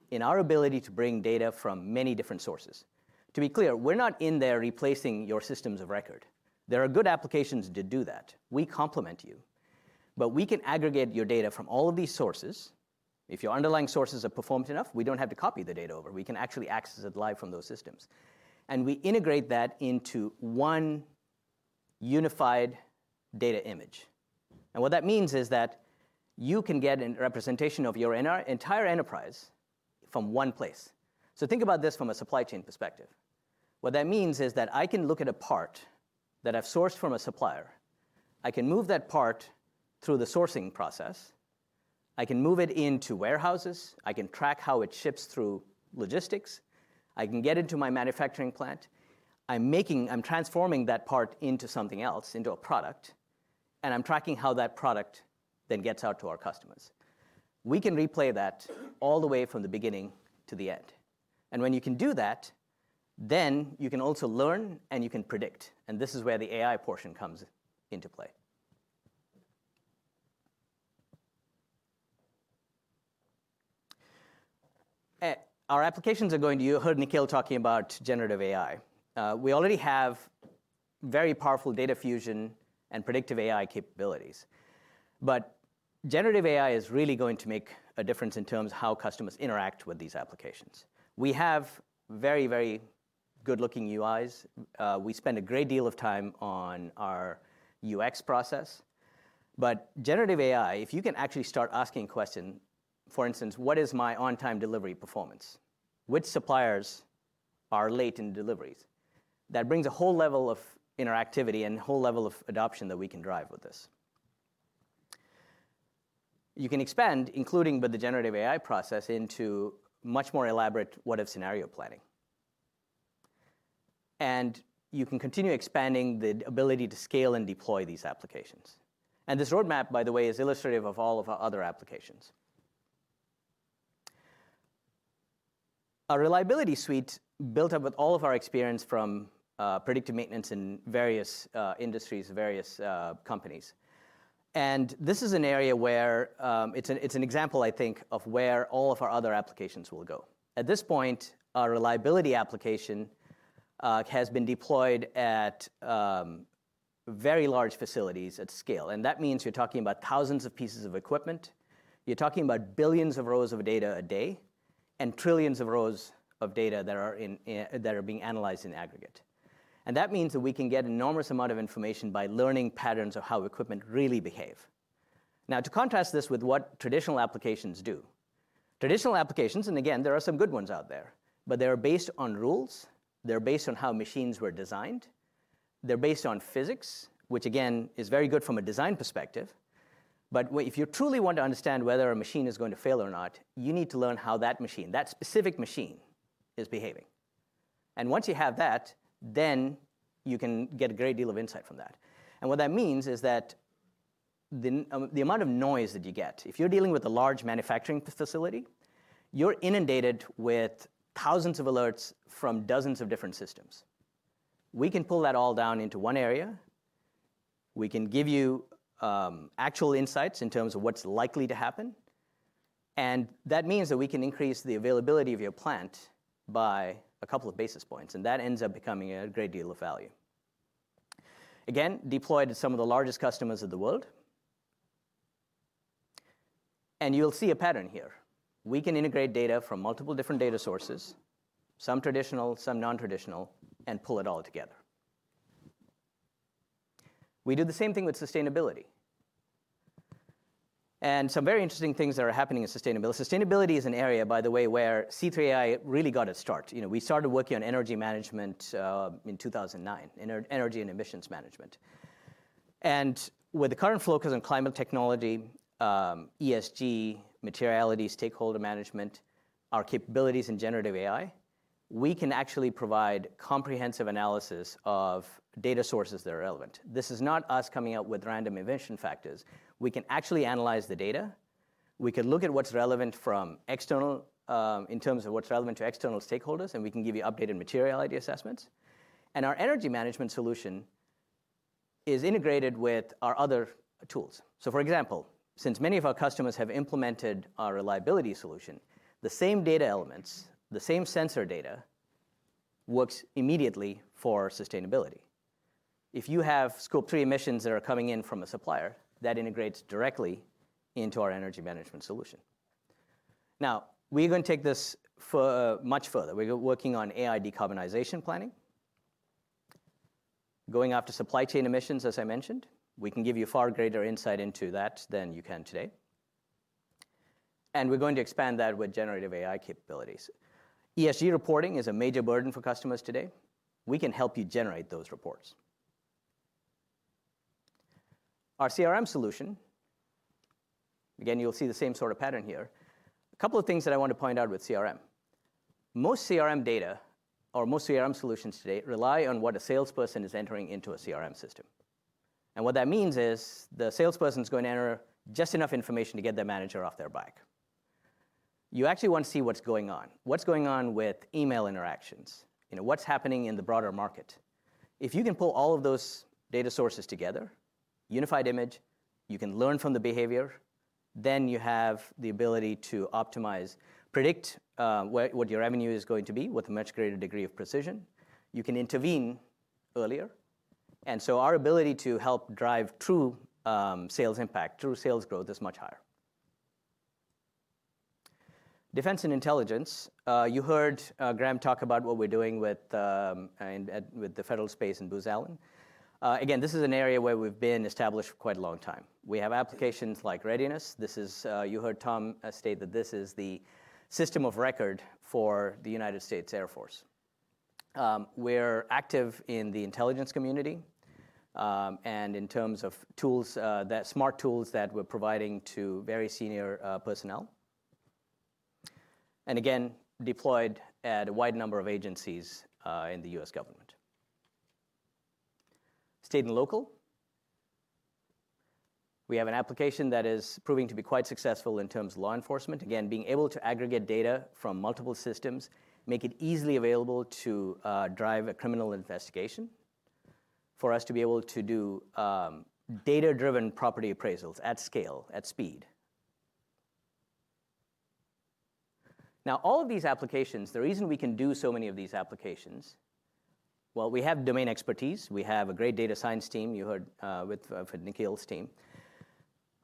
in our ability to bring data from many different sources. To be clear, we're not in there replacing your systems of record. There are good applications to do that. We complement you, but we can aggregate your data from all of these sources. If your underlying sources are performed enough, we don't have to copy the data over, we can actually access it live from those systems, and we integrate that into one unified data image. What that means is that you can get a representation of your entire enterprise from one place. Think about this from a supply chain perspective. What that means is that I can look at a part that I've sourced from a supplier. I can move that part through the sourcing process, I can move it into warehouses, I can track how it ships through logistics, I can get it to my manufacturing plant. I'm transforming that part into something else, into a product, and I'm tracking how that product then gets out to our customers. We can replay that all the way from the beginning to the end, when you can do that, then you can also learn and you can predict. This is where the AI portion comes into play. Our applications. You heard Nikhil talking about generative AI. We already have very powerful data fusion and predictive AI capabilities, generative AI is really going to make a difference in terms of how customers interact with these applications. We have very, very good-looking UIs. We spend a great deal of time on our UX process. Generative AI, if you can actually start asking questions, for instance, "What is my on-time delivery performance? Which suppliers are late in deliveries?" That brings a whole level of interactivity and whole level of adoption that we can drive with this. You can expand, including with the generative AI process, into much more elaborate what-if scenario planning. You can continue expanding the ability to scale and deploy these applications. This roadmap, by the way, is illustrative of all of our other applications. Our Reliability Suite, built up with all of our experience from predictive maintenance in various industries, various companies. This is an area where it's an example, I think, of where all of our other applications will go. At this point, our reliability application has been deployed at very large facilities at scale. That means you're talking about thousands of pieces of equipment, you're talking about billions of rows of data a day, and trillions of rows of data that are being analyzed in aggregate. That means that we can get an enormous amount of information by learning patterns of how equipment really behave. To contrast this with what traditional applications do. Traditional applications, and again, there are some good ones out there, but they are based on rules, they're based on how machines were designed, they're based on physics, which again, is very good from a design perspective. If you truly want to understand whether a machine is going to fail or not, you need to learn how that machine, that specific machine, is behaving. Once you have that, then you can get a great deal of insight from that. What that means is that the amount of noise that you get, if you're dealing with a large manufacturing facility, you're inundated with thousands of alerts from dozens of different systems. We can pull that all down into one area. We can give you actual insights in terms of what's likely to happen, and that means that we can increase the availability of your plant by a couple of basis points, and that ends up becoming a great deal of value. Again, deployed to some of the largest customers of the world. You'll see a pattern here. We can integrate data from multiple different data sources, some traditional, some non-traditional, and pull it all together. We do the same thing with sustainability. Some very interesting things are happening in sustainability. Sustainability is an area, by the way, where C3 AI really got its start. You know, we started working on energy management in 2009, energy and emissions management. With the current focus on climate technology, ESG, materiality, stakeholder management, our capabilities in generative AI, we can actually provide comprehensive analysis of data sources that are relevant. This is not us coming up with random invention factors. We can actually analyze the data. We can look at what's relevant from external, in terms of what's relevant to external stakeholders, and we can give you updated materiality assessments. Our energy management solution is integrated with our other tools. For example, since many of our customers have implemented our C3 AI Reliability solution, the same data elements, the same sensor data, works immediately for sustainability. If you have scope 3 emissions that are coming in from a supplier, that integrates directly into our energy management solution. We even take this much further. We're working on AI decarbonization planning, going after supply chain emissions, as I mentioned. We can give you far greater insight into that than you can today, and we're going to expand that with generative AI capabilities. ESG reporting is a major burden for customers today. We can help you generate those reports. Our CRM solution, again, you'll see the same sort of pattern here. A couple of things that I want to point out with CRM. Most CRM data or most CRM solutions today rely on what a salesperson is entering into a CRM system. What that means is the salesperson is going to enter just enough information to get their manager off their back. You actually want to see what's going on, what's going on with email interactions, you know, what's happening in the broader market. If you can pull all of those data sources together, unified image, you can learn from the behavior, you have the ability to optimize, predict what your revenue is going to be with a much greater degree of precision. You can intervene earlier. Our ability to help drive true sales impact, true sales growth, is much higher. Defense and intelligence. You heard Graham talk about what we're doing with the federal space and Booz Allen. Again, this is an area where we've been established for quite a long time. We have applications like Readiness. This is, you heard Tom state that this is the system of record for the U.S. Air Force. We're active in the intelligence community, and in terms of tools, smart tools that we're providing to very senior personnel, and again, deployed at a wide number of agencies in the U.S. government. State and local. We have an application that is proving to be quite successful in terms of law enforcement. Again, being able to aggregate data from multiple systems, make it easily available to drive a criminal investigation, for us to be able to do data-driven property appraisals at scale, at speed. All of these applications, the reason we can do so many of these applications, well, we have domain expertise. We have a great data science team, you heard with Nikhil's team.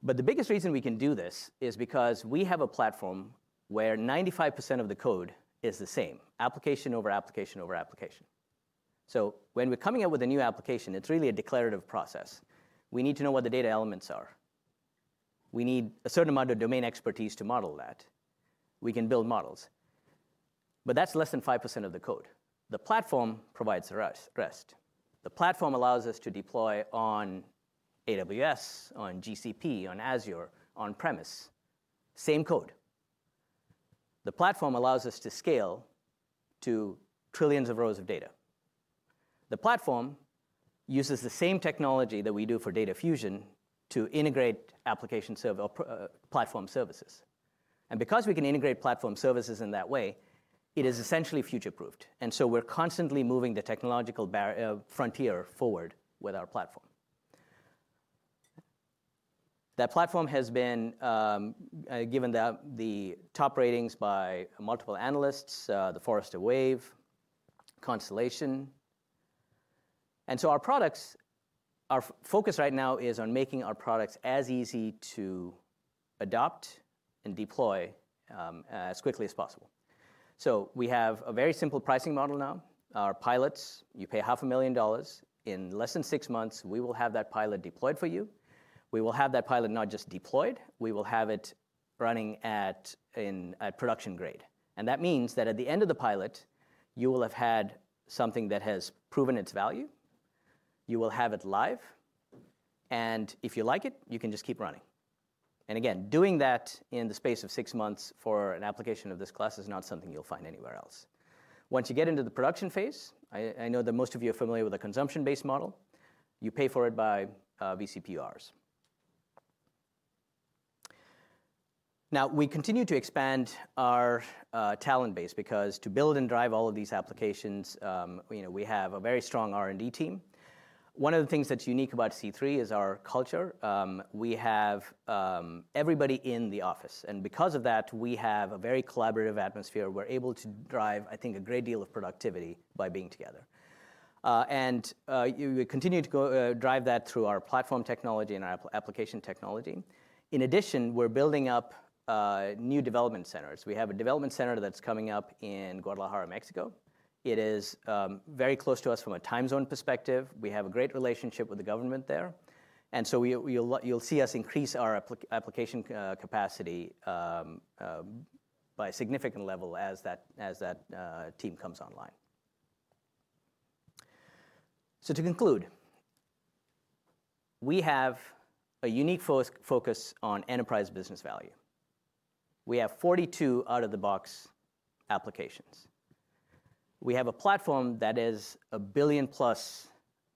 The biggest reason we can do this is because we have a platform where 95% of the code is the same, application over application over application. When we're coming up with a new application, it's really a declarative process. We need to know what the data elements are. We need a certain amount of domain expertise to model that. We can build models, but that's less than 5% of the code. The platform provides the rest. The platform allows us to deploy on AWS, on GCP, on Azure, on premise. Same code. The platform allows us to scale to trillions of rows of data. The platform uses the same technology that we do for data fusion to integrate application platform services. Because we can integrate platform services in that way, it is essentially future-proofed, we're constantly moving the technological frontier forward with our platform. That platform has been given the top ratings by multiple analysts, the Forrester Wave, Constellation. Our products focus right now is on making our products as easy to adopt and deploy as quickly as possible. We have a very simple pricing model now. Our pilots, you pay half a million dollars. In less than six months, we will have that pilot deployed for you. We will have that pilot not just deployed, we will have it running at production grade. That means that at the end of the pilot, you will have had something that has proven its value, you will have it live, and if you like it, you can just keep running. Again, doing that in the space of six months for an application of this class is not something you'll find anywhere else. Once you get into the production phase, I know that most of you are familiar with the consumption-based model. You pay for it by vCPUs. We continue to expand our talent base, because to build and drive all of these applications, you know, we have a very strong R&D team. One of the things that's unique about C3 is our culture. We have everybody in the office, and because of that, we have a very collaborative atmosphere. We're able to drive, I think, a great deal of productivity by being together. We continue to go drive that through our platform technology and our application technology. In addition, we're building up new development centers. We have a development center that's coming up in Guadalajara, Mexico. It is very close to us from a time zone perspective. We have a great relationship with the government there, you'll see us increase our application capacity by a significant level as that team comes online. To conclude, we have a unique focus on enterprise business value. We have 42 out-of-the-box applications. we have a platform that is a billion-plus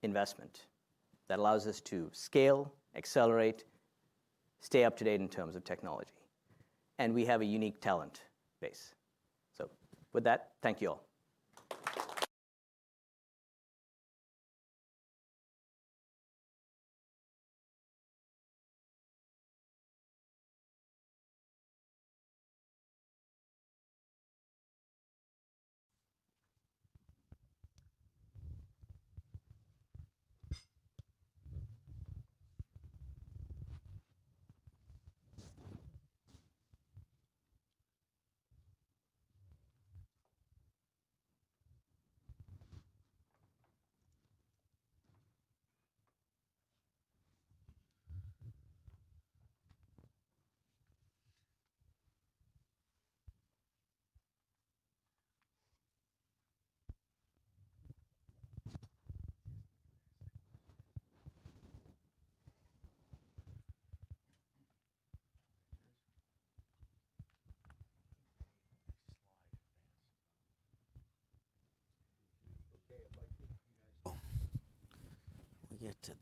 investment that allows us to scale, accelerate, stay up-to-date in terms of technology, and we have a unique talent base. With that, thank you all.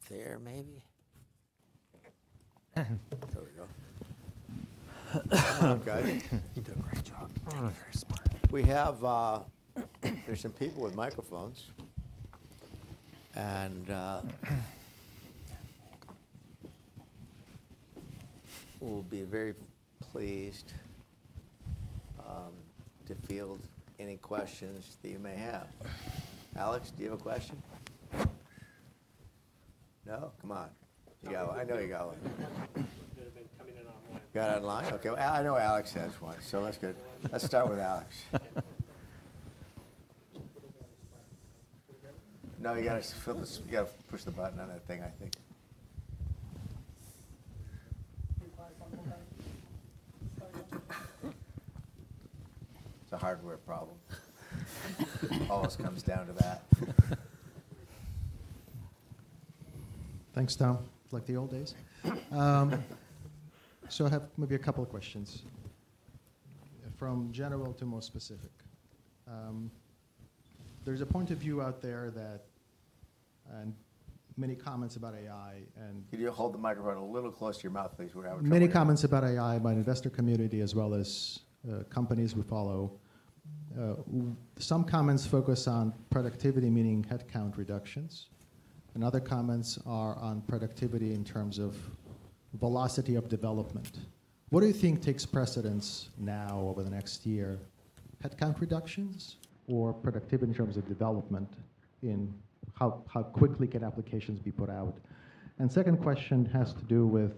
There we go. Okay. You did a great job. Very smart. We have, there's some people with microphones and, we'll be very pleased to field any questions that you may have. Alex, do you have a question? No? Come on. You got one. I know you got one. There have been coming in online. Got online? Okay, well, I know Alex has one, so that's good. Let's start with Alex. Put it on. No, you gotta fill this. You gotta push the button on that thing, I think. Try it one more time. It's a hardware problem. Always comes down to that. Thanks, Tom. Like the old days. I have maybe a couple of questions, from general to more specific. There's a point of view out there that, many comments about AI. Could you hold the microphone a little closer to your mouth, please? We're having trouble. Many comments about AI by the investor community, as well as companies we follow. Some comments focus on productivity, meaning headcount reductions, and other comments are on productivity in terms of velocity of development. What do you think takes precedence now over the next year: headcount reductions or productivity in terms of development, in how quickly can applications be put out? Second question has to do with,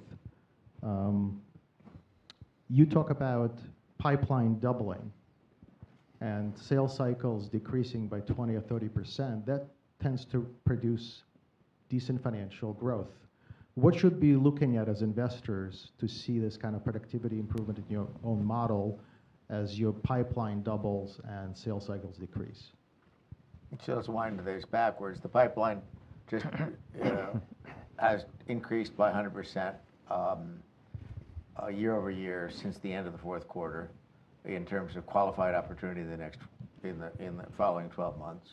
you talk about pipeline doubling and sales cycles decreasing by 20% or 30%. That tends to produce decent financial growth. What should we be looking at as investors to see this kind of productivity improvement in your own model as your pipeline doubles and sales cycles decrease? Let's wind those backwards. The pipeline just has increased by 100% year-over-year since the end of the fourth quarter, in terms of qualified opportunity in the following 12 months.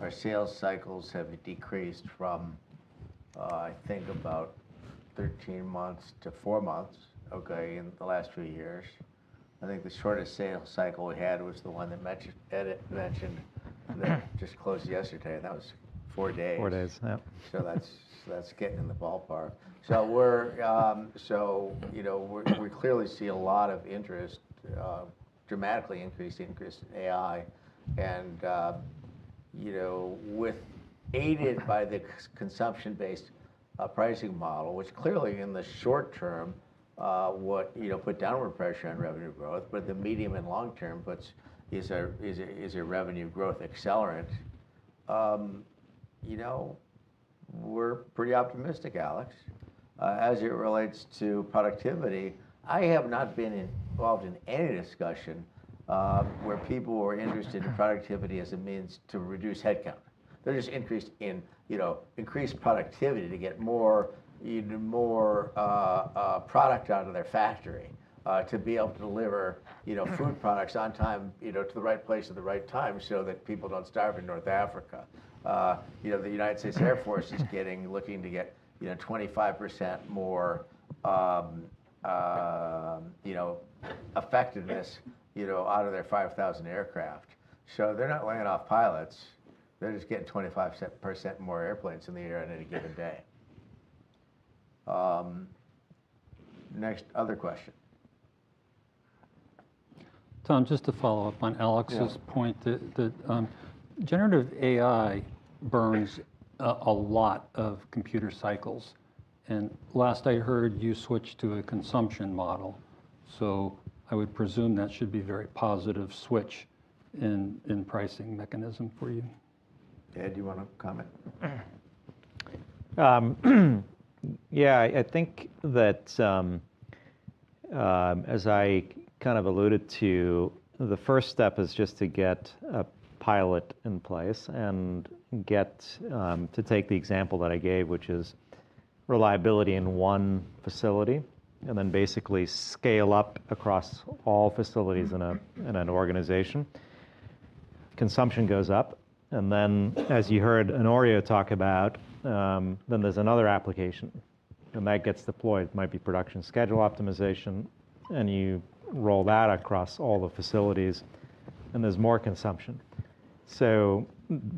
Our sales cycles have decreased from I think about 13 months to four months, okay, in the last few years. I think the shortest sales cycle we had was the one that Mitch mentioned that just closed yesterday, and that was four days. That's getting in the ballpark. We're, you know, we clearly see a lot of interest, dramatically increased in C3 AI and, you know, aided by the consumption-based pricing model, which clearly, in the short term, would, you know, put downward pressure on revenue growth, but the medium and long term is a revenue growth accelerant. You know, we're pretty optimistic, Alex. As it relates to productivity, I have not been involved in any discussion, where people were interested in productivity as a means to reduce headcount. They're just increased in, you know, increased productivity to get more, even more, product out of their factory, to be able to deliver, you know, food products on time, you know, to the right place at the right time, so that people don't starve in North Africa. You know, the US Air Force is getting, looking to get, you know, 25% more, you know, effectiveness, you know, out of their 5,000 aircraft. They're not laying off pilots, they're just getting 25% more airplanes in the air on any given day. Next, other question. Tom, just to follow up on Alex's- Yeah Point, that generative AI burns a lot of computer cycles, and last I heard, you switched to a consumption model, so I would presume that should be very positive switch in pricing mechanism for you. Ed, do you want to comment? Yeah, I think that, as I kind of alluded to, the first step is just to get a pilot in place and get. To take the example that I gave, which is. Reliability in one facility, basically scale up across all facilities in an organization. Consumption goes up. As you heard Honorio talk about, there's another application that gets deployed. Might be production schedule optimization. You roll that across all the facilities, there's more consumption.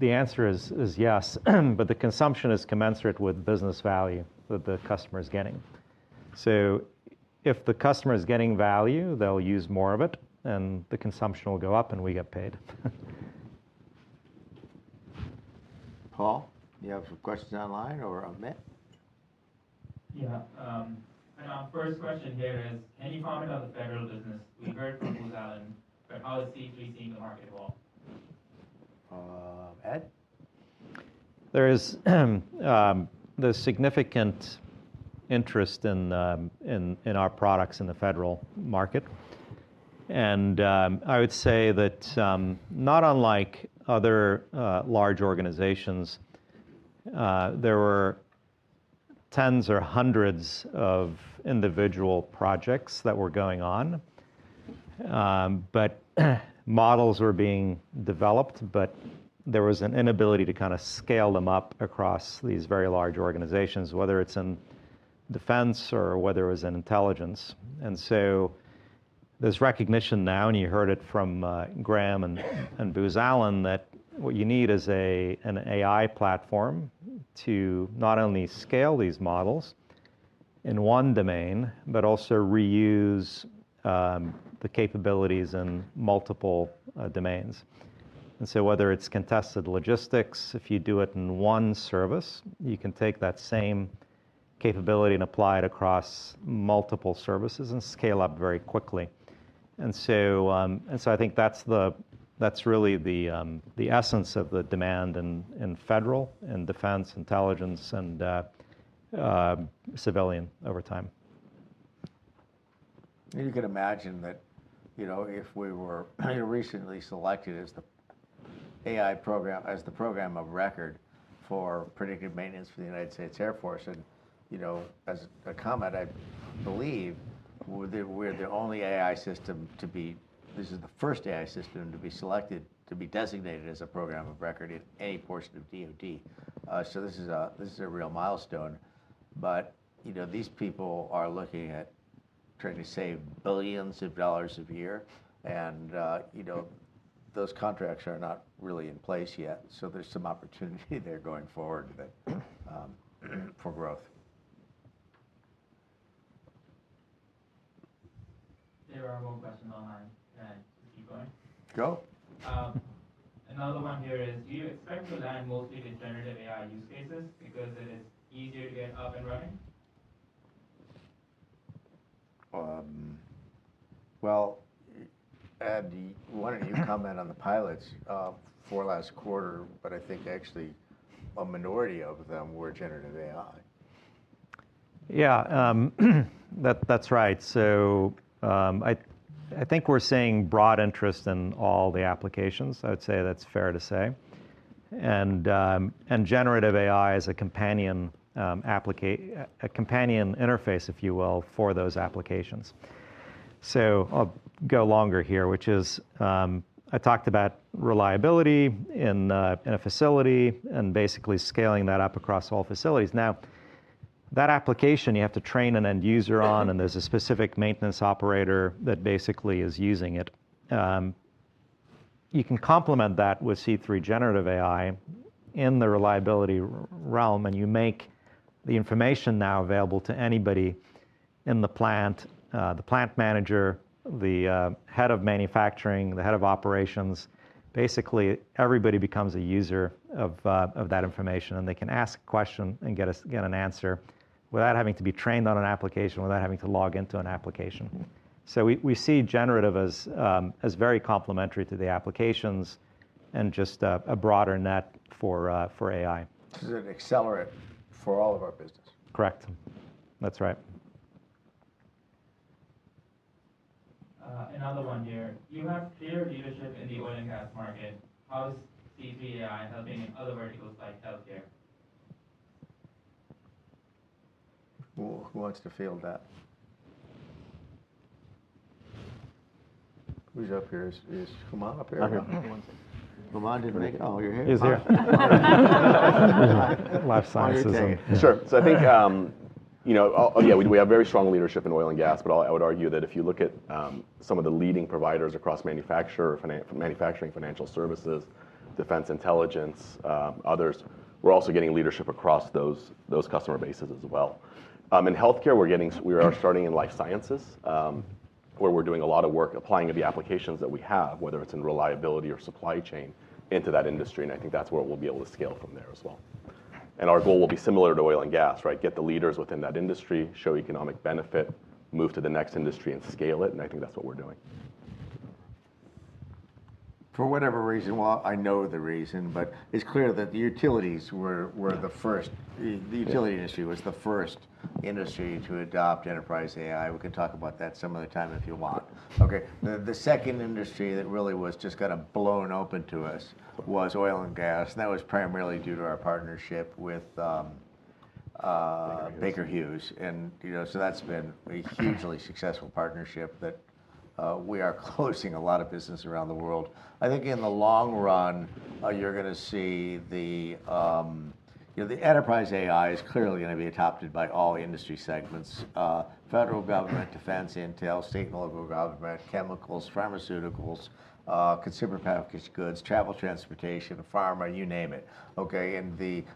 The answer is yes, but the consumption is commensurate with the business value that the customer is getting. If the customer is getting value, they'll use more of it, the consumption will go up, we get paid. Paul, you have questions online or Amit? Yeah. Our first question here is: any comment on the federal business? We heard from Booz Allen, but how is C3 seeing the market evolve? Ed? There's significant interest in our products in the federal market. I would say that, not unlike other large organizations, there were tens or hundreds of individual projects that were going on. Models were being developed, but there was an inability to kinda scale them up across these very large organizations, whether it's in defense or whether it was in intelligence. There's recognition now, and you heard it from Graham and Booz Allen, that what you need is an AI platform to not only scale these models in one domain, but also reuse the capabilities in multiple domains. Whether it's contested logistics, if you do it in one service, you can take that same capability and apply it across multiple services and scale up very quickly. I think that's really the essence of the demand in federal and defense intelligence and civilian over time. You could imagine that, you know, if we were recently selected as the program of record for predictive maintenance for the U.S. Air Force. You know, as a comment, I believe we're the only AI system to be designated as a program of record in any portion of DoD. This is the first AI system to be selected, to be designated as a program of record in any portion of DoD. This is a, this is a real milestone, but, you know, these people are looking at trying to save $billions a year, and, you know, those contracts are not really in place yet. There's some opportunity there going forward for growth. There are more questions online, and keep going. Go! Another one here is: Do you expect to land mostly generative AI use cases because it is easier to get up and running? Well, Ed, why don't you comment on the pilots for last quarter? I think actually, a minority of them were generative AI. Yeah, that's right. I think we're seeing broad interest in all the applications. I'd say that's fair to say. Generative AI is a companion interface, if you will, for those applications. I'll go longer here, which is, I talked about reliability in a facility and basically scaling that up across all facilities. Now, that application, you have to train an end user on, and there's a specific maintenance operator that basically is using it. You can complement that with C3 Generative AI in the reliability realm, and you make the information now available to anybody in the plant, the plant manager, the head of manufacturing, the head of operations. Everybody becomes a user of that information, and they can ask a question and get an answer without having to be trained on an application, without having to log into an application. We see generative as very complementary to the applications and just a broader net for AI. This is an accelerant for all of our business. Correct. That's right. Another one here. You have clear leadership in the oil and gas market. How is C3 AI helping in other verticals like healthcare? Who wants to field that? Who's up here? Is Kumar up here? I'm here. Kumar didn't make it. Oh, you're here. He's here. Life sciences. Sure. I think, you know. Yeah, we have very strong leadership in oil and gas, but I would argue that if you look at some of the leading providers across manufacturer, manufacturing financial services, defense, intelligence, others, we're also getting leadership across those customer bases as well. In healthcare, we are starting in life sciences, where we're doing a lot of work applying the applications that we have, whether it's in reliability or supply chain, into that industry, and I think that's where we'll be able to scale from there as well. Our goal will be similar to oil and gas, right? Get the leaders within that industry, show economic benefit, move to the next industry and scale it, and I think that's what we're doing. For whatever reason. Well, I know the reason, but it's clear that the utilities were the first- Yeah. The utility industry was the first industry to adopt enterprise AI. We can talk about that some other time if you want. The second industry that really was just kind of blown open to us was oil and gas, and that was primarily due to our partnership with. Baker Hughes. You know, so that's been a hugely successful partnership that we are closing a lot of business around the world. I think in the long run, you're going to see You know, the enterprise AI is clearly going to be adopted by all industry segments, federal government, defense, intel, state and local government, chemicals, pharmaceuticals, consumer packaged goods, travel, transportation, pharma, you name it. Okay,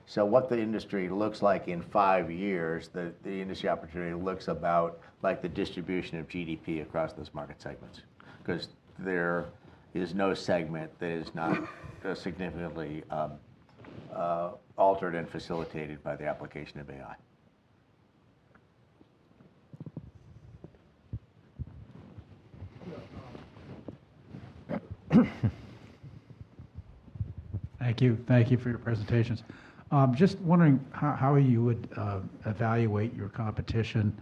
so what the industry looks like in 5 years, the industry opportunity looks about like the distribution of GDP across those market segments, 'cause there is no segment that is not significantly altered and facilitated by the application of AI. Yeah, thank you. Thank you for your presentations. Just wondering how you would evaluate your competition?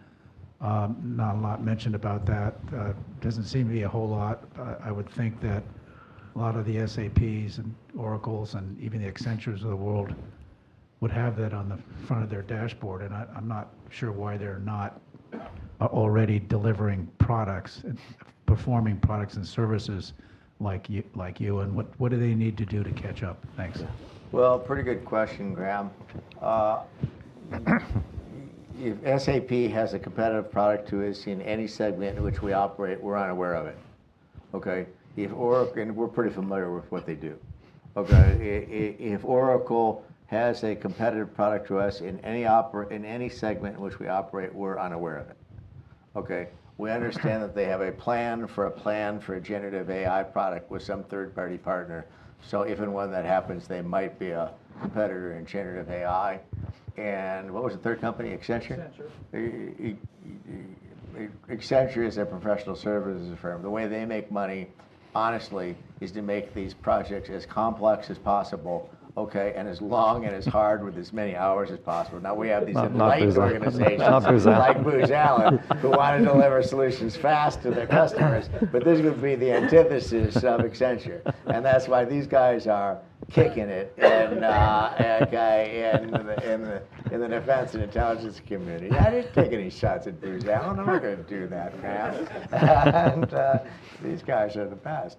Not a lot mentioned about that. Doesn't seem to be a whole lot. I would think that a lot of the SAPs and Oracles, and even the Accentures of the world, would have that on the front of their dashboard, and I'm not sure why they're not already delivering products and performing products and services like you. What do they need to do to catch up? Thanks. Well, pretty good question, Graham. If SAP has a competitive product to us in any segment in which we operate, we're unaware of it, okay? If Oracle we're pretty familiar with what they do. Okay, if Oracle has a competitive product to us in any segment in which we operate, we're unaware of it, okay? We understand that they have a plan for a generative AI product with some third-party partner, so if and when that happens, they might be a competitor in generative AI. What was the third company, Accenture? Accenture. Accenture is a professional services firm. The way they make money, honestly, is to make these projects as complex as possible, okay, and as long and as hard with as many hours as possible. Now, we have these. Not Booz Allen. Light organizations- Not Booz Allen. Like Booz Allen, who want to deliver solutions fast to their customers. This would be the antithesis of Accenture. That's why these guys are kicking it in the defense and intelligence community. I didn't take any shots at Booz Allen. I'm not going to do that, Graham. These guys are the best.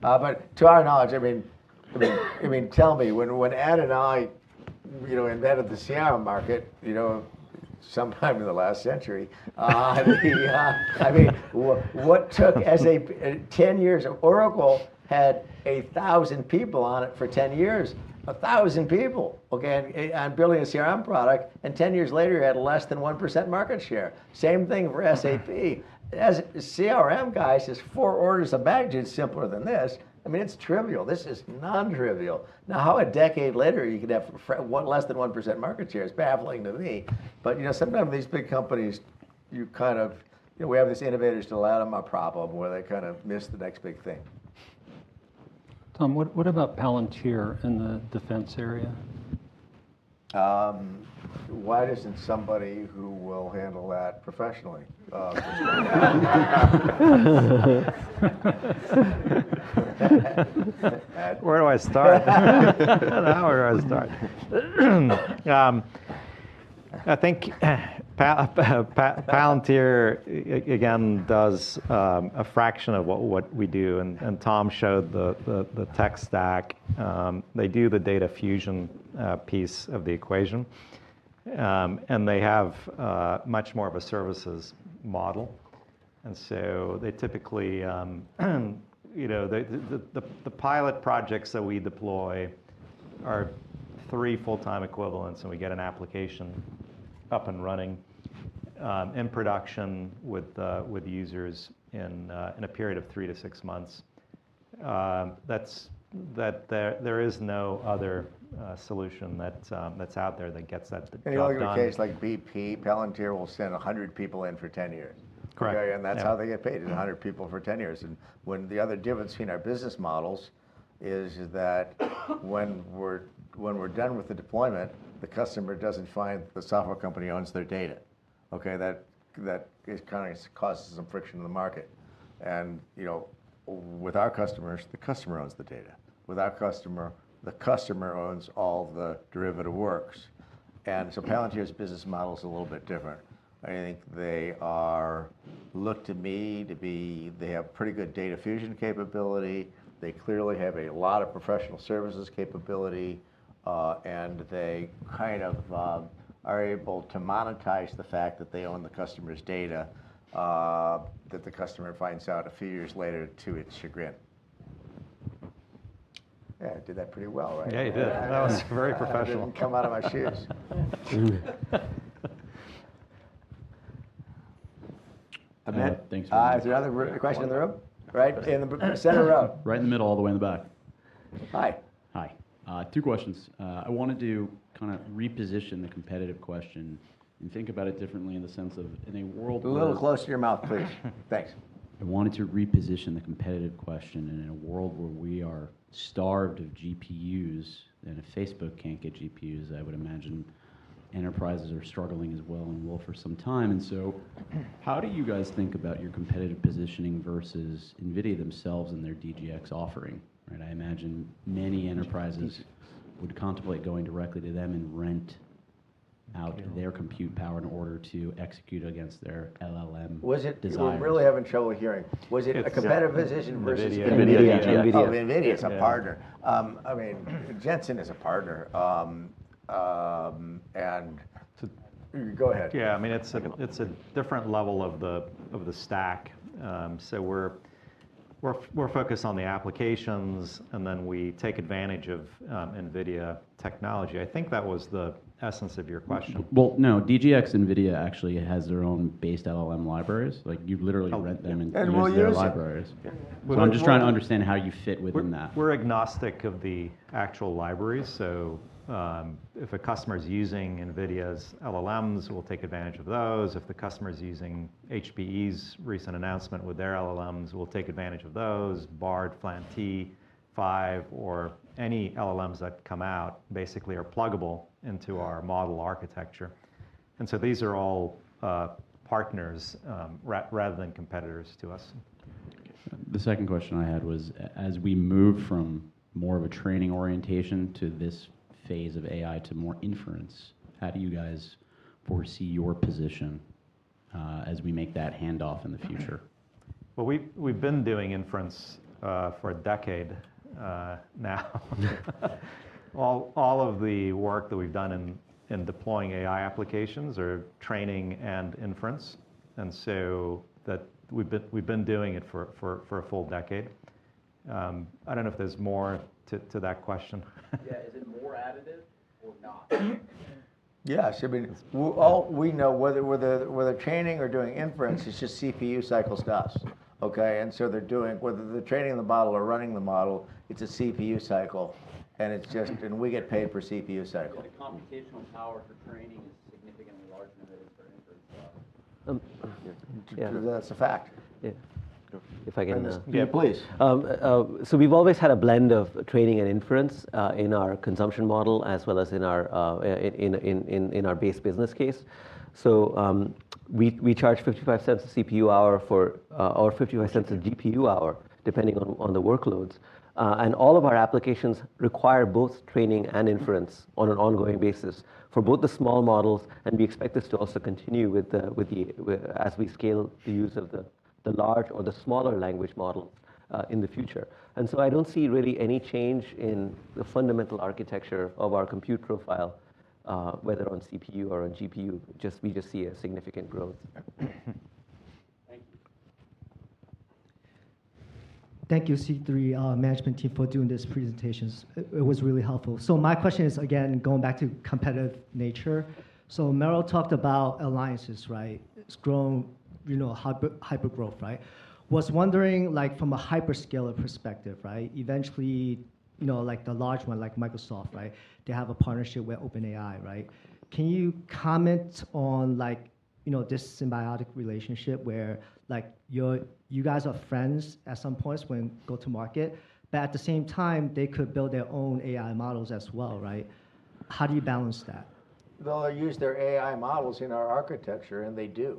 But to our knowledge, I mean, tell me, when Ed and I, you know, invented the CRM market, you know, sometime in the last century, I mean, what took SAP 10 years, Oracle had 1,000 people on it for 10 years. 1,000 people, okay, on building a CRM product, and 10 years later, you had less than 1% market share. Same thing for SAP. As CRM guys, it's four orders of magnitude simpler than this. I mean, it's trivial. This is nontrivial. How a decade later you could have less than 1% market share is baffling to me. You know, sometimes these big companies, you kind of you know, we have this innovator's dilemma problem, where they kind of miss the next big thing. Tom, what about Palantir in the defense area? Why doesn't somebody who will handle that professionally, Ed, where do I start? Now where do I start? I think Palantir again, does a fraction of what we do, and Tom showed the tech stack. They do the data fusion piece of the equation. They have much more of a services model, and so they typically, you know, the pilot projects that we deploy are 3 full-time equivalents, and we get an application up and running in production with users in a period of three to six months. That's, that. There is no other solution that's out there that gets that job done. In a case like BP, Palantir will send 100 people in for 10 years. Correct. Okay? Yeah. That's how they get paid. Mm 100 people for 10 years. When the other difference between our business models is that when we're done with the deployment, the customer doesn't find the software company owns their data. Okay, that is kind of causes some friction in the market. You know, with our customers, the customer owns the data. With our customer, the customer owns all the derivative works. So Palantir's business model is a little bit different. I think they look to me to be, they have pretty good data fusion capability, they clearly have a lot of professional services capability, and they kind of are able to monetize the fact that they own the customer's data that the customer finds out a few years later, to its chagrin. Yeah, I did that pretty well, right? Yeah, you did. That was very professional. I didn't come out of my shoes. Amit? Thanks. Is there another question in the room? Right in the center row. Right in the middle, all the way in the back. Hi. Hi, two questions. I wanted to kind of reposition the competitive question and think about it differently in the sense of in a world where. A little closer to your mouth, please. Thanks. I wanted to reposition the competitive question, and in a world where we are starved of GPUs, and if Facebook can't get GPUs, I would imagine enterprises are struggling as well, and will for some time. How do you guys think about your competitive positioning versus NVIDIA themselves and their DGX offering? Right, I imagine many enterprises would contemplate going directly to them and rent out their compute power in order to execute against their LLM desire. I'm really having trouble hearing. Yeah Was it a competitive position versus- NVIDIA. Oh, NVIDIA is a partner. I mean, Jensen is a partner. Go ahead. I mean, it's a different level of the stack. We're focused on the applications, and then we take advantage of NVIDIA technology. I think that was the essence of your question. Well, no, DGX NVIDIA actually has their own base LLM libraries. Like, you literally rent them- Oh And use their libraries. We'll use it. I'm just trying to understand how you fit within that. We're agnostic of the actual libraries. If a customer is using NVIDIA's LLMs, we'll take advantage of those. If the customer is using HPE's recent announcement with their LLMs, we'll take advantage of those. Bard, FLAN-T5, or any LLMs that come out basically are pluggable into our model architecture. These are all partners rather than competitors to us. The second question I had was, as we move from more of a training orientation to this phase of AI to more inference, how do you guys foresee your position, as we make that handoff in the future? Well, we've been doing inference for a decade now. All of the work that we've done in deploying AI applications are training and inference, and so that. We've been doing it for a full decade. I don't know if there's more to that question. Yeah. Is it more additive or not? Yeah, I mean, we know whether training or doing inference, it's just CPU cycles to us, okay? They're doing. Whether they're training the model or running the model, it's a CPU cycle, and we get paid for CPU cycle. The computational power for training is significantly larger than it is for inference. Yeah. That's a fact. Yeah. If I get in a- Yeah, please. We've always had a blend of training and inference in our consumption model, as well as in our base business case. We charge $0.55 a CPU hour for or $0.55 a GPU hour, depending on the workloads. All of our applications require both training and inference on an ongoing basis for both the small models, and we expect this to also continue with the as we scale the use of the large or the smaller language model in the future. I don't see really any change in the fundamental architecture of our compute profile, whether on CPU or on GPU, we just see a significant growth. Thank you. Thank you, C3 management team for doing this presentations. It was really helpful. My question is, again, going back to competitive nature. Merel talked about alliances, right? It's grown, you know, hypergrowth, right? Was wondering, like from a hyperscaler perspective, right, eventually, you know, like the large one, like Microsoft, right, they have a partnership with OpenAI, right? Can you comment on, like, you guys are friends at some points when go to market, but at the same time, they could build their own AI models as well, right? How do you balance that? They'll use their AI models in our architecture, and they do.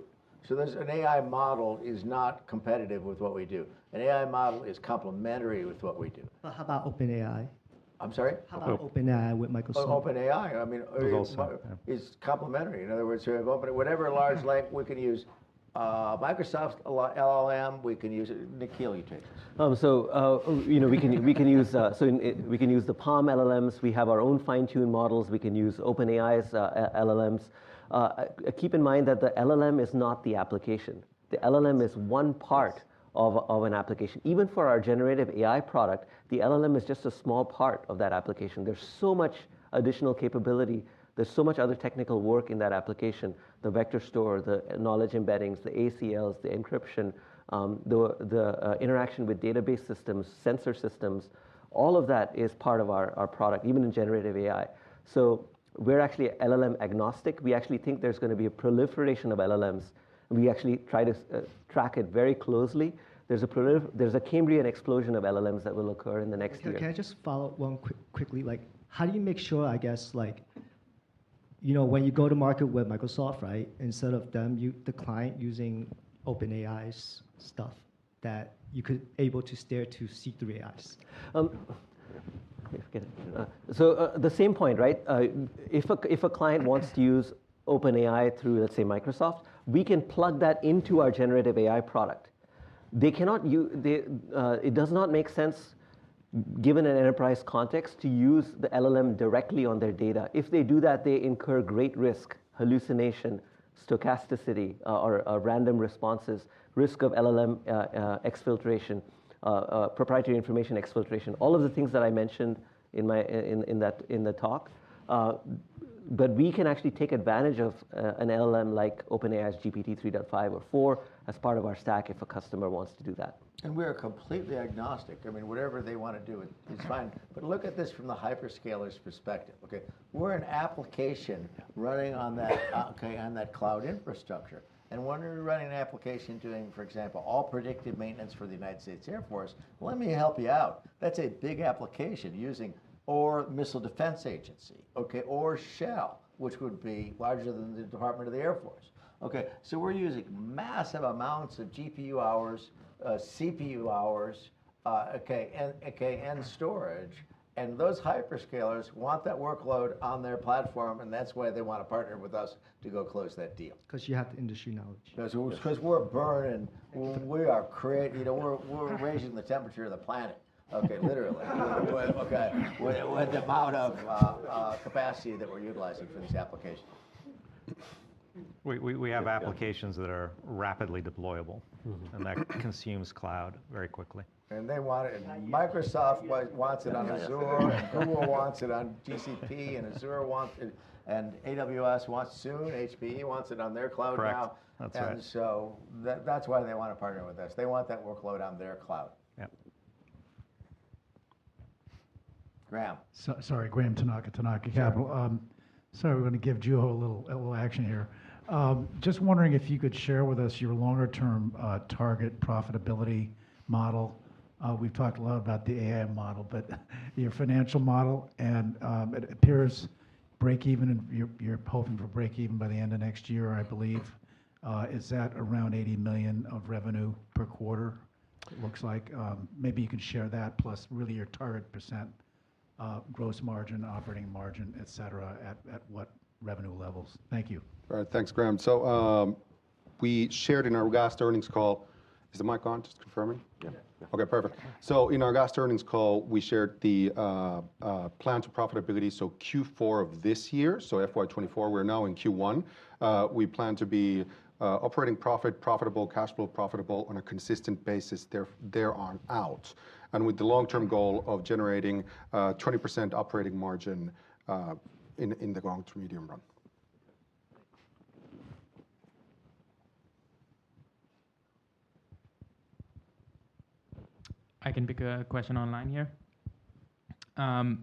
An AI model is not competitive with what we do. An AI model is complementary with what we do. How about OpenAI? I'm sorry? How about OpenAI with Microsoft? OpenAI, I mean- Is also. Is complementary. In other words, we have whatever we can use, Microsoft's LLM, we can use. Nikhil Krishnan, you take it. You know, we can use the PaLM LLMs. We have our own fine-tune models. We can use OpenAI's LLMs. Keep in mind that the LLM is not the application. The LLM is one part. Yes Of an application. Even for our generative AI product, the LLM is just a small part of that application. There's so much additional capability. There's so much other technical work in that application: the vector store, the knowledge embeddings, the ACLs, the encryption, the interaction with database systems, sensor systems. All of that is part of our product, even in generative AI. We're actually LLM agnostic. We actually think there's gonna be a proliferation of LLMs. We actually try to track it very closely. There's a Cambrian explosion of LLMs that will occur in the next year. Can I just follow up one quick, quickly? Like, how do you make sure, I guess, like, you know, when you go to market with Microsoft, right, instead of them the client using OpenAI's stuff, that you could able to steer to C3 AI's? The same point, right? If a client wants to use OpenAI through, let's say, Microsoft, we can plug that into our generative AI product. It does not make sense, given an enterprise context, to use the LLM directly on their data. If they do that, they incur great risk: hallucination, stochasticity, or random responses, risk of LLM exfiltration, proprietary information exfiltration, all of the things that I mentioned in my, in that, in the talk. We can actually take advantage of an LLM, like OpenAI's GPT-3.5 or 4, as part of our stack if a customer wants to do that. We are completely agnostic. I mean, whatever they wanna do, it's fine. Look at this from the hyperscalers' perspective. We're an application running on that cloud infrastructure. When we're running an application doing, for example, all predictive maintenance for the U.S. Air Force, let me help you out. That's a big application using. Or Missile Defense Agency, or Shell, which would be larger than the Department of the Air Force. We're using massive amounts of GPU hours, CPU hours, and storage. Those hyperscalers want that workload on their platform. That's why they want to partner with us to go close that deal. 'Cause you have the industry knowledge. You know, we're raising the temperature of the planet, okay, literally. With the amount of capacity that we're utilizing for these applications. We have applications that are rapidly deployable. Mm-hmm. That consumes cloud very quickly. They want it. Microsoft like wants it on Azure, and Google wants it on GCP, and Azure wants it, and AWS wants it soon. HPE wants it on their cloud now. That's why they want to partner with us. They want that workload on their cloud. Yep. Graham. sorry, Graham Tanaka Capital. Yeah. Sorry, we're gonna give Juho a little, a little action here. Just wondering if you could share with us your longer-term target profitability model. We've talked a lot about the AI model, but your financial model, and it appears breakeven and you're hoping for breakeven by the end of next year, I believe. Is that around $80 million of revenue per quarter, it looks like? Maybe you can share that, plus really your target % gross margin, operating margin, et cetera, at what revenue levels. Thank you. All right. Thanks, Graham. We shared in our last earnings call. Is the mic on? Just confirming. Yeah. Okay, perfect. In our last earnings call, we shared the plan to profitability, Q4 of this year, FY 2024, we're now in Q1. We plan to be operating profitable, cash flow profitable on a consistent basis there, thereon out, with the long-term goal of generating 20% operating margin in the long to medium run. I can pick a question online here.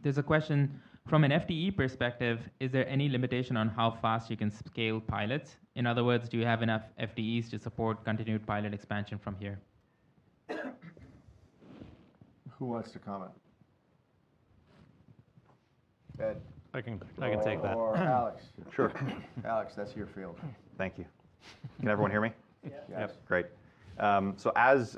There's a question: from an FTE perspective, is there any limitation on how fast you can scale pilots? In other words, do you have enough FTEs to support continued pilot expansion from here? Who wants to comment? Ed. I can take that. Or Alex. Sure. Alex, that's your field. Thank you. Can everyone hear me? Yeah. Yep, great. As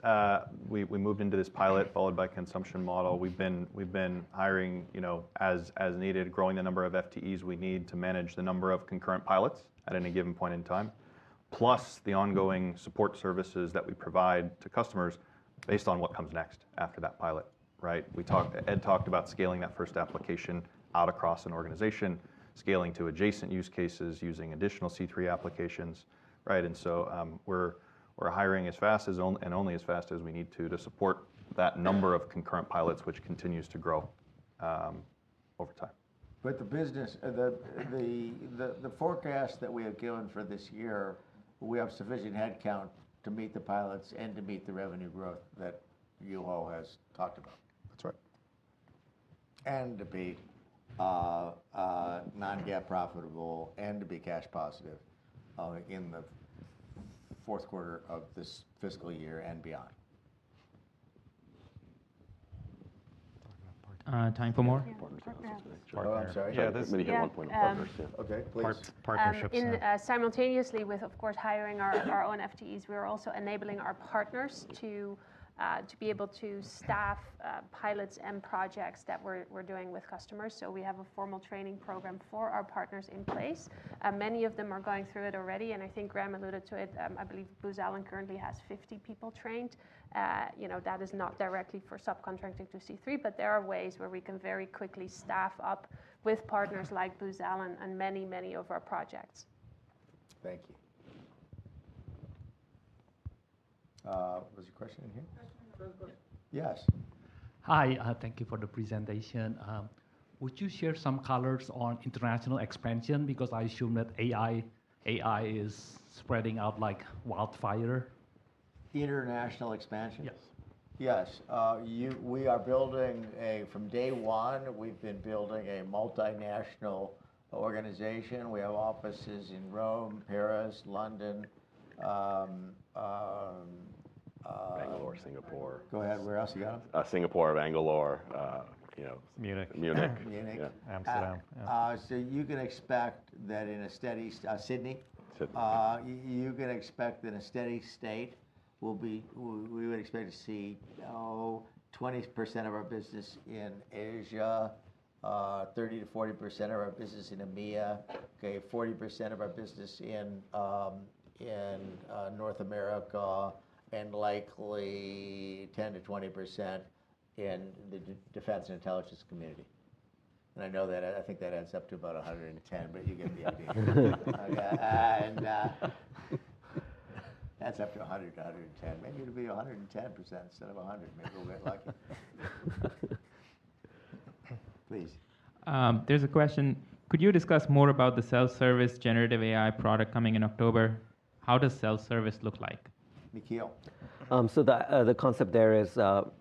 we moved into this pilot, followed by consumption model, we've been hiring, you know, as needed, growing the number of FTEs we need to manage the number of concurrent pilots at any given point in time, plus the ongoing support services that we provide to customers based on what comes next after that pilot, right? Ed talked about scaling that first application out across an organization, scaling to adjacent use cases, using additional C3 applications, right? We're hiring only as fast as we need to support that number of concurrent pilots, which continues to grow over time. The business, the forecast that we have given for this year, we have sufficient headcount to meet the pilots and to meet the revenue growth that Juho has talked about. That's right. To be non-GAAP profitable and to be cash positive in the fourth quarter of this fiscal year and beyond. Talking about. Time for more? Yeah, partners. Oh, I'm sorry. Yeah, let me hit one point on partners too. Okay, please. In simultaneously with, of course, hiring our own FTEs, we are also enabling our partners to be able to staff pilots and projects that we're doing with customers. We have a formal training program for our partners in place, and many of them are going through it already, and I think Graham alluded to it. I believe Booz Allen currently has 50 people trained. You know, that is not directly for subcontracting to C3, but there are ways where we can very quickly staff up with partners like Booz Allen on many, many of our projects. Thank you. There was a question in here? Yes, there was a question. Yes. Hi, thank you for the presentation. Would you share some colors on international expansion? I assume that AI is spreading out like wildfire. The international expansion? Yes. Yes. we are building a from day one, we've been building a multinational organization. We have offices in Rome, Paris, London, Bangalore, Singapore. Go ahead. Where else you got? Singapore, Bangalore, you know. Munich. Munich. Munich. Yeah, Amsterdam. You can expect that in a steady, Sydney? Sydney. You can expect that a steady state we would expect to see, 20% of our business in Asia, 30%-40% of our business in EMEA, okay, 40% of our business in North America, and likely 10%-20% in the defense and intelligence community. I know that, I think that adds up to about 110, but you get the idea. adds up to 100%, 110%. Maybe it'll be 110% instead of 100. Maybe we'll get lucky. Please. There's a question: Could you discuss more about the self-service generative AI product coming in October? How does self-service look like? Nikhil The concept there is from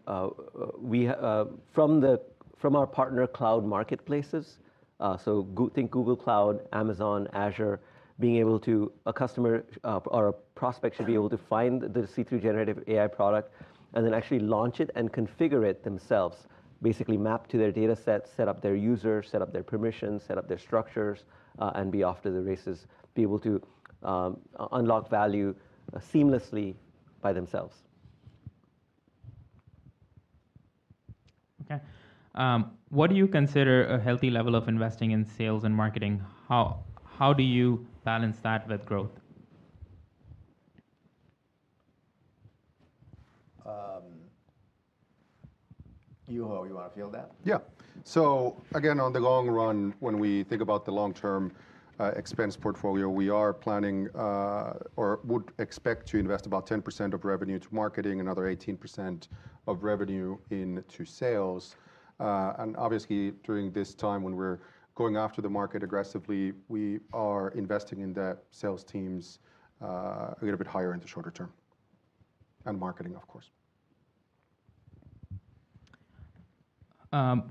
the, from our partner cloud marketplaces, think Google Cloud, Amazon, Azure, being able to. A customer or a prospect should be able to find the C3 Generative AI product and then actually launch it and configure it themselves. Basically, map to their data set up their user, set up their permissions, set up their structures, and be off to the races. Be able to unlock value seamlessly by themselves. Okay. What do you consider a healthy level of investing in sales and marketing? How do you balance that with growth? Juho, you wanna field that? Yeah. Again, on the long run, when we think about the long-term expense portfolio, we are planning, or would expect to invest about 10% of revenue into marketing, another 18% of revenue into sales. Obviously, during this time when we're going after the market aggressively, we are investing in the sales teams, a little bit higher in the shorter term, and marketing, of course.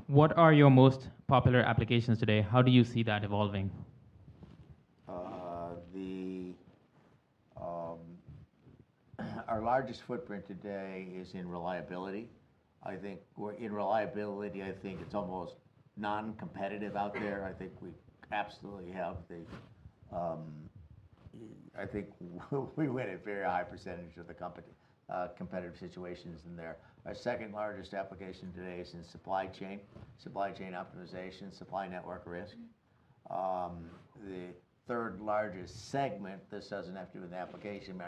What are your most popular applications today? How do you see that evolving? The, our largest footprint today is in reliability. In reliability, I think it's almost non-competitive out there. I think we absolutely have the, I think we win a very high percentage of the company, competitive situations in there. Our second largest application today is in supply chain optimization, Supply Network Risk. The third largest segment, this doesn't have to do with the application.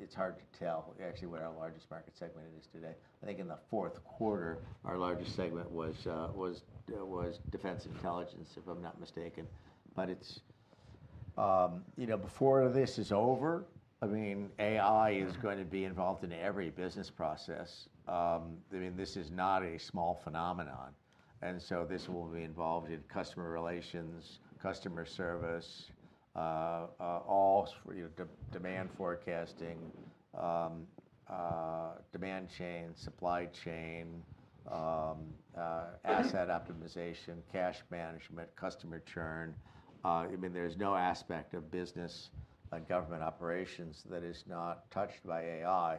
It's hard to tell actually what our largest market segment is today. I think in the fourth quarter, our largest segment was defense intelligence, if I'm not mistaken. It's, you know, before this is over, I mean, AI is going to be involved in every business process. I mean, this is not a small phenomenon, this will be involved in customer relations, customer service, all sort of demand forecasting, demand chain, supply chain, asset optimization, cash management, customer churn. I mean, there's no aspect of business and government operations that is not touched by AI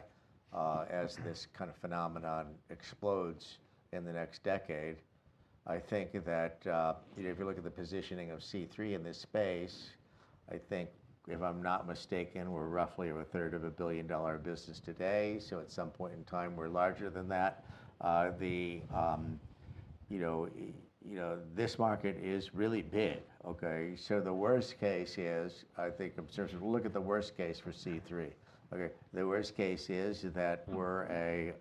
as this kind of phenomenon explodes in the next decade. I think that, if you look at the positioning of C3 in this space, I think, if I'm not mistaken, we're roughly a third of a billion-dollar business today. At some point in time, we're larger than that. The, you know, you know, this market is really big, okay? The worst case is, I think, obsessive. We'll look at the worst case for C3. The worst case is that we're a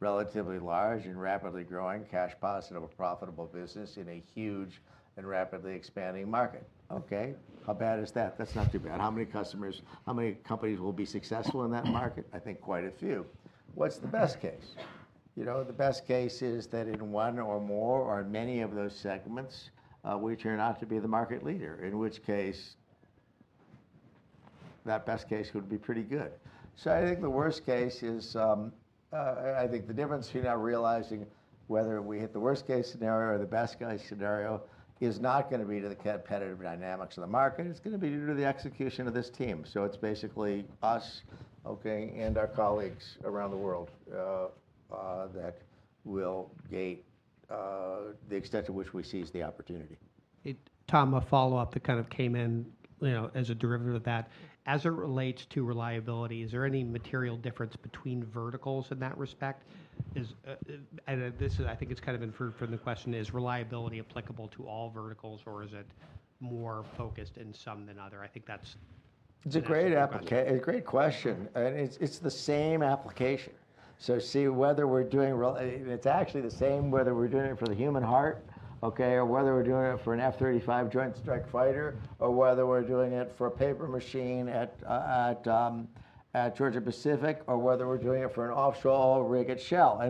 relatively large and rapidly growing cash positive and profitable business in a huge and rapidly expanding market. How bad is that? That's not too bad. How many customers, how many companies will be successful in that market? I think quite a few. What's the best case? You know, the best case is that in one or more or in many of those segments, we turn out to be the market leader, in which case that best case would be pretty good. I think the worst case is, I think the difference between now realizing whether we hit the worst-case scenario or the best-case scenario is not gonna be to the competitive dynamics of the market. It's gonna be due to the execution of this team. It's basically us, and our colleagues around the world, that will gate the extent to which we seize the opportunity. Hey, Tom, a follow-up that kind of came in, you know, as a derivative of that. As it relates to reliability, is there any material difference between verticals in that respect? I think it's kind of inferred from the question: Is reliability applicable to all verticals, or is it more focused in some than other? I think that's. It's a great question, and it's the same application. See, it's actually the same, whether we're doing it for the human heart, okay, or whether we're doing it for an F-35 Joint Strike Fighter, or whether we're doing it for a paper machine at Georgia-Pacific, or whether we're doing it for an offshore oil rig at Shell.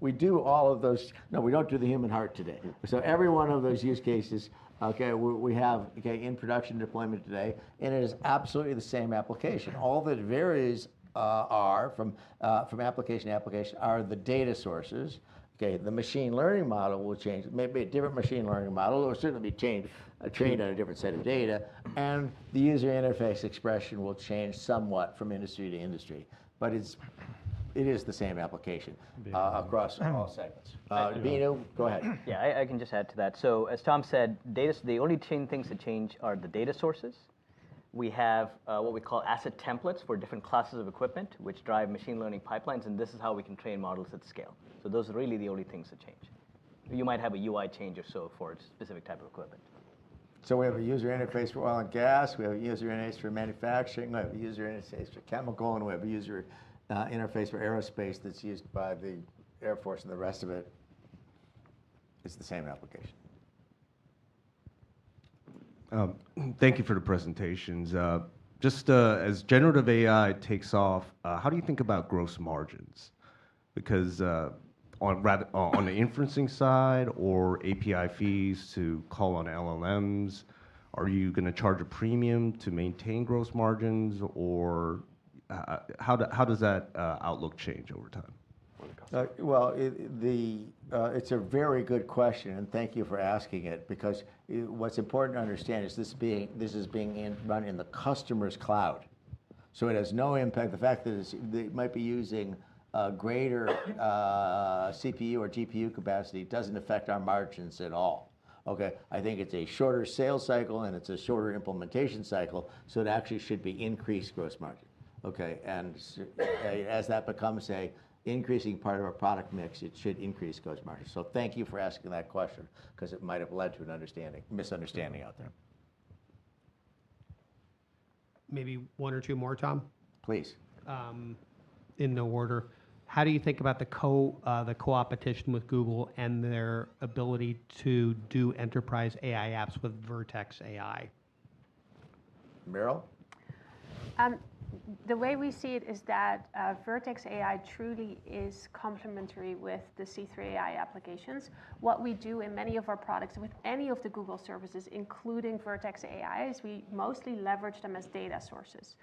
We do all of those. No, we don't do the human heart today. Yeah. Every one of those use cases, okay, we have, okay, in production deployment today, and it is absolutely the same application. All that varies are from application to application are the data sources. Okay, the machine learning model will change. Maybe a different machine learning model, or certainly changed, trained on a different set of data, and the user interface expression will change somewhat from industry to industry, but it is the same application.... across all segments. I- Binu, go ahead. I can just add to that. As Tom said, data, the only things that change are the data sources. We have what we call asset templates for different classes of equipment, which drive machine learning pipelines, and this is how we can train models at scale. Those are really the only things that change. You might have a UI change or so for a specific type of equipment. We have a user interface for oil and gas, we have a user interface for manufacturing, we have a user interface for chemical, and we have a user interface for aerospace that's used by the Air Force and the rest of it. It's the same application. Thank you for the presentations. Just as generative AI takes off, how do you think about gross margins? Because on the inferencing side or API fees to call on LLMs, are you gonna charge a premium to maintain gross margins? How does that outlook change over time? Well, it's a very good question. Thank you for asking it, because what's important to understand is this is being run in the customer's cloud, so it has no impact. The fact that they might be using greater CPU or GPU capacity doesn't affect our margins at all, okay? I think it's a shorter sales cycle, and it's a shorter implementation cycle. It actually should be increased gross margin, okay? As that becomes a increasing part of our product mix, it should increase gross margin. Thank you for asking that question 'cause it might have led to a misunderstanding out there. Maybe one or two more, Tom? Please. In no order, how do you think about the co-opetition with Google and their ability to do enterprise AI apps with Vertex AI? Merel? The way we see it is that Vertex AI truly is complementary with the C3 AI applications. What we do in many of our products with any of the Google services, including Vertex AI, is we mostly leverage them as data sources.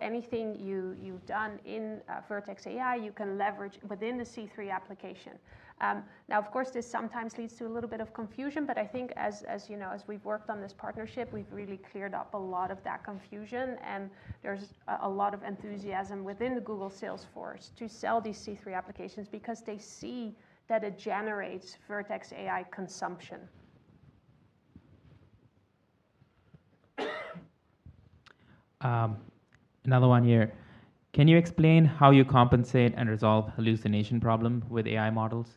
Anything you've done in Vertex AI, you can leverage within the C3 application. Now, of course, this sometimes leads to a little bit of confusion, but I think as you know, as we've worked on this partnership, we've really cleared up a lot of that confusion, and there's a lot of enthusiasm within the Google sales force to sell these C3 applications because they see that it generates Vertex AI consumption. Another one here. Can you explain how you compensate and resolve hallucination problem with AI models?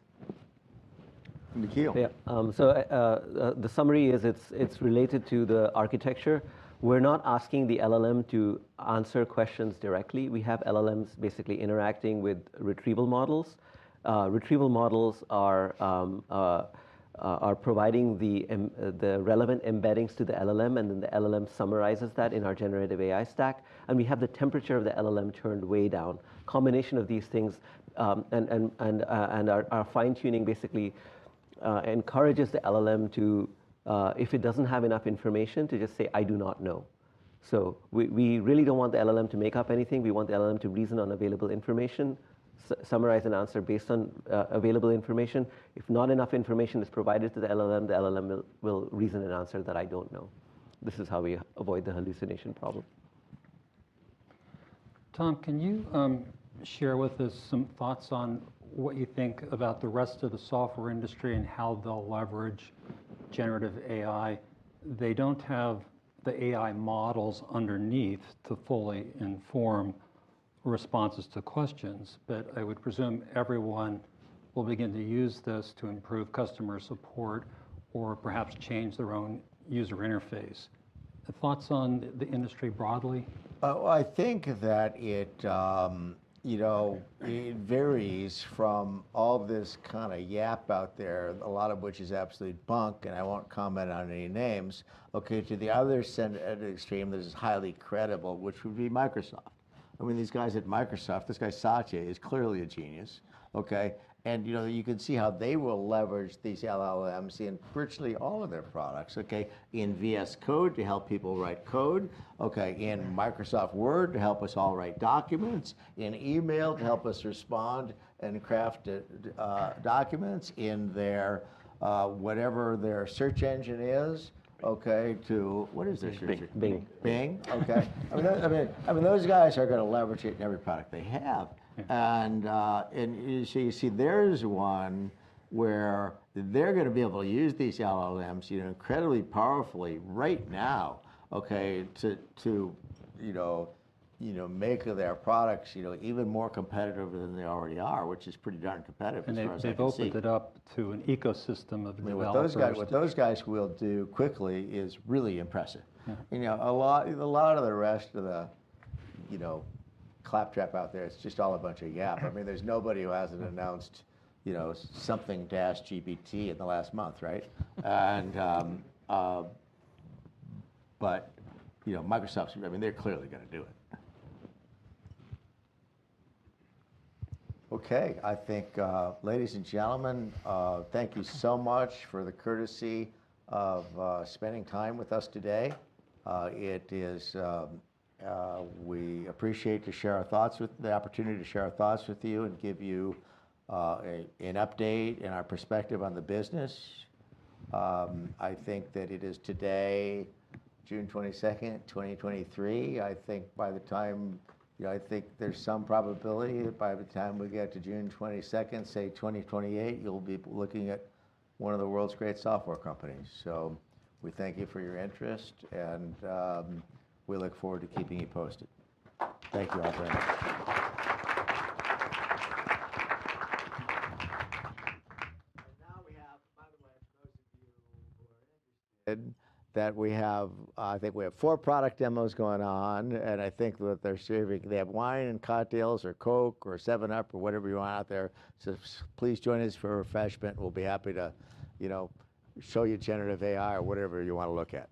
Nikhil? Yeah. The summary is it's related to the architecture. We're not asking the LLM to answer questions directly. We have LLMs basically interacting with retrieval models. Retrieval models are providing the relevant embeddings to the LLM, and then the LLM summarizes that in our generative AI stack, and we have the temperature of the LLM turned way down. Combination of these things, and our fine-tuning basically encourages the LLM to, if it doesn't have enough information, to just say, "I do not know." We, we really don't want the LLM to make up anything. We want the LLM to reason on available information, summarize and answer based on available information. If not enough information is provided to the LLM, the LLM will reason and answer that, "I don't know." This is how we avoid the hallucination problem. Tom, can you share with us some thoughts on what you think about the rest of the software industry and how they'll leverage generative AI? They don't have the AI models underneath to fully inform responses to questions, but I would presume everyone will begin to use this to improve customer support or perhaps change their own user interface. Thoughts on the industry broadly? I think that it, you know, it varies from all this kind of yap out there, a lot of which is absolute bunk, and I won't comment on any names, okay? To the other extreme, this is highly credible, which would be Microsoft. I mean, these guys at Microsoft, this guy Satya, is clearly a genius, okay? You can see how they will leverage these LLMs in virtually all of their products, okay? In VS Code to help people write code, okay, in Microsoft Word, to help us all write documents, in email, to help us respond and craft documents, in their whatever their search engine is, okay? What is their search engine? Bing. Bing. Bing? Okay. I mean, those guys are gonna leverage it in every product they have. Yeah. You see, there's one where they're gonna be able to use these LLMs, you know, incredibly powerfully right now, okay, to, you know, make their products, you know, even more competitive than they already are, which is pretty darn competitive as far as I can see. They've opened it up to an ecosystem of developers. What those guys will do quickly is really impressive. Yeah. You know, a lot of the rest of the, you know, claptrap out there, it's just all a bunch of yap. I mean, there's nobody who hasn't announced, you know, something dash GPT in the last month, right? You know, Microsoft, I mean, they're clearly gonna do it. Okay, I think, ladies and gentlemen, thank you so much for the courtesy of spending time with us today. We appreciate the opportunity to share our thoughts with you and give you an update and our perspective on the business. I think that it is today, June 22nd, 2023. I think by the time, you know, I think there's some probability that by the time we get to June 22nd, say, 2028, you'll be looking at one of the world's great software companies. We thank you for your interest, and we look forward to keeping you posted. Thank you, all very much. Now we have, by the way, for those of you who are interested, that we have, I think we have four product demos going on, and I think that they're they have wine and cocktails or Coke or 7Up or whatever you want out there. Please join us for a refreshment. We'll be happy to, you know, show you C3 Generative AI or whatever you wanna look at.